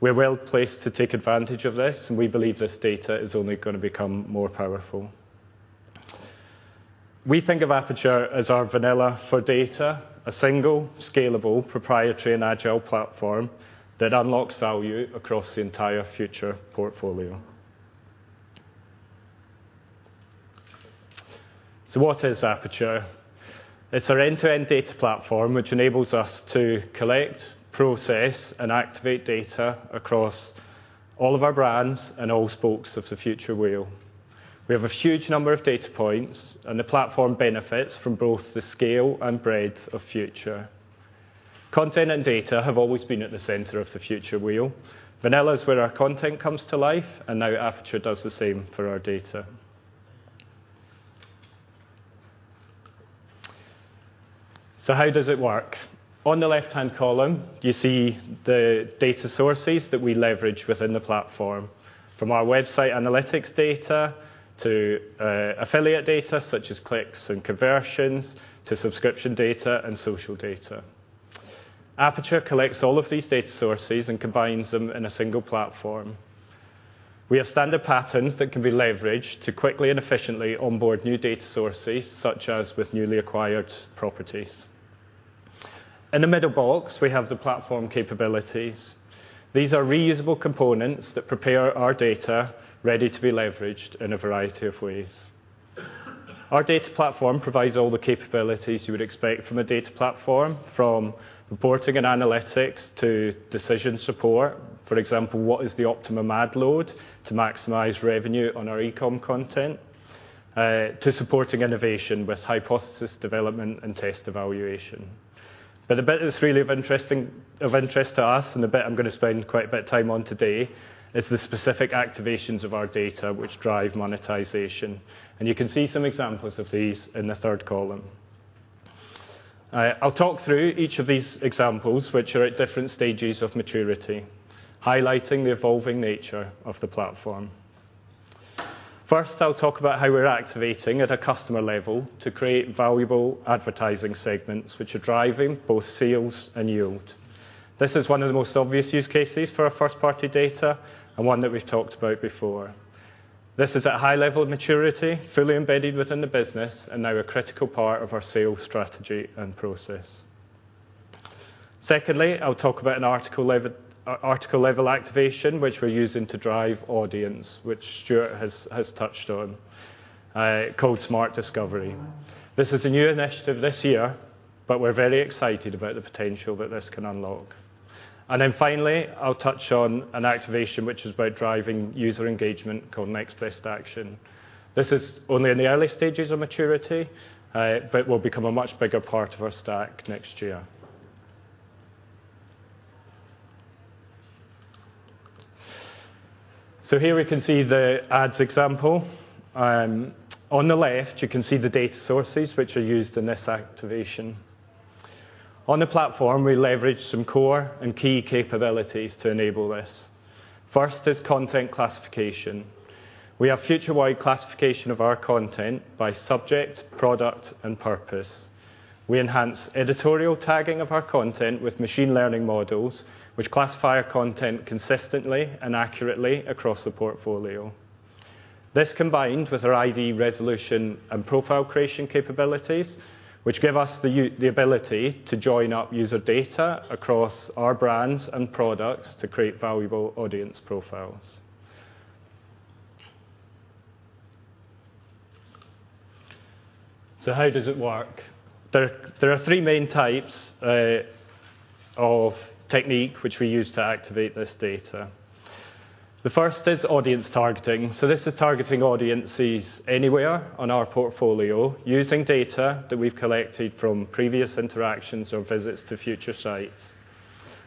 we're well-placed to take advantage of this, and we believe this data is only gonna become more powerful. We think of Aperture as our Vanilla for data, a single, scalable, proprietary, and agile platform that unlocks value across the entire Future portfolio. What is Aperture? It's our end-to-end data platform, which enables us to collect, process, and activate data across all of our brands and all spokes of the Future wheel. We have a huge number of data points, and the platform benefits from both the scale and breadth of Future. Content and data have always been at the center of the Future wheel. Vanilla is where our content comes to life, and now Aperture does the same for our data. How does it work? On the left-hand column, you see the data sources that we leverage within the platform, from our website analytics data to affiliate data such as clicks and conversions to subscription data and social data. Aperture collects all of these data sources and combines them in a single platform. We have standard patterns that can be leveraged to quickly and efficiently onboard new data sources, such as with newly acquired properties. In the middle box, we have the platform capabilities. These are reusable components that prepare our data ready to be leveraged in a variety of ways. Our data platform provides all the capabilities you would expect from a data platform, from reporting and analytics to decision support. For example, what is the optimum ad load to maximize revenue on our e-com content, to supporting innovation with hypothesis development and test evaluation. The bit that's really of interest to us, and the bit I'm gonna spend quite a bit of time on today, is the specific activations of our data which drive monetization. You can see some examples of these in the third column. I'll talk through each of these examples, which are at different stages of maturity, highlighting the evolving nature of the platform. First, I'll talk about how we're activating at a customer level to create valuable advertising segments which are driving both sales and yield. This is one of the most obvious use cases for our first-party data and one that we've talked about before. This is at high level of maturity, fully embedded within the business, and now a critical part of our sales strategy and process. Secondly, I'll talk about an article level activation which we're using to drive audience, which Stuart has touched on, called Smart Discovery. This is a new initiative this year, but we're very excited about the potential that this can unlock. Finally, I'll touch on an activation which is about driving user engagement called Next Best Action. This is only in the early stages of maturity, but will become a much bigger part of our stack next year. Here we can see the ads example. On the left, you can see the data sources which are used in this activation. On the platform, we leverage some core and key capabilities to enable this. First is content classification. We have Future-wide classification of our content by subject, product, and purpose. We enhance editorial tagging of our content with machine learning models, which classify our content consistently and accurately across the portfolio. This combined with our ID resolution and profile creation capabilities, which give us the ability to join up user data across our brands and products to create valuable audience profiles. How does it work? There are three main types of technique which we use to activate this data. The first is audience targeting. This is targeting audiences anywhere on our portfolio using data that we've collected from previous interactions or visits to Future sites.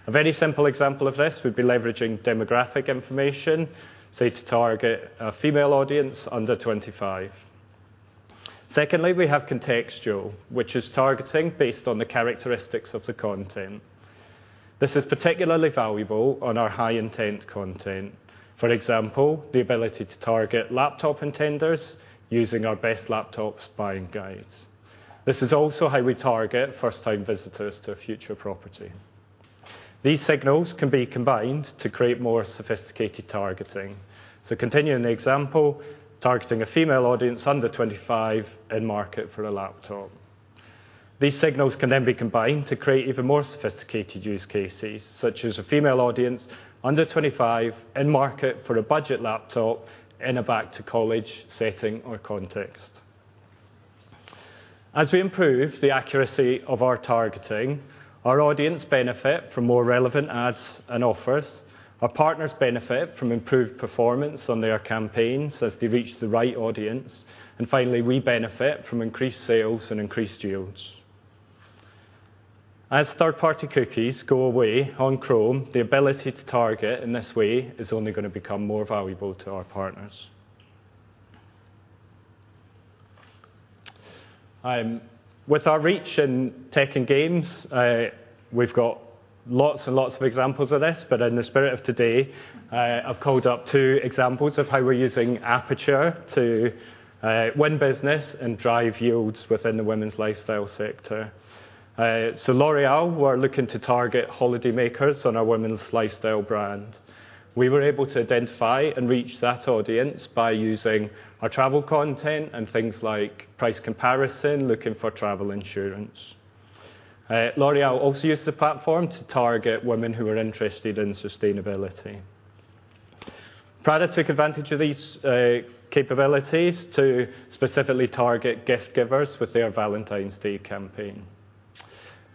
A very simple example of this would be leveraging demographic information, say to target a female audience under 25. Secondly, we have contextual, which is targeting based on the characteristics of the content. This is particularly valuable on our high-intent content. For example, the ability to target laptop intenders using our best laptop buying guides. This is also how we target first-time visitors to a Future property. These signals can be combined to create more sophisticated targeting. Continuing the example, targeting a female audience under 25 in market for a laptop. These signals can then be combined to create even more sophisticated use cases, such as a female audience under 25 in market for a budget laptop in a back-to-college setting or context. As we improve the accuracy of our targeting, our audience benefit from more relevant ads and offers, our partners benefit from improved performance on their campaigns as they reach the right audience, and finally, we benefit from increased sales and increased yields. As third-party cookies go away on Chrome, the ability to target in this way is only gonna become more valuable to our partners. With our reach in tech and games, we've got lots and lots of examples of this, but in the spirit of today, I've called up two examples of how we're using Aperture to win business and drive yields within the women's lifestyle sector. L'Oréal were looking to target holidaymakers on our women's lifestyle brand. We were able to identify and reach that audience by using our travel content and things like price comparison, looking for travel insurance. L'Oréal also used the platform to target women who are interested in sustainability. Prada took advantage of these capabilities to specifically target gift givers with their Valentine's Day campaign.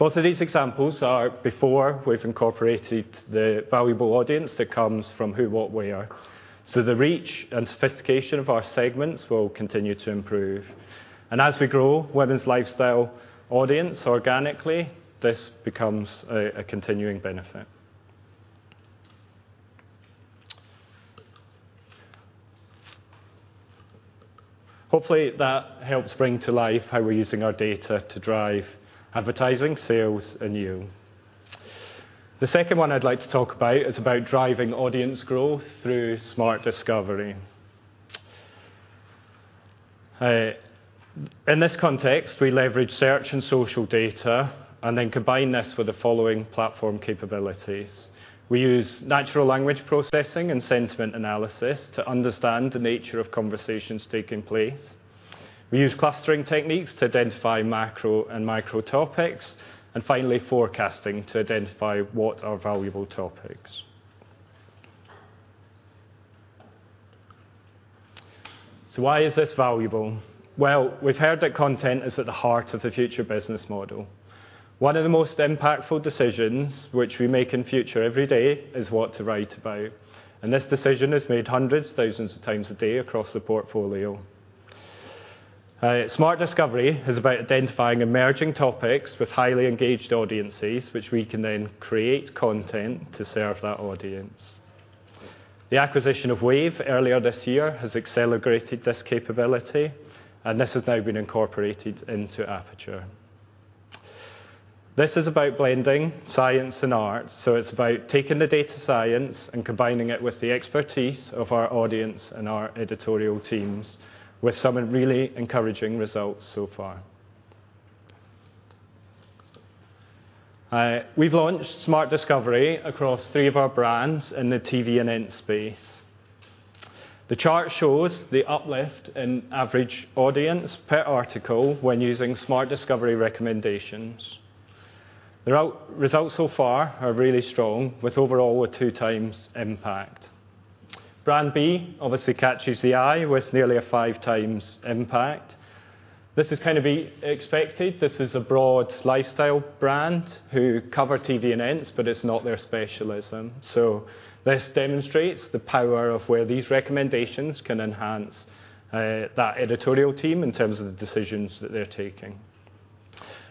Both of these examples are before we've incorporated the valuable audience that comes from Who What Wear. The reach and sophistication of our segments will continue to improve. As we grow women's lifestyle audience organically, this becomes a continuing benefit. Hopefully, that helps bring to life how we're using our data to drive advertising, sales, and yield. The second one I'd like to talk about is about driving audience growth through Smart Discovery. In this context, we leverage search and social data and then combine this with the following platform capabilities. We use natural language processing and sentiment analysis to understand the nature of conversations taking place. We use clustering techniques to identify macro and micro topics, and finally forecasting to identify what are valuable topics. Why is this valuable? Well, we've heard that content is at the heart of the Future business model. One of the most impactful decisions which we make in Future every day is what to write about, and this decision is made hundreds, thousands of times a day across the portfolio. Smart Discovery is about identifying emerging topics with highly engaged audiences, which we can then create content to serve that audience. The acquisition of Waive earlier this year has accelerated this capability, and this has now been incorporated into Aperture. This is about blending science and art, so it's about taking the data science and combining it with the expertise of our audience and our editorial teams with some really encouraging results so far. We've launched Smart Discovery across three of our brands in the TV and entertainment space. The chart shows the uplift in average audience per article when using Smart Discovery recommendations. The results so far are really strong, with overall a 2x impact. Brand B obviously catches the eye with nearly a 5x impact. This is kind of expected. This is a broad lifestyle brand who cover TV and entertainment, but it's not their specialism. This demonstrates the power of where these recommendations can enhance that editorial team in terms of the decisions that they're taking.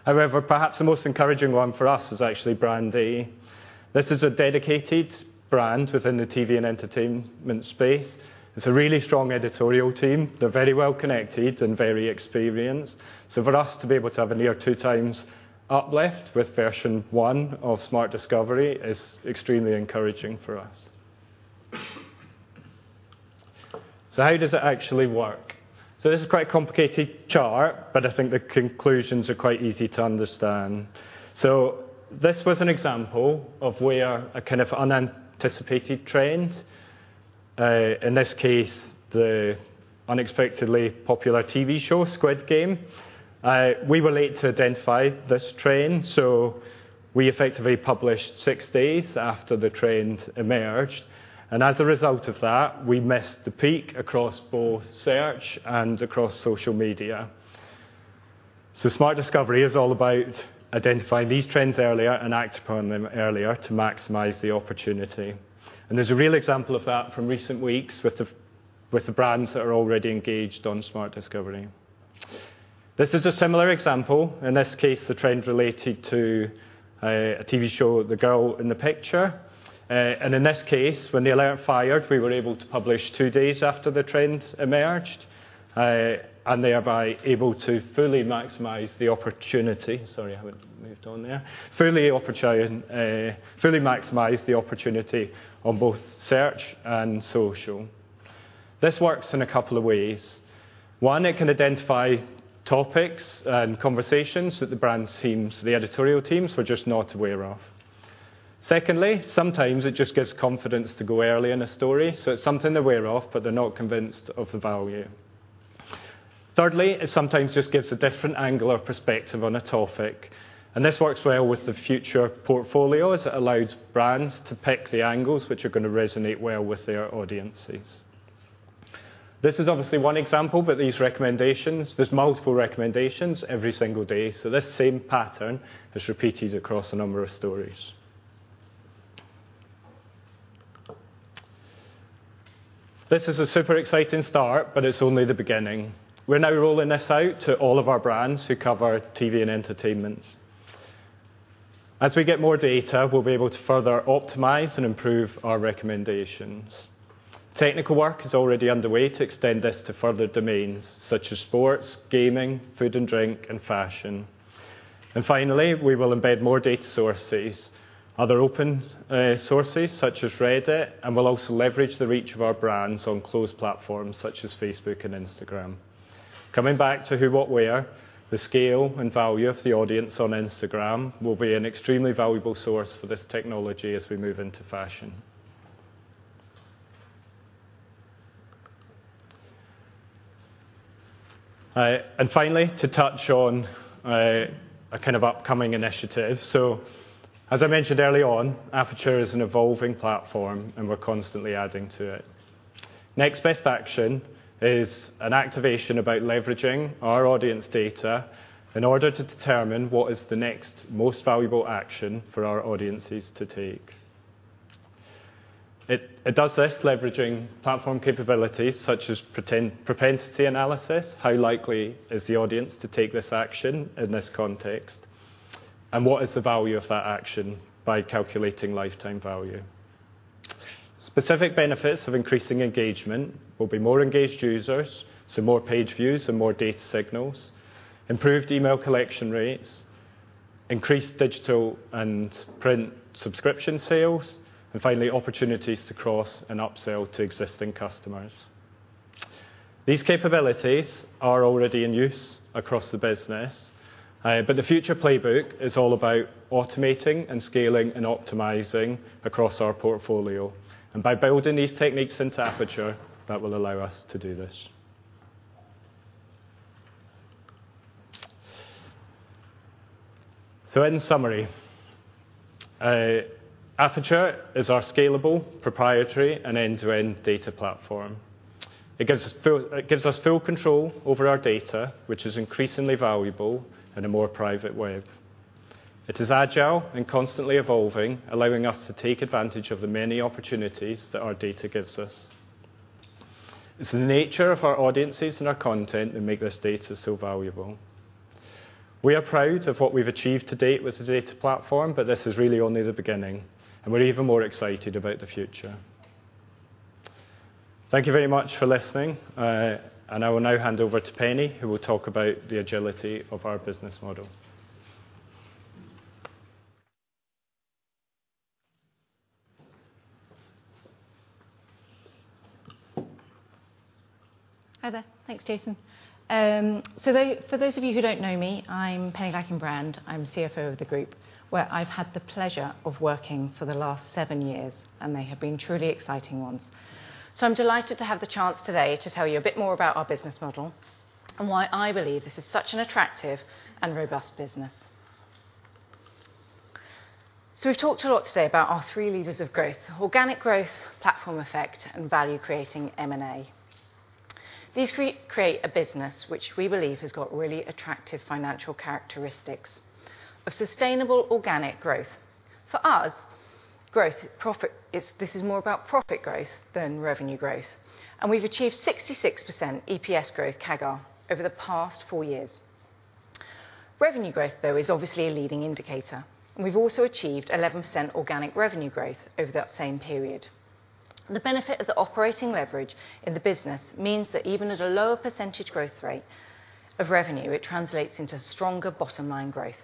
However, perhaps the most encouraging one for us is actually brand D. This is a dedicated brand within the TV and entertainment space. It's a really strong editorial team. They're very well connected and very experienced. For us to be able to have a near 2x uplift with version one of Smart Discovery is extremely encouraging for us. How does it actually work? This is quite a complicated chart, but I think the conclusions are quite easy to understand. This was an example of where a kind of unanticipated trend, in this case, the unexpectedly popular TV show, Squid Game. We were late to identify this trend, so we effectively published six days after the trend emerged, and as a result of that, we missed the peak across both search and across social media. Smart Discovery is all about identifying these trends earlier and act upon them earlier to maximize the opportunity. There's a real example of that from recent weeks with the brands that are already engaged on Smart Discovery. This is a similar example. In this case, the trend related to a TV show, Girl in the Picture. In this case, when the alert fired, we were able to publish two days after the trend emerged, and thereby able to fully maximize the opportunity on both search and social. This works in a couple of ways. One, it can identify topics and conversations that the brand teams, the editorial teams were just not aware of. Secondly, sometimes it just gives confidence to go early in a story, so it's something they're aware of, but they're not convinced of the value. Thirdly, it sometimes just gives a different angle or perspective on a topic. This works well with the Future portfolio, as it allows brands to pick the angles which are going to resonate well with their audiences. This is obviously one example, but these recommendations, there's multiple recommendations every single day. This same pattern is repeated across a number of stories. This is a super exciting start, but it's only the beginning. We're now rolling this out to all of our brands who cover TV and entertainment. As we get more data, we'll be able to further optimize and improve our recommendations. Technical work is already underway to extend this to further domains such as sports, gaming, food and drink, and fashion. Finally, we will embed more data sources, other open sources such as Reddit, and we'll also leverage the reach of our brands on closed platforms such as Facebook and Instagram. Coming back to Who What Wear, the scale and value of the audience on Instagram will be an extremely valuable source for this technology as we move into fashion. Finally, to touch on a kind of upcoming initiative. As I mentioned early on, Aperture is an evolving platform, and we're constantly adding to it. Next Best Action is an activation about leveraging our audience data in order to determine what is the next most valuable action for our audiences to take. It does this, leveraging platform capabilities such as propensity analysis, how likely is the audience to take this action in this context, and what is the value of that action by calculating lifetime value. Specific benefits of increasing engagement will be more engaged users, so more page views and more data signals, improved email collection rates. Increase digital and print subscription sales. Finally, opportunities to cross and upsell to existing customers. These capabilities are already in use across the business. The Future playbook is all about automating and scaling and optimizing across our portfolio. By building these techniques into Aperture, that will allow us to do this. In summary, Aperture is our scalable, proprietary and end-to-end data platform. It gives us full control over our data, which is increasingly valuable in a more private way. It is agile and constantly evolving, allowing us to take advantage of the many opportunities that our data gives us. It's the nature of our audiences and our content that make this data so valuable. We are proud of what we've achieved to date with the data platform, but this is really only the beginning, and we're even more excited about the future. Thank you very much for listening. I will now hand over to Penny, who will talk about the agility of our business model. Hi there. Thanks, Jason. For those of you who don't know me, I'm Penny Ladkin-Brand. I'm CFO of the group, where I've had the pleasure of working for the last seven years, and they have been truly exciting ones. I'm delighted to have the chance today to tell you a bit more about our business model and why I believe this is such an attractive and robust business. We've talked a lot today about our three levers of growth, organic growth, platform effect, and value creating M&A. These create a business which we believe has got really attractive financial characteristics of sustainable organic growth. For us, growth, profit, this is more about profit growth than revenue growth, and we've achieved 66% EPS growth CAGR over the past four years. Revenue growth, though, is obviously a leading indicator, and we've also achieved 11% organic revenue growth over that same period. The benefit of the operating leverage in the business means that even at a lower percentage growth rate of revenue, it translates into stronger bottom-line growth.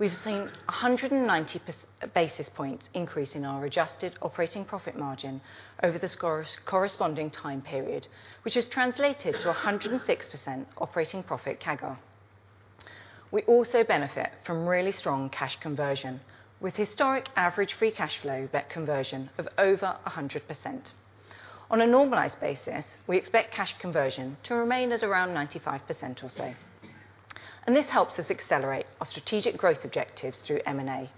We've seen 190 basis points increase in our adjusted operating profit margin over this corresponding time period, which has translated to 106% operating profit CAGR. We also benefit from really strong cash conversion, with historic average free cash flow conversion of over 100%. On a normalized basis, we expect cash conversion to remain at around 95% or so. This helps us accelerate our strategic growth objectives through M&A.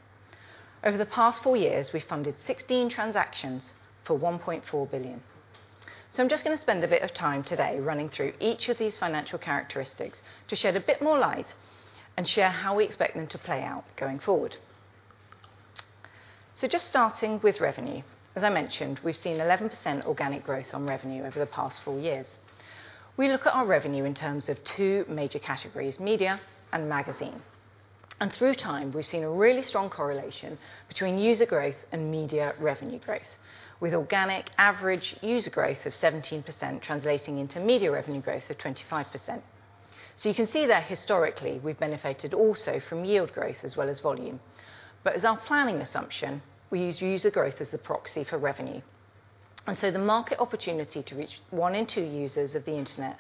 Over the past four years, we've funded 16 transactions for 1.4 billion. I'm just gonna spend a bit of time today running through each of these financial characteristics to shed a bit more light and share how we expect them to play out going forward. Just starting with revenue. As I mentioned, we've seen 11% organic growth on revenue over the past four years. We look at our revenue in terms of two major categories, media and magazine. Through time, we've seen a really strong correlation between user growth and media revenue growth, with organic average user growth of 17% translating into media revenue growth of 25%. You can see there historically, we've benefited also from yield growth as well as volume. As our planning assumption, we use user growth as the proxy for revenue. The market opportunity to reach one in two users of the Internet,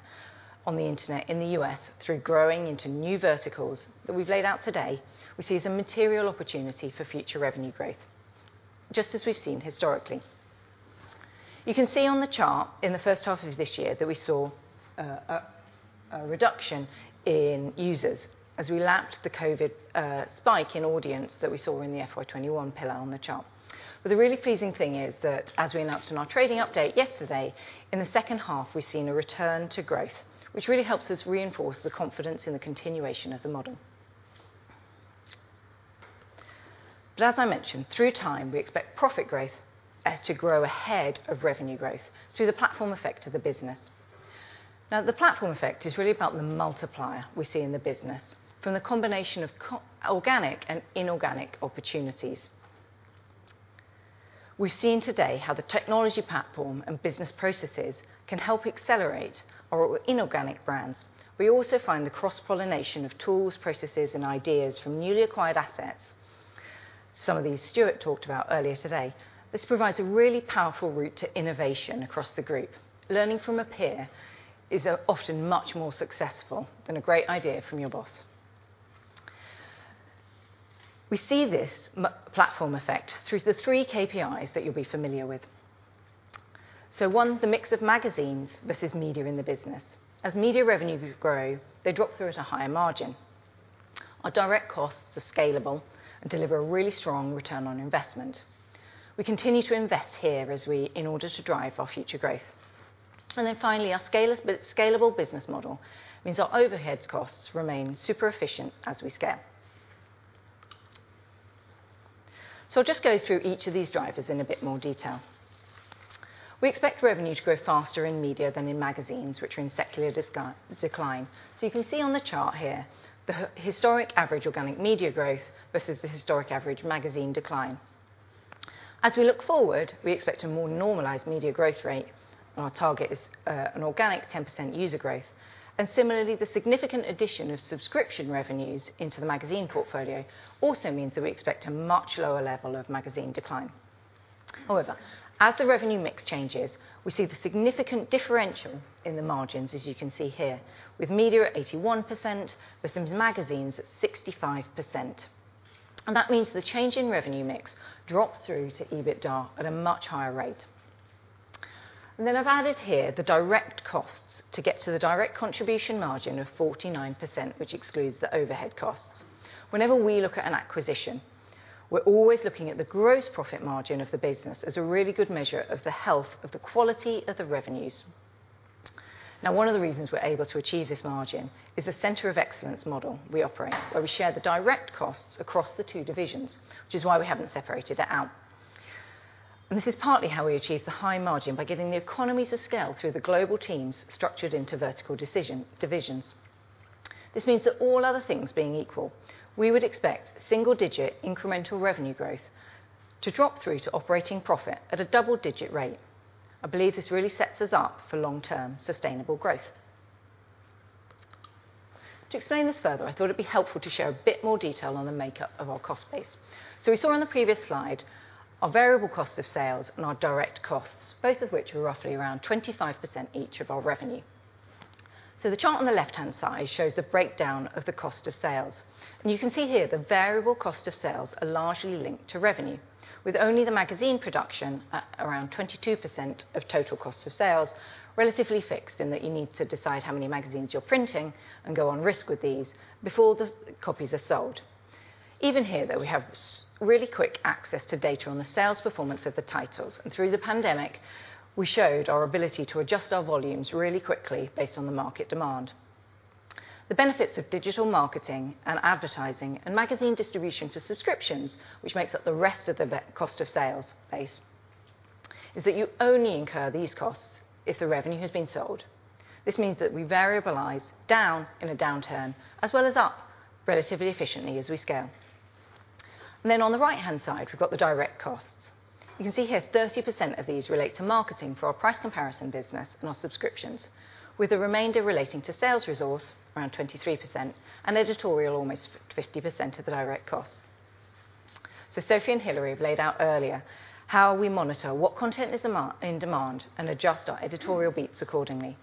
on the Internet in the U.S. through growing into new verticals that we've laid out today, we see as a material opportunity for Future revenue growth, just as we've seen historically. You can see on the chart in the first half of this year that we saw a reduction in users as we lapped the COVID spike in audience that we saw in the FY21 pillar on the chart. The really pleasing thing is that, as we announced in our trading update yesterday, in the second half, we've seen a return to growth, which really helps us reinforce the confidence in the continuation of the model. As I mentioned, through time, we expect profit growth to grow ahead of revenue growth through the platform effect of the business. Now, the platform effect is really about the multiplier we see in the business from the combination of organic and inorganic opportunities. We've seen today how the technology platform and business processes can help accelerate our inorganic brands. We also find the cross-pollination of tools, processes, and ideas from newly acquired assets, some of these Stuart talked about earlier today. This provides a really powerful route to innovation across the group. Learning from a peer is often much more successful than a great idea from your boss. We see this platform effect through the three KPIs that you'll be familiar with. One, the mix of magazines versus media in the business. As media revenues grow, they drop through at a higher margin. Our direct costs are scalable and deliver a really strong return on investment. We continue to invest here in order to drive our future growth. Finally, our scalable business model means our overhead costs remain super efficient as we scale. I'll just go through each of these drivers in a bit more detail. We expect revenue to grow faster in media than in magazines, which are in secular decline. You can see on the chart here the historic average organic media growth versus the historic average magazine decline. As we look forward, we expect a more normalized media growth rate, and our target is an organic 10% user growth. Similarly, the significant addition of subscription revenues into the magazine portfolio also means that we expect a much lower level of magazine decline. However, as the revenue mix changes, we see the significant differential in the margins as you can see here, with media at 81% versus magazines at 65%. That means the change in revenue mix dropped through to EBITDA at a much higher rate. Then I've added here the direct costs to get to the direct contribution margin of 49%, which excludes the overhead costs. Whenever we look at an acquisition, we're always looking at the gross profit margin of the business as a really good measure of the health of the quality of the revenues. Now, one of the reasons we're able to achieve this margin is the center of excellence model we operate, where we share the direct costs across the two divisions, which is why we haven't separated it out. This is partly how we achieve the high margin by getting the economies of scale through the global teams structured into vertical decision divisions. This means that all other things being equal, we would expect single-digit incremental revenue growth to drop through to operating profit at a double-digit rate. I believe this really sets us up for long-term sustainable growth. To explain this further, I thought it'd be helpful to share a bit more detail on the makeup of our cost base. We saw in the previous slide, our variable cost of sales and our direct costs, both of which are roughly around 25% each of our revenue. The chart on the left-hand side shows the breakdown of the cost of sales. You can see here the variable cost of sales are largely linked to revenue, with only the magazine production at around 22% of total cost of sales, relatively fixed, and that you need to decide how many magazines you're printing and go on risk with these before the copies are sold. Even here, though, we have really quick access to data on the sales performance of the titles, and through the pandemic, we showed our ability to adjust our volumes really quickly based on the market demand. The benefits of digital marketing and advertising and magazine distribution for subscriptions, which makes up the rest of the cost of sales base, is that you only incur these costs if the revenue has been sold. This means that we variabilize down in a downturn as well as up relatively efficiently as we scale. Then on the right-hand side, we've got the direct costs. You can see here 30% of these relate to marketing for our price comparison business and our subscriptions, with the remainder relating to sales resource around 23% and editorial almost fifty percent of the direct costs. Sophie and Hilary laid out earlier how we monitor what content is in demand and adjust our editorial beats accordingly.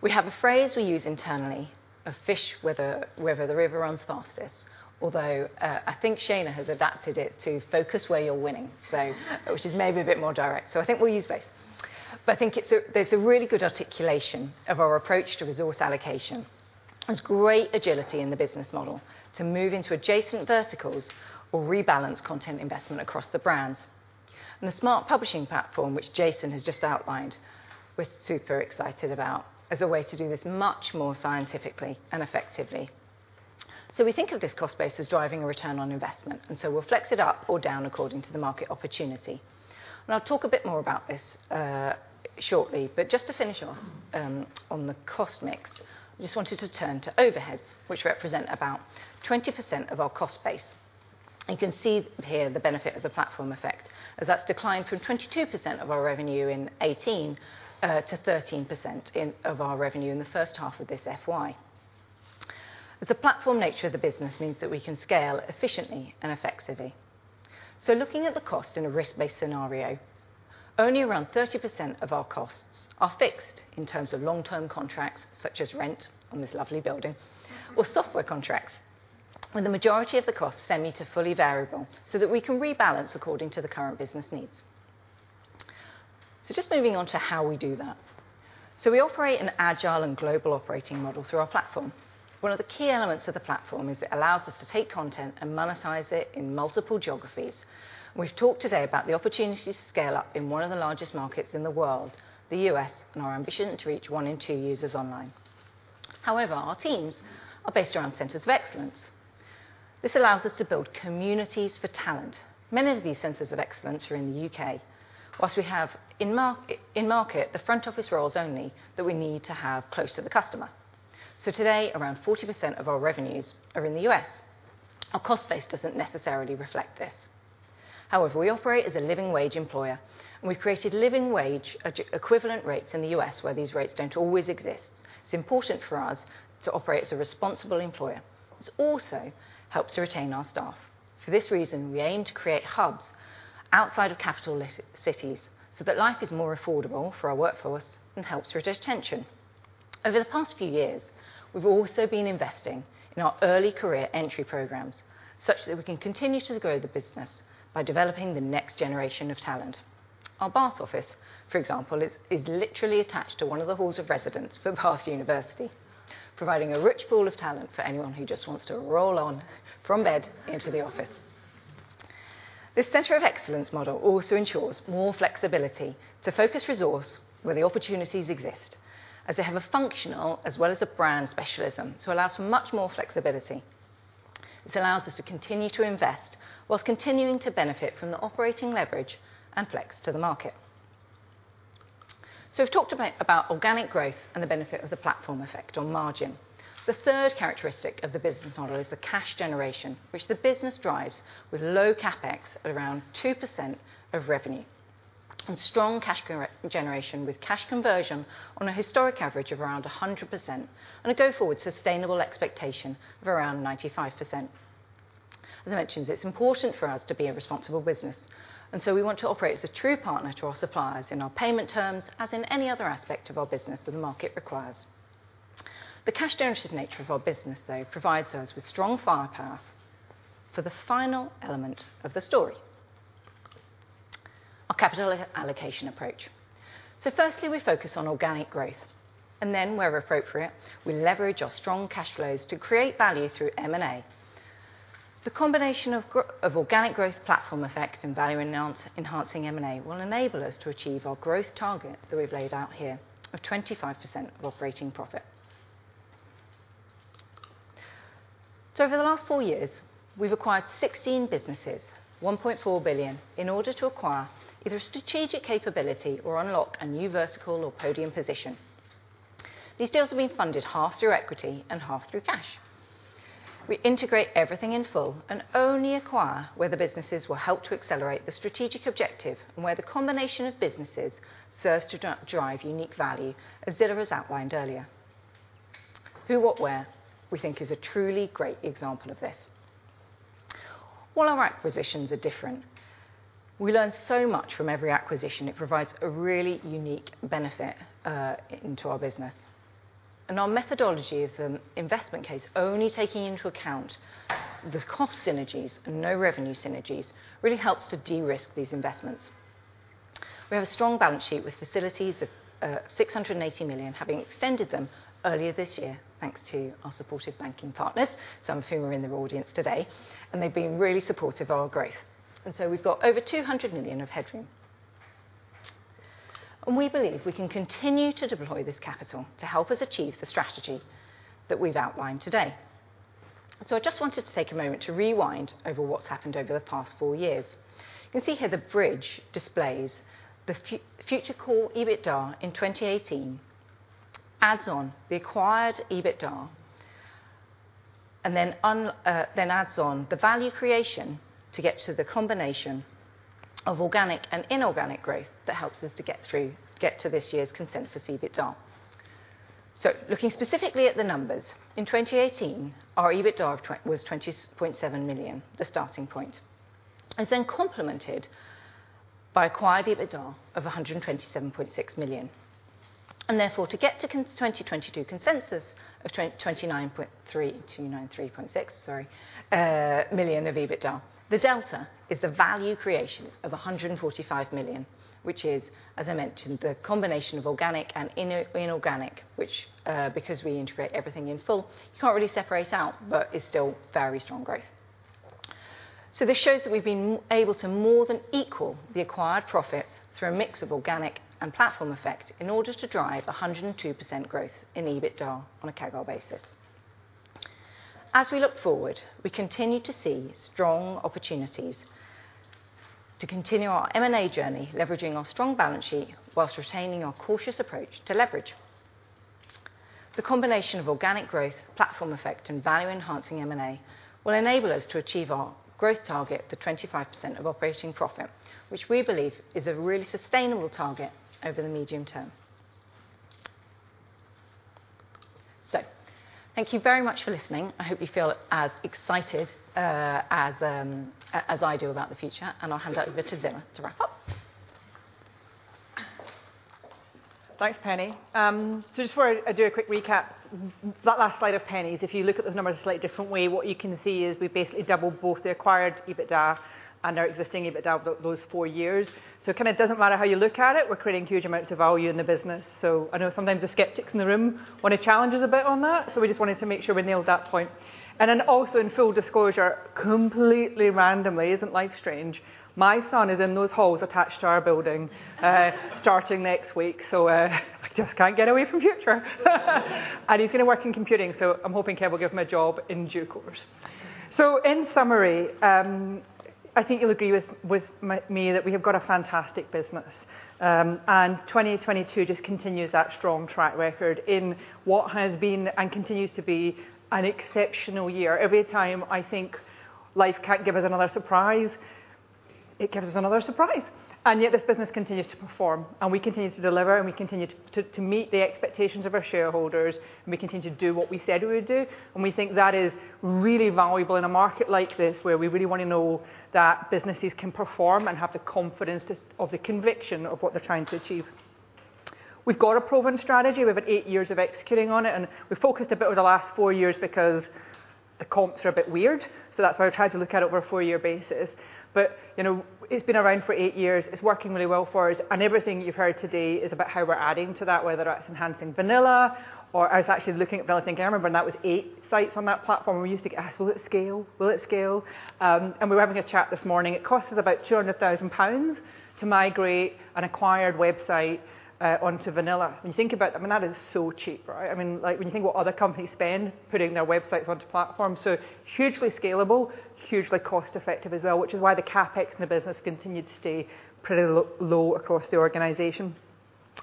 We have a phrase we use internally, a fish where the river runs fastest, although I think Shayna has adapted it to focus where you're winning, so which is maybe a bit more direct. I think we'll use both. I think there's a really good articulation of our approach to resource allocation and great agility in the business model to move into adjacent verticals or rebalance content investment across the brands. The Smart Publishing platform, which Jason has just outlined, we're super excited about as a way to do this much more scientifically and effectively. We think of this cost base as driving a return on investment, and we'll flex it up or down according to the market opportunity. I'll talk a bit more about this, shortly, but just to finish off, on the cost mix, I just wanted to turn to overheads, which represent about 20% of our cost base. You can see here the benefit of the platform effect, as that's declined from 22% of our revenue in 2018 to 13% of our revenue in the first half of this FY. The platform nature of the business means that we can scale efficiently and effectively. Looking at the cost in a risk-based scenario, only around 30% of our costs are fixed in terms of long-term contracts, such as rent on this lovely building or software contracts, when the majority of the costs are semi- to fully variable so that we can rebalance according to the current business needs. Just moving on to how we do that. We operate an agile and global operating model through our platform. One of the key elements of the platform is it allows us to take content and monetize it in multiple geographies. We've talked today about the opportunity to scale up in one of the largest markets in the world, the U.S., and our ambition to reach one in two users online. However, our teams are based around centers of excellence. This allows us to build communities for talent. Many of these centers of excellence are in the U.K. While we have in market, the front office roles only that we need to have close to the customer. Today, around 40% of our revenues are in the U.S. Our cost base doesn't necessarily reflect this. However, we operate as a living wage employer, and we've created living wage equivalent rates in the U.S. where these rates don't always exist. It's important for us to operate as a responsible employer. This also helps to retain our staff. For this reason, we aim to create hubs outside of capital cities so that life is more affordable for our workforce and helps retention. Over the past few years, we've also been investing in our early career entry programs such that we can continue to grow the business by developing the next generation of talent. Our Bath office, for example, is literally attached to one of the halls of residence for University of Bath, providing a rich pool of talent for anyone who just wants to roll out of bed into the office. This center of excellence model also ensures more flexibility to focus resource where the opportunities exist, as they have a functional as well as a brand specialism to allow for much more flexibility. This allows us to continue to invest while continuing to benefit from the operating leverage and flex to the market. We've talked about organic growth and the benefit of the platform effect on margin. The third characteristic of the business model is the cash generation, which the business drives with low CapEx at around 2% of revenue, and strong cash generation with cash conversion on a historic average of around 100%, and a go-forward sustainable expectation of around 95%. As I mentioned, it's important for us to be a responsible business, and so we want to operate as a true partner to our suppliers in our payment terms, as in any other aspect of our business that the market requires. The cash-generative nature of our business, though, provides us with strong firepower for the final element of the story, our capital allocation approach. Firstly, we focus on organic growth, and then where appropriate, we leverage our strong cash flows to create value through M&A. The combination of organic growth platform effect and value-enhancing M&A will enable us to achieve our growth target that we've laid out here of 25% of operating profit. Over the last four years, we've acquired 16 businesses, 1.4 billion, in order to acquire either a strategic capability or unlock a new vertical or podium position. These deals have been funded half through equity and half through cash. We integrate everything in full and only acquire where the businesses will help to accelerate the strategic objective and where the combination of businesses serves to drive unique value as Zillah has outlined earlier. Who What Wear, we think, is a truly great example of this. While our acquisitions are different, we learn so much from every acquisition. It provides a really unique benefit into our business. Our methodology is an investment case only taking into account the cost synergies and no revenue synergies really helps to de-risk these investments. We have a strong balance sheet with facilities of 680 million, having extended them earlier this year thanks to our supportive banking partners, some of whom are in the audience today, and they've been really supportive of our growth. We've got over 200 million of headroom. We believe we can continue to deploy this capital to help us achieve the strategy that we've outlined today. I just wanted to take a moment to rewind over what's happened over the past four years. You can see here the bridge displays the future core EBITDA in 2018 adds on the acquired EBITDA, and then adds on the value creation to get to the combination of organic and inorganic growth that helps us to get to this year's consensus EBITDA. Looking specifically at the numbers, in 2018, our EBITDA was 20.7 million, the starting point, is then complemented by acquired EBITDA of 127.6 million. Therefore, to get to 2022 consensus of 29.3 million-93.6 million of EBITDA, the delta is the value creation of 145 million, which is, as I mentioned, the combination of organic and inorganic, which, because we integrate everything in full, you can't really separate out, but it's still very strong growth. This shows that we've been able to more than equal the acquired profits through a mix of organic and platform effect in order to drive 102% growth in EBITDA on a CAGR basis. As we look forward, we continue to see strong opportunities to continue our M&A journey, leveraging our strong balance sheet while retaining our cautious approach to leverage. The combination of organic growth, platform effect, and value-enhancing M&A will enable us to achieve our growth target for 25% of operating profit, which we believe is a really sustainable target over the medium term. Thank you very much for listening. I hope you feel as excited as I do about the future, and I'll hand over to Zillah to wrap up. Thanks, Penny. Just before I do a quick recap. That last slide of Penny's, if you look at those numbers a slightly different way, what you can see is we basically doubled both the acquired EBITDA and our existing EBITDA over those four years. It kind of doesn't matter how you look at it. We're creating huge amounts of value in the business. I know sometimes the skeptics in the room want to challenge us a bit on that, so we just wanted to make sure we nailed that point. Also in full disclosure, completely randomly, isn't life strange? My son is in those halls attached to our building, starting next week. I just can't get away from Future. He's gonna work in computing, so I'm hoping Kev will give him a job in due course. In summary, I think you'll agree with me that we have got a fantastic business. 2022 just continues that strong track record in what has been, and continues to be, an exceptional year. Every time I think life can't give us another surprise, it gives us another surprise. Yet this business continues to perform, and we continue to deliver, and we continue to meet the expectations of our shareholders, and we continue to do what we said we would do. We think that is really valuable in a market like this, where we really want to know that businesses can perform and have the confidence of the conviction of what they're trying to achieve. We've got a proven strategy. We've had eight years of executing on it, and we've focused a bit over the last four years because the comps are a bit weird. That's why we've tried to look at it over a four-year basis. You know, it's been around for eight years. It's working really well for us, and everything you've heard today is about how we're adding to that, whether that's enhancing Vanilla or I was actually looking at Vanilla again. I remember when that was eight sites on that platform. We used to go, "will it scale?" and we were having a chat this morning. It costs us about 200,000 pounds to migrate an acquired website onto Vanilla. When you think about that, I mean, that is so cheap, right? I mean, like, when you think what other companies spend putting their websites onto platforms, so hugely scalable, hugely cost-effective as well, which is why the CapEx in the business continued to stay pretty low across the organization.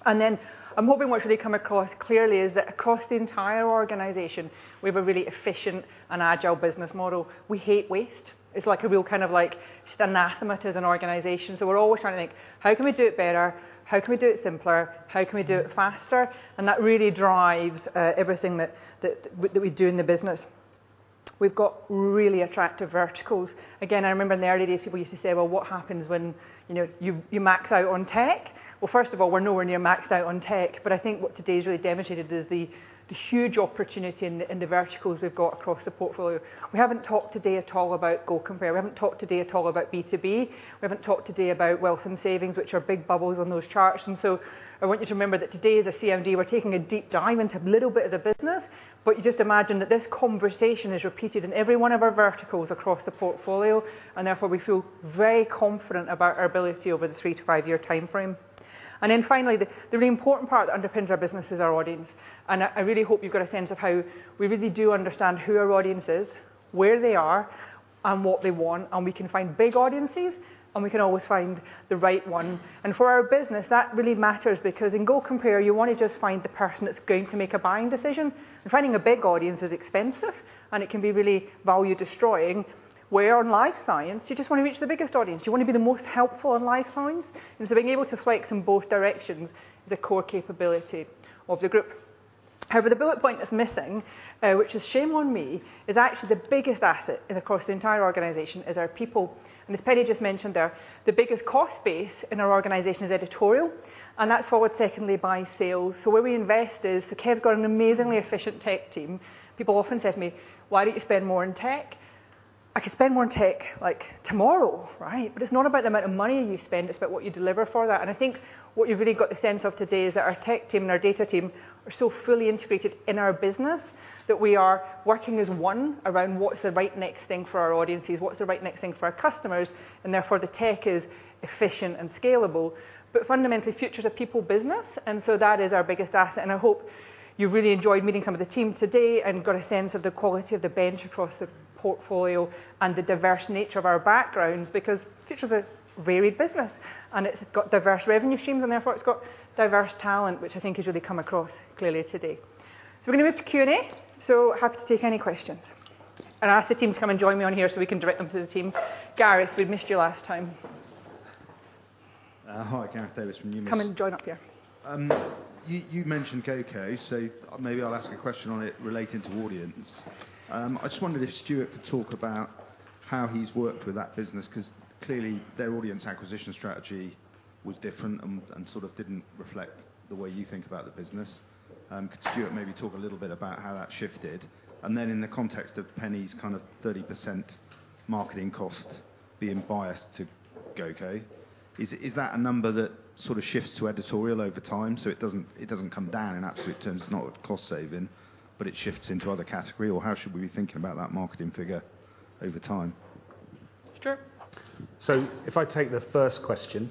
I'm hoping what should come across clearly is that across the entire organization, we have a really efficient and agile business model. We hate waste. It's like a real kind of like just anathema to us as an organization. We're always trying to think, how can we do it better? How can we do it simpler? How can we do it faster? That really drives everything that we do in the business. We've got really attractive verticals. Again, I remember in the early days, people used to say, "Well, what happens when, you know, you max out on tech?" Well, first of all, we're nowhere near maxed out on tech, but I think what today's really demonstrated is the huge opportunity in the verticals we've got across the portfolio. We haven't talked today at all about GoCompare. We haven't talked today at all about B2B. We haven't talked today about Wealth and Savings, which are big bubbles on those charts. I want you to remember that today as a CMD, we're taking a deep dive into a little bit of the business. You just imagine that this conversation is repeated in every one of our verticals across the portfolio, and therefore, we feel very confident about our ability over the 3-5-year timeframe. Finally, the really important part that underpins our business is our audience. I really hope you've got a sense of how we really do understand who our audience is, where they are, and what they want, and we can find big audiences, and we can always find the right one. For our business that really matters because in GoCompare, you wanna just find the person that's going to make a buying decision. Finding a big audience is expensive, and it can be really value destroying. Where on lifestyle you just wanna reach the biggest audience. You wanna be the most helpful on lifestyle. Being able to flex in both directions is a core capability of the group. However, the bullet point that's missing, which is shame on me, is actually the biggest asset and across the entire organization is our people. As Penny just mentioned there, the biggest cost base in our organization is editorial, and that's followed secondly by sales. Where we invest is, Kev's got an amazingly efficient tech team. People often say to me, "Why don't you spend more on tech?" I could spend more on tech, like, tomorrow, right? It's not about the amount of money you spend, it's about what you deliver for that. I think what you've really got the sense of today is that our tech team and our data team are so fully integrated in our business that we are working as one around what's the right next thing for our audiences, what's the right next thing for our customers, and therefore, the tech is efficient and scalable. Fundamentally, Future's a people business, and so that is our biggest asset. I hope you really enjoyed meeting some of the team today and got a sense of the quality of the bench across the portfolio and the diverse nature of our backgrounds because Future's a varied business and it's got diverse revenue streams, and therefore it's got diverse talent, which I think has really come across clearly today. We're gonna move to Q&A, so happy to take any questions. I ask the team to come and join me on here so we can direct them to the team. Gareth, we missed you last time. Hi. Gareth Davies from Numis. Come and join up here. You mentioned GoCo, so maybe I'll ask a question on it relating to audience. I just wondered if Stuart could talk about how he's worked with that business, 'cause clearly their audience acquisition strategy was different and sort of didn't reflect the way you think about the business. Could Stuart maybe talk a little bit about how that shifted? In the context of Penny's kind of 30% marketing cost being biased to GoCo, is that a number that sort of shifts to editorial over time so it doesn't come down in absolute terms, it's not a cost saving, but it shifts into other category? Or how should we be thinking about that marketing figure over time? Stuart? If I take the first question,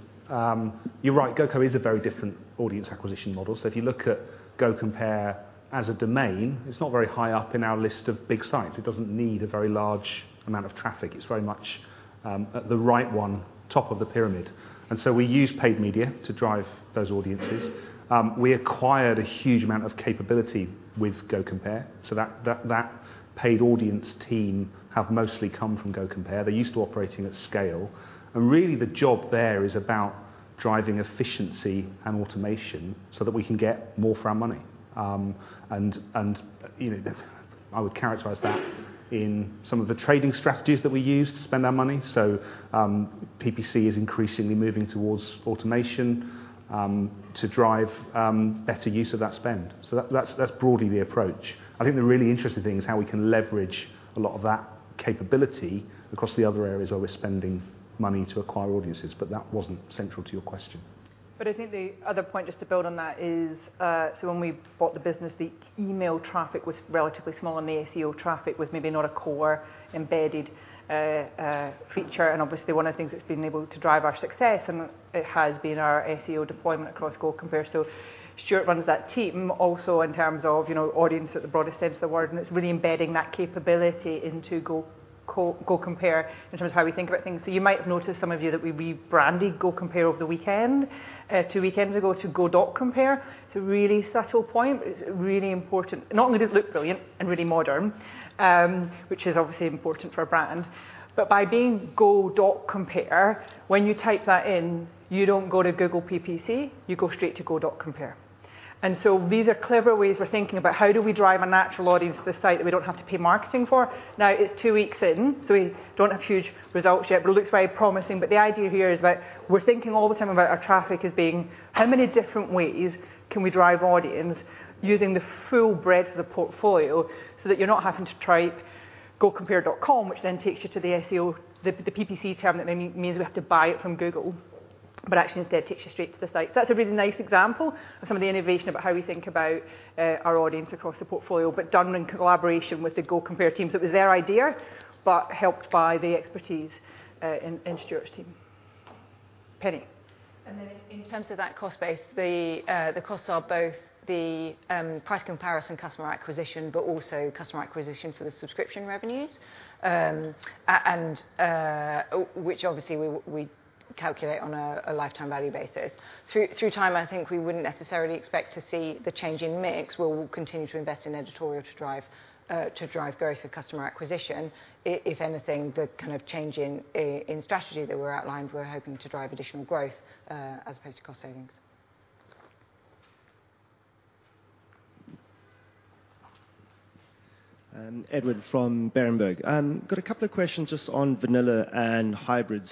you're right, GoCo is a very different audience acquisition model. If you look at GoCompare as a domain, it's not very high up in our list of big sites. It doesn't need a very large amount of traffic. It's very much at the right end, top of the pyramid. We use paid media to drive those audiences. We acquired a huge amount of capability with GoCompare, so that paid audience team have mostly come from GoCompare. They're used to operating at scale. Really the job there is about driving efficiency and automation so that we can get more for our money. And you know, I would characterize that in some of the trading strategies that we use to spend our money. PPC is increasingly moving towards automation, to drive better use of that spend. That's broadly the approach. I think the really interesting thing is how we can leverage a lot of that capability across the other areas where we're spending money to acquire audiences. That wasn't central to your question. I think the other point, just to build on that, is, so when we bought the business, the email traffic was relatively small and the SEO traffic was maybe not a core embedded feature. Obviously one of the things that's been able to drive our success and it has been our SEO deployment across GoCompare. Stuart runs that team also in terms of, you know, audience at the broadest sense of the word, and it's really embedding that capability into GoCompare in terms of how we think about things. You might have noticed, some of you, that we rebranded GoCompare over the weekend, two weekends ago, to Go.Compare. It's a really subtle point, but it's really important. Not only does it look brilliant and really modern, which is obviously important for a brand, but by being Go.Compare, when you type that in, you don't go to Google PPC, you go straight to Go.Compare. These are clever ways we're thinking about how do we drive a natural audience to the site that we don't have to pay marketing for. Now, it's two weeks in, so we don't have huge results yet, but it looks very promising. The idea here is about we're thinking all the time about our traffic as being how many different ways can we drive audience using the full breadth of the portfolio so that you're not having to type GoCompare.com, which then takes you to the SEO, the PPC term that then means we have to buy it from Google, but actually instead takes you straight to the site. That's a really nice example of some of the innovation about how we think about our audience across the portfolio, but done in collaboration with the GoCompare team. It was their idea, but helped by the expertise in Stuart's team. Penny. In terms of that cost base, the costs are both the price comparison customer acquisition, but also customer acquisition for the subscription revenues. Which obviously we calculate on a lifetime value basis. Through time, I think we wouldn't necessarily expect to see the change in mix. We'll continue to invest in editorial to drive growth through customer acquisition. If anything, the kind of change in strategy that were outlined, we're hoping to drive additional growth, as opposed to cost savings. Edward from Berenberg. Got a couple of questions just on Vanilla and Hybrid.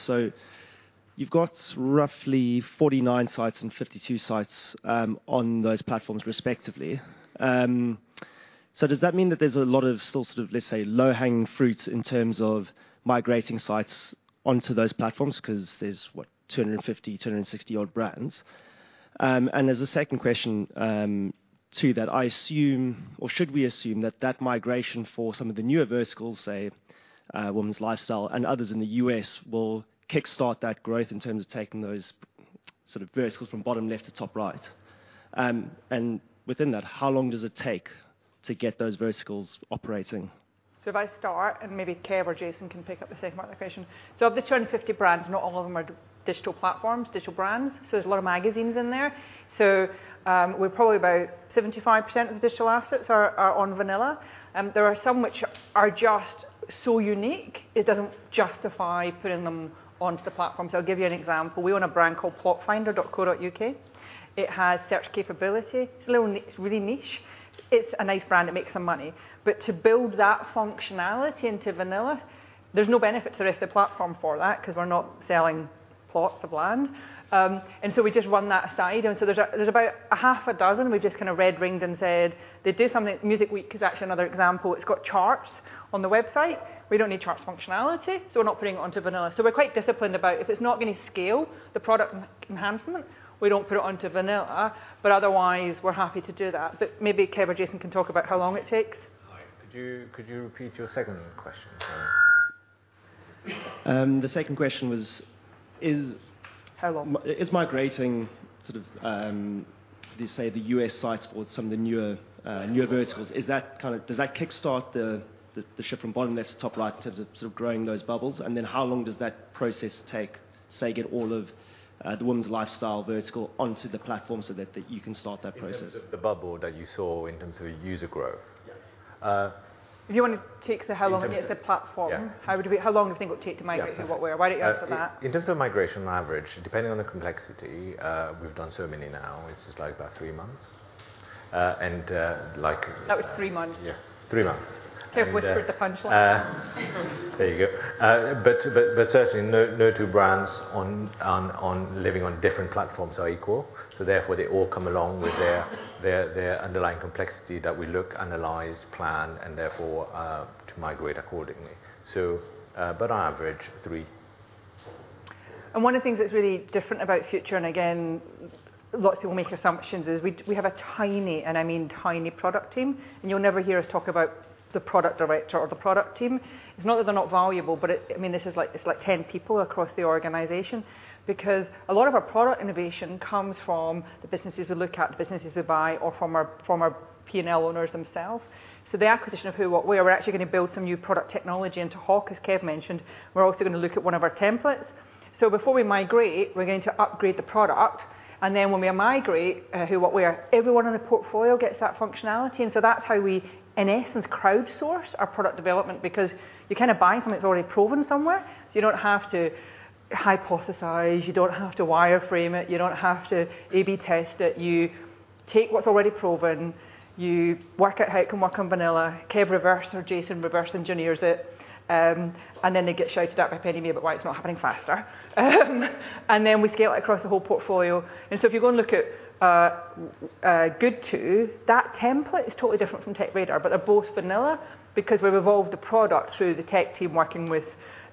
You've got roughly 49 sites and 52 sites on those platforms respectively. Does that mean that there's a lot of still sort of, let's say, low-hanging fruit in terms of migrating sites onto those platforms? 'Cause there's what, 250, 260 odd brands. As a second question, to that, I assume or should we assume that that migration for some of the newer verticals, say, women's lifestyle and others in the U.S. will kickstart that growth in terms of taking those sort of verticals from bottom left to top right? Within that, how long does it take to get those verticals operating? If I start and maybe Kev or Jason can pick up the second part of the question. Of the 250 brands, not all of them are digital platforms, digital brands, so there's a lot of magazines in there. We're probably about 75% of the digital assets are on Vanilla. There are some which are just so unique, it doesn't justify putting them onto the platform. I'll give you an example. We own a brand called plotfinder.co.uk. It has search capability. It's really niche. It's a nice brand. It makes some money. But to build that functionality into Vanilla, there's no benefit to the rest of the platform for that 'cause we're not selling plots of land. We just run that aside. There's about half a dozen we've just kind of red-ringed and said, "They do something..." Music Week is actually another example. It's got charts on the website. We don't need charts functionality, so we're not putting it onto vanilla. We're quite disciplined about if it's not gonna scale the product enhancement, we don't put it onto vanilla. Otherwise, we're happy to do that. Maybe Kev or Jason can talk about how long it takes. Hi. Could you repeat your second question? Sorry. The second question was How long? is migrating sort of, you say the U.S. sites or some of the newer verticals. Yeah Is that kind of does that kickstart the shift from bottom left to top right in terms of sort of growing those bubbles? How long does that process take to say get all of the women's lifestyle vertical onto the platform so that you can start that process? In terms of the bubble that you saw in terms of user growth? Yeah. Uh- If you wanna take the how long it takes the platform. Yeah How long do you think it would take to migrate and what way? Why don't you answer that? In terms of migration on average, depending on the complexity, we've done so many now, it's just like about three months. That was three months. Yes. Three months. Kev whispered the punchline. There you go. Certainly no two brands operating on different platforms are equal, so therefore they all come along with their underlying complexity that we look, analyze, plan, and therefore to migrate accordingly. On average, three. One of the things that's really different about Future, and again, lots of people make assumptions, is we have a tiny, and I mean tiny product team, and you'll never hear us talk about the product director or the product team. It's not that they're not valuable, but I mean, this is like, it's like 10 people across the organization. Because a lot of our product innovation comes from the businesses we look at, the businesses we buy, or from our P&L owners themselves. The acquisition of Who What Wear, we're actually gonna build some new product technology into Hawk, as Kev mentioned. We're also gonna look at one of our templates. Before we migrate, we're going to upgrade the product, and then when we migrate Who What Wear, everyone in the portfolio gets that functionality. That's how we in essence crowdsource our product development because you're kind of buying something that's already proven somewhere. You don't have to hypothesize. You don't have to wireframe it. You don't have to A/B test it. You take what's already proven. You work out how it can work on vanilla. Kev reverse or Jason reverse engineers it. And then they get shouted at by Penny and me about why it's not happening faster. And then we scale it across the whole portfolio. If you go and look at GoodTo, that template is totally different from TechRadar, but they're both vanilla because we've evolved the product through the tech team working with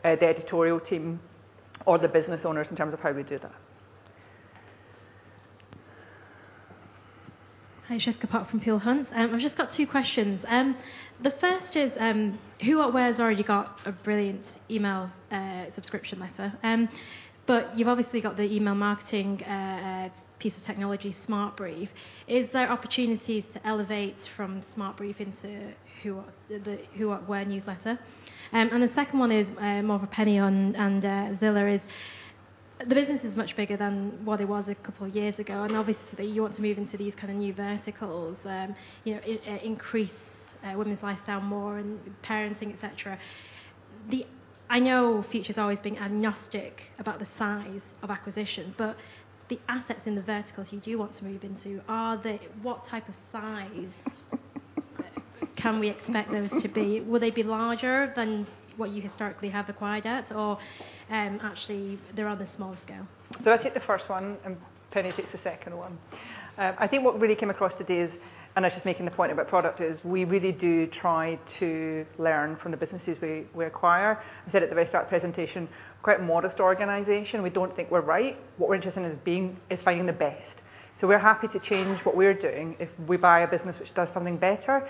the editorial team or the business owners in terms of how we do that. Hi. Jessica Pok from Peel Hunt. I've just got two questions. The first is, Who What Wear's already got a brilliant email subscription letter, but you've obviously got the email marketing piece of technology, SmartBrief. Is there opportunities to elevate from SmartBrief into Who What Wear, the Who What Wear newsletter? The second one is more for Penny and Zillah. The business is much bigger than what it was a couple of years ago, and obviously you want to move into these kind of new verticals. You know, increase women's lifestyle more and parenting, et cetera. I know Future's always been agnostic about the size of acquisition, but the assets in the verticals you do want to move into, what type of size can we expect those to be? Will they be larger than what you historically have acquired at? Or, actually they're rather small scale? I'll take the first one, and Penny takes the second one. I think what really came across today is, and I was just making the point about product, is we really do try to learn from the businesses we acquire. I said at the very start of the presentation, quite modest organization. We don't think we're right. What we're interested in is finding the best. We're happy to change what we're doing if we buy a business which does something better,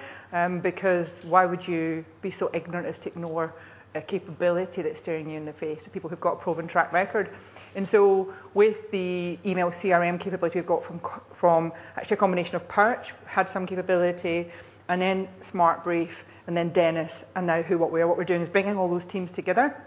because why would you be so ignorant as to ignore a capability that's staring you in the face from people who've got proven track record? With the email CRM capability we've got from—Actually, a combination of Purch had some capability, and then SmartBrief, and then Dennis, and now what we are, what we're doing is bringing all those teams together,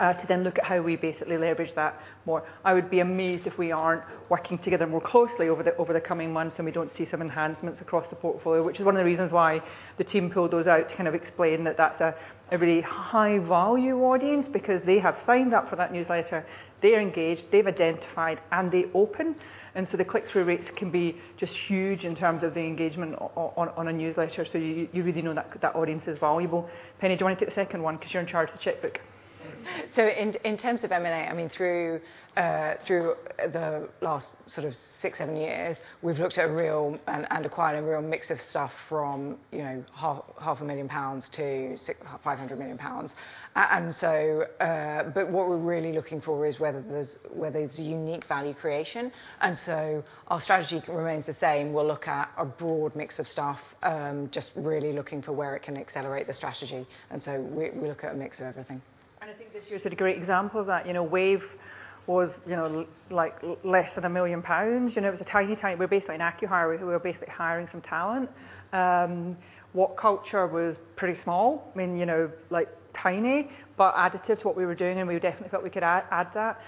to then look at how we basically leverage that more. I would be amazed if we aren't working together more closely over the coming months, and we don't see some enhancements across the portfolio. Which is one of the reasons why the team pulled those out to kind of explain that that's a really high value audience because they have signed up for that newsletter. They're engaged, they've identified, and they open. The click-through rates can be just huge in terms of the engagement on a newsletter. You really know that audience is valuable. Penny, do you wanna take the second one 'cause you're in charge of the checkbook? In terms of M&A, I mean, through the last sort of six, seven years, we've looked at a real and acquired a real mix of stuff from, you know 500,000-500 million pounds. But what we're really looking for is whether it's unique value creation. Our strategy remains the same. We'll look at a broad mix of stuff, just really looking for where it can accelerate the strategy. We look at a mix of everything. I think this year's had a great example of that. You know, Waive was, you know, like less than 1 million pounds. You know, it was a tiny. We're basically an acqui-hire. We were basically hiring some talent. WhatCulture was pretty small. I mean, you know, like tiny, but additive to what we were doing, and we definitely felt we could add that.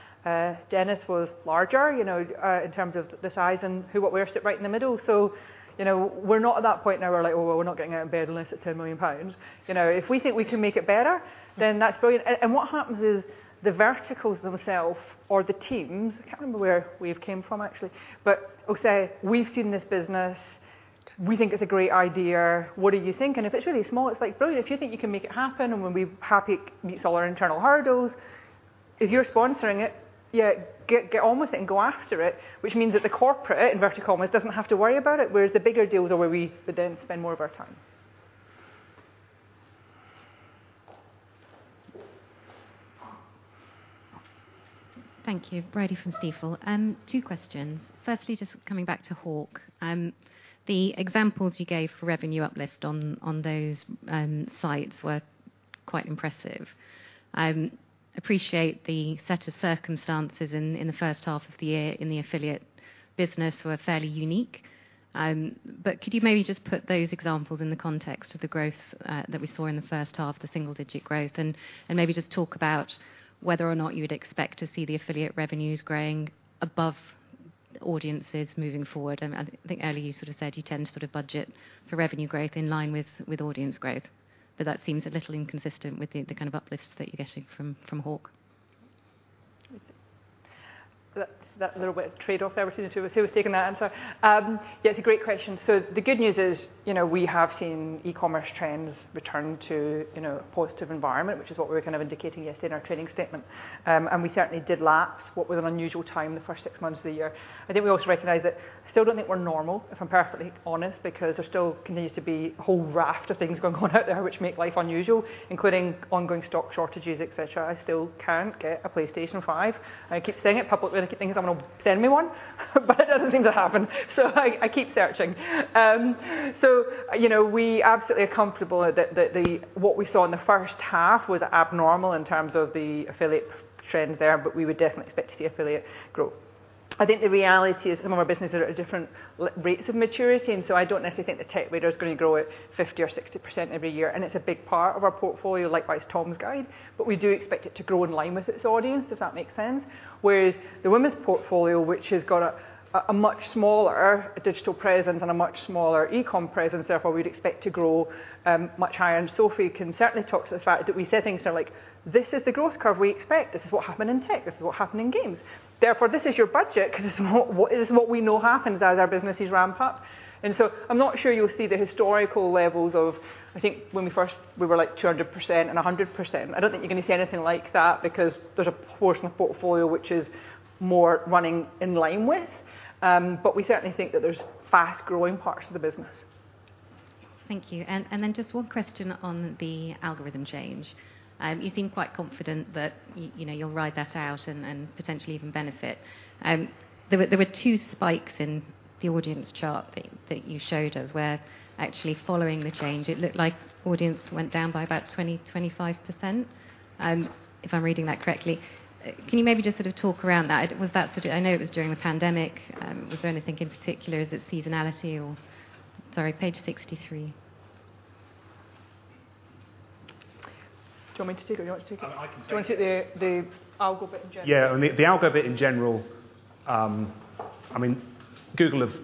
Dennis Publishing was larger, you know, in terms of the size and what we are. It sits right in the middle. You know, we're not at that point now. We're like, "Oh, well, we're not getting out of bed unless it's 10 million pounds." You know, if we think we can make it better, then that's brilliant. What happens is the verticals themselves or the teams. I can't remember where Waive came from actually, but we'll say, "We've seen this business. We think it's a great idea. What do you think?" If it's really small, it's like, "Brilliant. If you think you can make it happen, and when we're happy it meets all our internal hurdles, if you're sponsoring it, yeah, get on with it and go after it." Which means that the corporate in vertical almost doesn't have to worry about it. Whereas the bigger deals are where we would then spend more of our time. Thank you. Bridie from Stifel. Two questions. First, just coming back to Hawk. The examples you gave for revenue uplift on those sites were quite impressive. I appreciate the set of circumstances in the first half of the year in the affiliate business were fairly unique. But could you maybe just put those examples in the context of the growth that we saw in the first half, the single-digit growth, and maybe just talk about whether or not you would expect to see the affiliate revenues growing above audiences moving forward? I think earlier you sort of said you tend to sort of budget for revenue growth in line with audience growth, but that seems a little inconsistent with the kind of uplifts that you're getting from Hawk. That's a little bit of trade-off there between the two of us. Who was taking that answer? Yeah, it's a great question. The good news is, you know, we have seen e-commerce trends return to, you know, a positive environment, which is what we were kind of indicating yesterday in our trading statement. We certainly did lapse what was an unusual time the first six months of the year. I think we also recognize that still don't think we're normal, if I'm perfectly honest, because there still continues to be a whole raft of things going on out there which make life unusual, including ongoing stock shortages, et cetera. I still can't get a PlayStation 5. I keep saying it publicly thinking someone will send me one, but it doesn't seem to happen. I keep searching. So, you know, we absolutely are comfortable that what we saw in the first half was abnormal in terms of the affiliate trends there, but we would definitely expect to see affiliate growth. I think the reality is some of our businesses are at different rates of maturity, and so I don't necessarily think TechRadar is gonna grow at 50% or 60% every year, and it's a big part of our portfolio, likewise Tom's Guide, but we do expect it to grow in line with its audience. Does that make sense? Whereas the women's portfolio, which has got a much smaller digital presence and a much smaller e-commerce presence, therefore, we'd expect to grow much higher. Sophie can certainly talk to the fact that we set things that are like, "This is the growth curve we expect. This is what happened in tech. This is what happened in games. Therefore, this is your budget because it's what this is what we know happens as our businesses ramp up. I'm not sure you'll see the historical levels of, I think, when we first we were like 200% and 100%. I don't think you're gonna see anything like that because there's a portion of the portfolio which is more running in line with. We certainly think that there's fast-growing parts of the business. Thank you. Just one question on the algorithm change. You seem quite confident that you know, you'll ride that out and potentially even benefit. There were two spikes in the audience chart that you showed us were actually following the change. It looked like audience went down by about 20%-25%, if I'm reading that correctly. Can you maybe just sort of talk around that? Was that. I know it was during the pandemic. Was there anything in particular? Is it seasonality or. Sorry, page 63. Do you want me to take it or you want to take it? I can take it. Do you want to take the algo bit in general? Yeah. The algo bit in general, I mean, Google have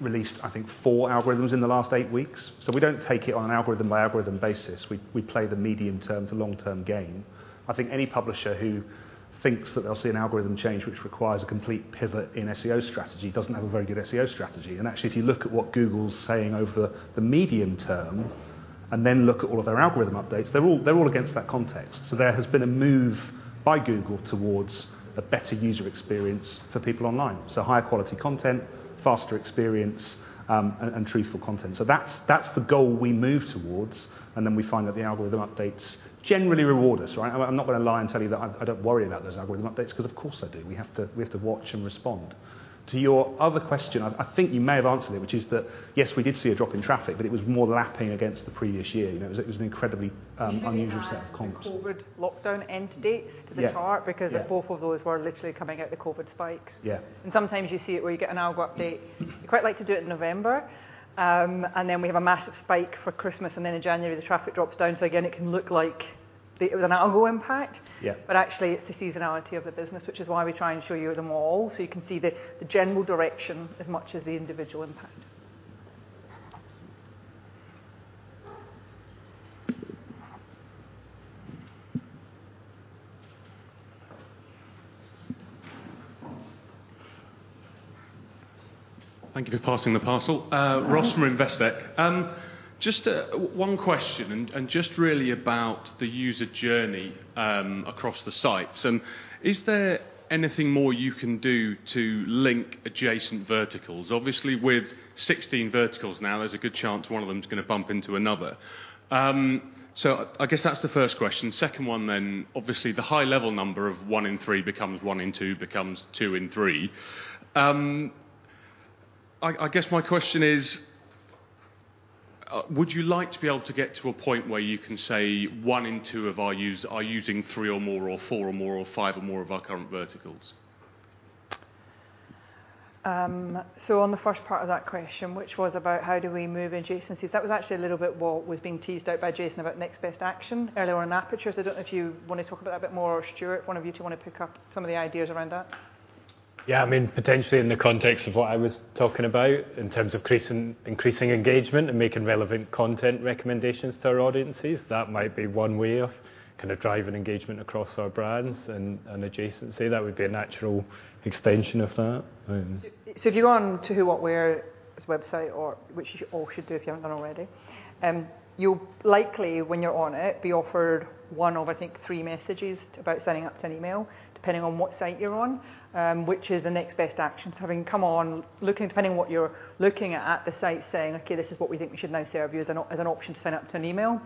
released, I think, four algorithms in the last eight weeks. We don't take it on an algorithm by algorithm basis. We play the medium term to long-term game. I think any publisher who thinks that they'll see an algorithm change which requires a complete pivot in SEO strategy doesn't have a very good SEO strategy. Actually, if you look at what Google's saying over the medium term. Look at all of their algorithm updates. They're all against that context. There has been a move by Google towards a better user experience for people online. Higher quality content, faster experience, and truthful content. That's the goal we move towards, and we find that the algorithm updates generally reward us, right? I'm not gonna lie and tell you that I don't worry about those algorithm updates 'cause of course I do. We have to watch and respond. To your other question, I think you may have answered it, which is that, yes, we did see a drop in traffic, but it was more lapping against the previous year. You know, it was an incredibly unusual set of comps. Do you think you can add the COVID lockdown end dates to the chart? Yeah. Yeah. Because both of those were literally coming out of the COVID spikes. Yeah. Sometimes you see it where you get an algo update, they quite like to do it in November. We have a massive spike for Christmas, and then in January, the traffic drops down. Again, it can look like it was an algo impact. Yeah. Actually it's the seasonality of the business, which is why we try and show you them all, so you can see the general direction as much as the individual impact. Thank you for passing the parcel. Ross from Investec. Just one question and just really about the user journey across the sites. Is there anything more you can do to link adjacent verticals? Obviously, with 16 verticals now, there's a good chance one of them is gonna bump into another. So I guess that's the first question. Second one then, obviously the high level number of one in three becomes one in two, becomes two in three. I guess my question is, would you like to be able to get to a point where you can say one in two of our user are using three or more, or four or more, or five or more of our current verticals? On the first part of that question, which was about how do we move adjacencies, that was actually a little bit what was being teased out by Jason about Next Best Action earlier on in Aperture. I don't know if you wanna talk about that a bit more, Stuart. One of you two wanna pick up some of the ideas around that? Yeah. I mean, potentially in the context of what I was talking about in terms of increasing engagement and making relevant content recommendations to our audiences, that might be one way of kind of driving engagement across our brands and adjacency. That would be a natural extension of that. If you go on to Who What Wear's website or which you all should do if you haven't done already, you'll likely, when you're on it, be offered one of, I think, three messages about signing up to an email, depending on what site you're on, which is the Next Best Action. Having come on, depending on what you're looking at the site saying, "Okay, this is what we think we should now serve you as an option to sign up to an email."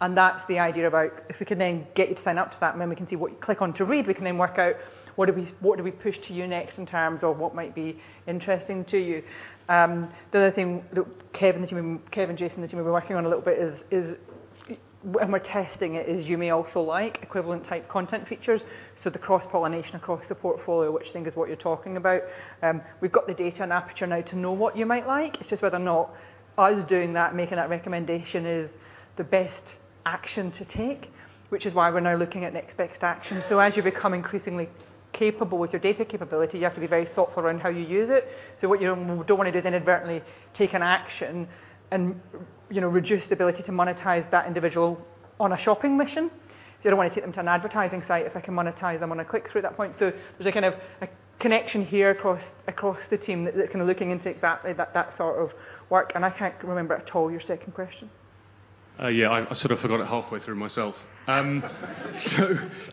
That's the idea about if we can then get you to sign up to that, and then we can see what you click on to read, we can then work out what we push to you next in terms of what might be interesting to you. The other thing that Kevin and Jason and the team have been working on a little bit is, and we're testing it, you may also like equivalent type content features, so the cross-pollination across the portfolio, which I think is what you're talking about. We've got the data and Aperture now to know what you might like. It's just whether or not us doing that, making that recommendation is the best action to take, which is why we're now looking at Next Best Action. As you become increasingly capable with your data capability, you have to be very thoughtful around how you use it. What you don't wanna do is inadvertently take an action and, you know, reduce the ability to monetize that individual on a shopping mission. You don't wanna take them to an advertising site if I can monetize them on a click-through at that point. There's a kind of a connection here across the team that kind of looking into exactly that sort of work. I can't remember at all your second question. Yeah. I sort of forgot it halfway through myself.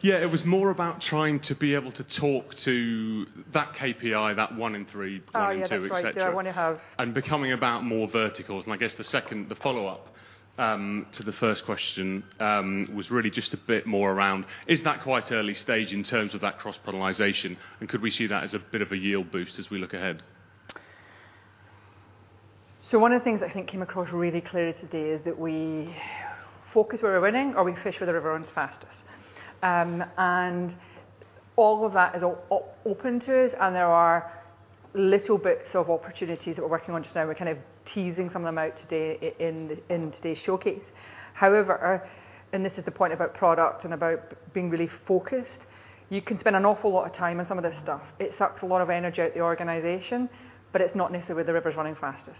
Yeah, it was more about trying to be able to talk to that KPI, that one in three, one in two, et cetera. Oh, yeah. That's right. The one you have. Becoming about more verticals. I guess the second, the follow-up, to the first question, was really just a bit more around, is that quite early stage in terms of that cross-pollination, and could we see that as a bit of a yield boost as we look ahead? One of the things I think came across really clearly today is that we focus where we're winning or we fish where the river runs fastest. All of that is open to us, and there are little bits of opportunities that we're working on just now. We're kind of teasing some of them out today in today's showcase. However, this is the point about product and about being really focused. You can spend an awful lot of time on some of this stuff. It sucks a lot of energy out of the organization, but it's not necessarily where the river's running fastest.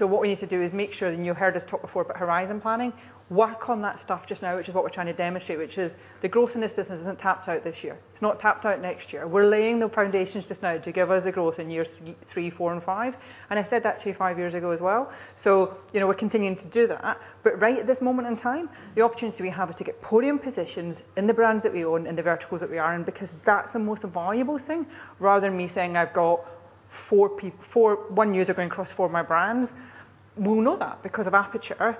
What we need to do is make sure, and you heard us talk before about horizon planning, work on that stuff just now, which is what we're trying to demonstrate, which is the growth in this business isn't tapped out this year. It's not tapped out next year. We're laying the foundations just now to give us the growth in years three, four and five. I said that to you five years ago as well. You know, we're continuing to do that. Right at this moment in time, the opportunity we have is to get podium positions in the brands that we own, in the verticals that we are in, because that's the most valuable thing, rather than me saying, "I've got four. One user going across four of my brands." We'll know that because of Aperture.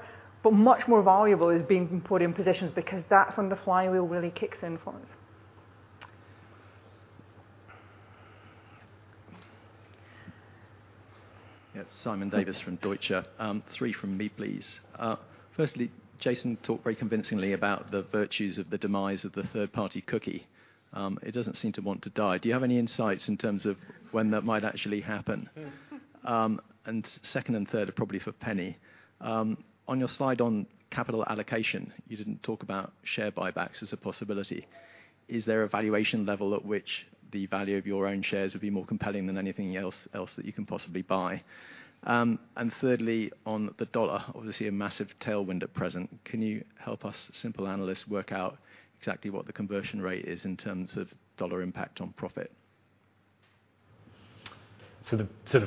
Much more valuable is being in podium positions because that's when the flywheel really kicks in for us. Simon Davies from Deutsche Bank. Three from me, please. Firstly, Jason talked very convincingly about the virtues of the demise of the third-party cookie. It doesn't seem to want to die. Do you have any insights in terms of when that might actually happen? Second and third are probably for Penny. On your slide on capital allocation, you didn't talk about share buybacks as a possibility. Is there a valuation level at which the value of your own shares would be more compelling than anything else that you can possibly buy? Thirdly, on the dollar, obviously a massive tailwind at present. Can you help us simple analysts work out exactly what the conversion rate is in terms of dollar impact on profit?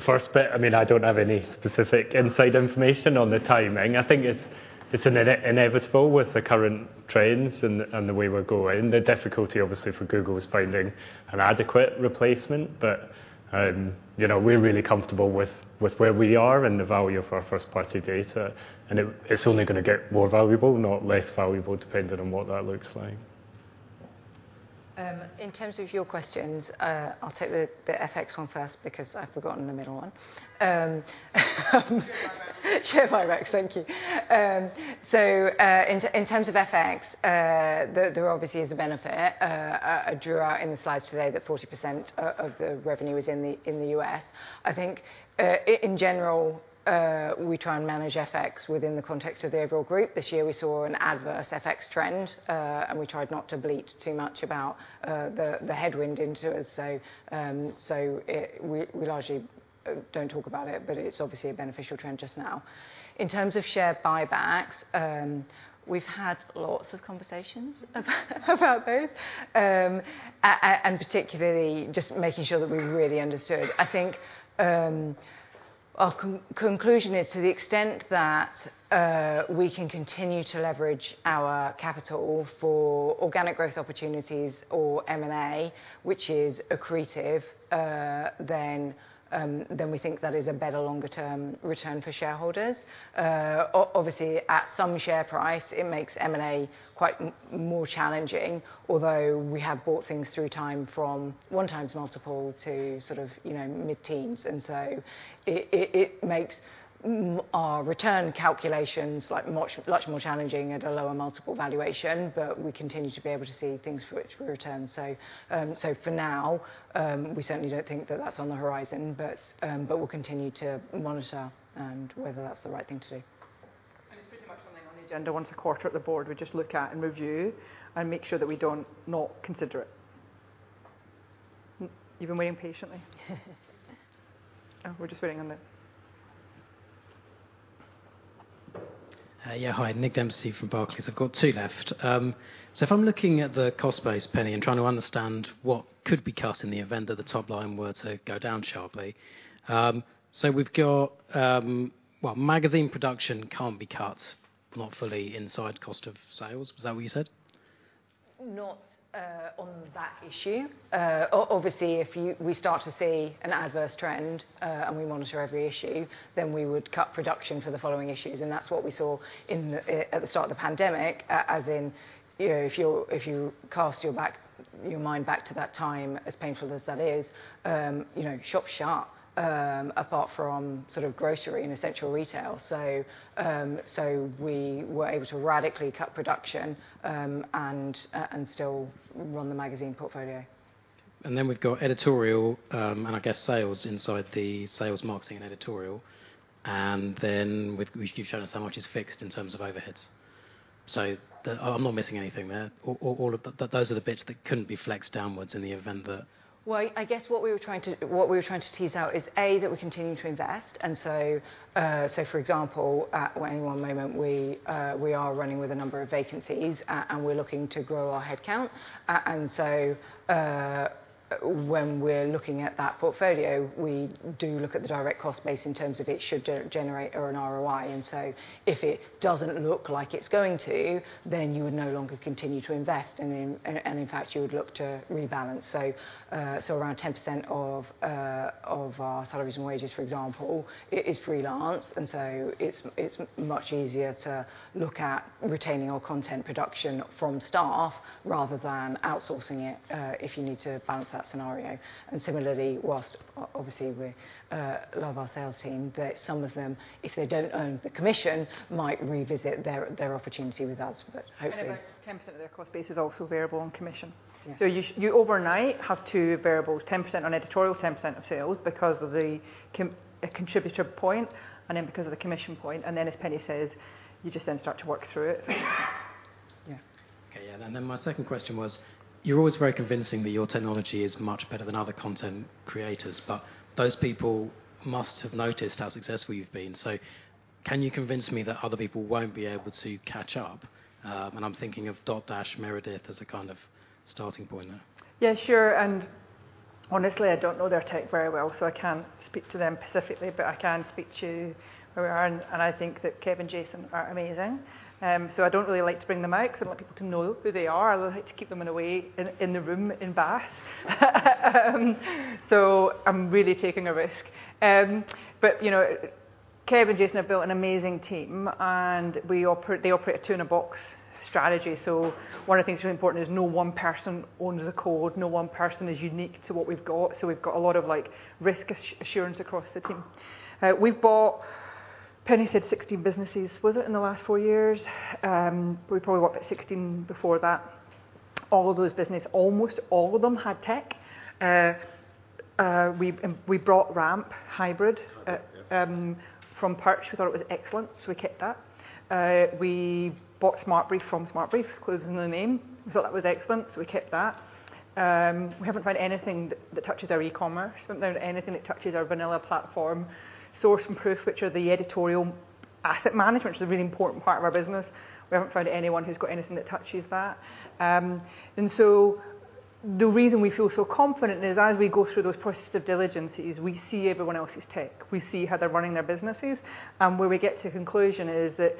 First bit, I mean, I don't have any specific inside information on the timing. I think it's inevitable with the current trends and the way we're going. The difficulty obviously for Google is finding an adequate replacement. You know, we're really comfortable with where we are and the value of our first-party data, and it's only gonna get more valuable, not less valuable, depending on what that looks like. In terms of your questions, I'll take the FX one first because I've forgotten the middle one. Share buybacks. Share buybacks. Thank you. In terms of FX, there obviously is a benefit. I drew out in the slides today that 40% of the revenue is in the U.S. I think, in general, we try and manage FX within the context of the overall group. This year we saw an adverse FX trend, and we tried not to bleat too much about the headwind into it. We largely don't talk about it, but it's obviously a beneficial trend just now. In terms of share buybacks, we've had lots of conversations about those. And particularly just making sure that we really understood. I think, our conclusion is to the extent that we can continue to leverage our capital for organic growth opportunities or M&A, which is accretive, then we think that is a better longer term return for shareholders. Obviously at some share price it makes M&A quite more challenging, although we have bought things over time from 1 times multiple to sort of, you know, mid-teens. It makes our return calculations like much more challenging at a lower multiple valuation, but we continue to be able to see things for which we return. For now, we certainly don't think that that's on the horizon, but we'll continue to monitor and whether that's the right thing to do. It's pretty much something on the agenda once a quarter at the board. We just look at and review and make sure that we don't not consider it. You've been waiting patiently. Yeah. Hi, Nick Dempsey from Barclays. I've got two left. So if I'm looking at the cost base, Penny, and trying to understand what could be cut in the event that the top line were to go down sharply. So we've got, magazine production can't be cut, not fully inside cost of sales. Is that what you said? Not on that issue. Obviously, if we start to see an adverse trend and we monitor every issue, then we would cut production for the following issues, and that's what we saw at the start of the pandemic as in, you know, if you cast your mind back to that time, as painful as that is, you know, shops shut apart from sort of grocery and essential retail. We were able to radically cut production and still run the magazine portfolio. We've got editorial, and I guess sales inside the sales, marketing and editorial. We keep showing us how much is fixed in terms of overheads. I'm not missing anything there. All of those are the bits that couldn't be flexed downwards in the event that- Well, I guess what we were trying to tease out is, A, that we're continuing to invest, and so for example, at One Moment we are running with a number of vacancies and we're looking to grow our headcount. When we're looking at that portfolio, we do look at the direct cost base in terms of it should generate an ROI. If it doesn't look like it's going to, then you would no longer continue to invest and then in fact you would look to rebalance. Around 10% of our salaries and wages, for example, is freelance, and so it's much easier to look at retaining our content production from staff rather than outsourcing it if you need to balance that scenario. Similarly, while obviously we love our sales team, that some of them, if they don't earn the commission, might revisit their opportunity with us. But hopefully- About 10% of their cost base is also variable on commission. Yeah. You overnight have two variables, 10% on editorial, 10% of sales because of the contributor point and then because of the commission point, and then as Penny says, you just then start to work through it. Yeah. Okay. Yeah. My second question was, you're always very convincing that your technology is much better than other content creators, but those people must have noticed how successful you've been. Can you convince me that other people won't be able to catch up? I'm thinking of Dotdash Meredith as a kind of starting point there. Yeah, sure. Honestly, I don't know their tech very well, so I can't speak to them specifically, but I can speak to where we are, and I think that Kevin and Jason MacLellan are amazing. I don't really like to bring them out 'cause I want people to know who they are. I like to keep them in a way in the room embarrassed. I'm really taking a risk. You know, Kevin and Jason MacLellan have built an amazing team, and they operate a two-in-a-box strategy. One of the things that's really important is no one person owns the code, no one person is unique to what we've got. We've got a lot of like risk assurance across the team. We've bought, Penny Ladkin-Brand said 16 businesses, was it, in the last four years? We probably bought about 16 before that. All those businesses, almost all of them had tech. We bought RAMP, Hybrid- Hybrid, yeah. from Purch. We thought it was excellent, so we kept that. We bought SmartBrief from SmartBrief, clue's in the name. We thought that was excellent, so we kept that. We haven't found anything that touches our e-commerce. We haven't found anything that touches our Vanilla platform. Source and Proof, which are the editorial asset management is a really important part of our business. We haven't found anyone who's got anything that touches that. The reason we feel so confident is as we go through those processes of due diligence, we see everyone else's tech. We see how they're running their businesses. Where we get to conclusion is that,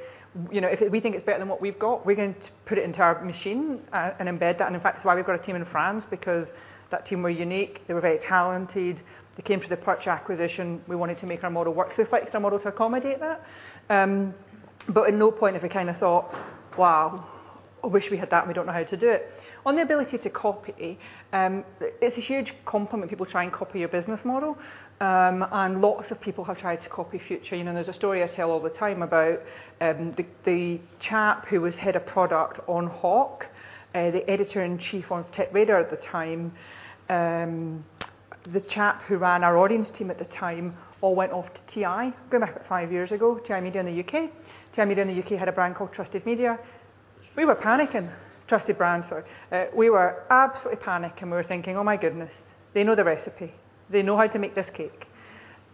you know, if we think it's better than what we've got, we're going to put it into our machine and embed that. In fact, that's why we've got a team in France because that team were unique, they were very talented. They came through the Purch acquisition. We wanted to make our model work, so we fixed our model to accommodate that. At no point have we kinda thought, "Wow, I wish we had that, and we don't know how to do it." On the ability to copy, it's a huge compliment people try and copy your business model. Lots of people have tried to copy Future. You know, there's a story I tell all the time about the chap who was head of product on Hawk, the editor-in-chief on TechRadar at the time, the chap who ran our audience team at the time, all went off to TI, going back about five years ago, TI Media in the U.K.. TI Media in the U.K. had a brand called Trusted Reviews. We were panicking. Trusted Reviews, sorry. We were absolutely panicking. We were thinking, "Oh my goodness, they know the recipe. They know how to make this cake.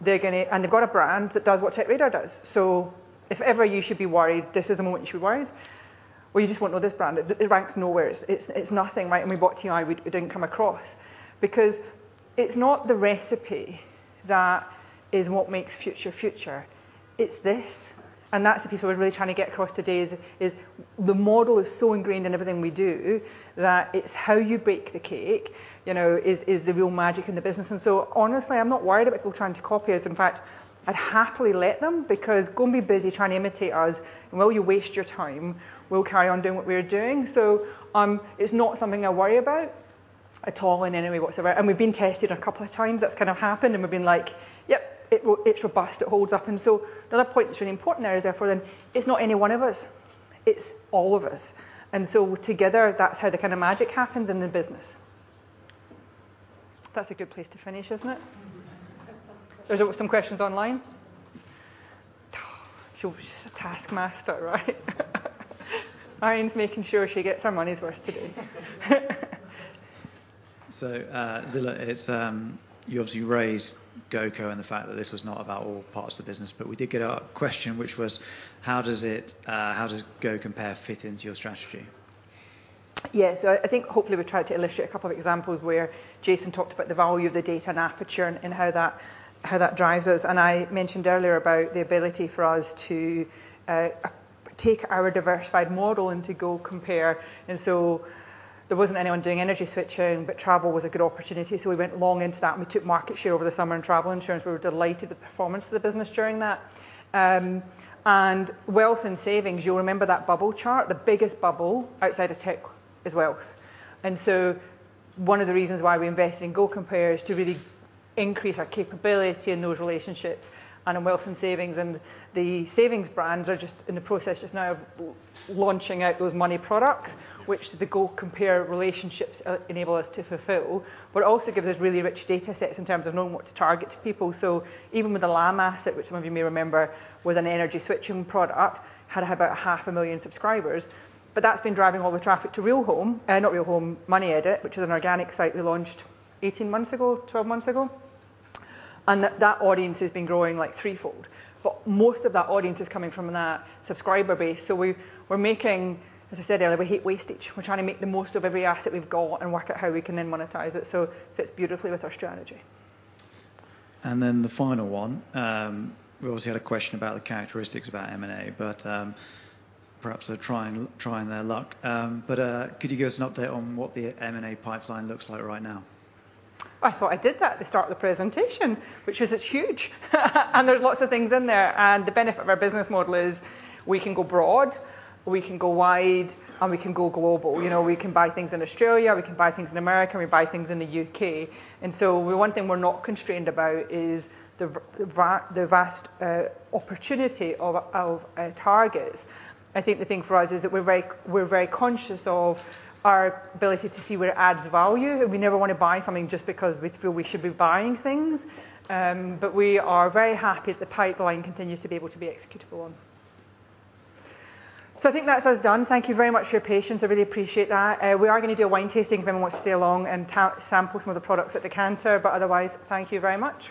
They're gonna, and they've got a brand that does what TechRadar does. So if ever you should be worried, this is the moment you should be worried." Well, you just won't know this brand. It's nothing, right? When we bought TI, we didn't come across. Because it's not the recipe that is what makes Future. It's this, and that's the piece what we're really trying to get across today is the model is so ingrained in everything we do that it's how you bake the cake, you know, is the real magic in the business. Honestly, I'm not worried about people trying to copy us. In fact, I'd happily let them because go and be busy trying to imitate us. While you waste your time, we'll carry on doing what we're doing. It's not something I worry about at all in any way whatsoever. We've been tested a couple of times. That's kind of happened, and we've been like, "Yep, it's robust. It holds up." Another point that's really important there is therefore then it's not any one of us, it's all of us. Together, that's how the kinda magic happens in the business. That's a good place to finish, isn't it? We have some questions. There's some questions online? Oh, she's a taskmaster, right? Irene's making sure she gets her money's worth today. Zillah, you obviously raised GoCo and the fact that this was not about all parts of the business, but we did get a question which was. How does it, how does GoCompare fit into your strategy? I think hopefully we tried to illustrate a couple of examples where Jason talked about the value of the data and Aperture and how that drives us. I mentioned earlier about the ability for us to take our diversified model into GoCompare. There wasn't anyone doing energy switching, but travel was a good opportunity, so we went long into that, and we took market share over the summer in travel insurance. We were delighted with the performance of the business during that. Wealth and savings, you'll remember that bubble chart. The biggest bubble outside of tech is wealth. One of the reasons why we invested in GoCompare is to really increase our capability in those relationships and in wealth and savings. The savings brands are just in the process just now of launching out those money products, which the GoCompare relationships enable us to fulfill. It also gives us really rich datasets in terms of knowing what to target to people. Even with the Look After My Bills asset, which some of you may remember was an energy-switching product, had about 500,000 subscribers, but that's been driving all the traffic to Real Home. Not Real Home, Money Edit, which is an organic site we launched 18 months ago, 12 months ago. That audience has been growing, like, threefold. Most of that audience is coming from that subscriber base. We're making. As I said earlier, we hate wastage. We're trying to make the most of every asset we've got and work out how we can then monetize it, so fits beautifully with our strategy. The final one, we obviously had a question about the characteristics about M&A, but perhaps they're trying their luck. Could you give us an update on what the M&A pipeline looks like right now? I thought I did that at the start of the presentation, which is it's huge. There's lots of things in there, and the benefit of our business model is we can go broad, we can go wide, and we can go global. You know, we can buy things in Australia, we can buy things in America, and we buy things in the U.K.. One thing we're not constrained about is the vast opportunity of targets. I think the thing for us is that we're very conscious of our ability to see where it adds value, and we never wanna buy something just because we feel we should be buying things. We are very happy the pipeline continues to be able to be executable on. I think that's us done. Thank you very much for your patience. I really appreciate that. We are gonna do a wine tasting if anyone wants to stay and sample some of the products at Decanter, but otherwise, thank you very much.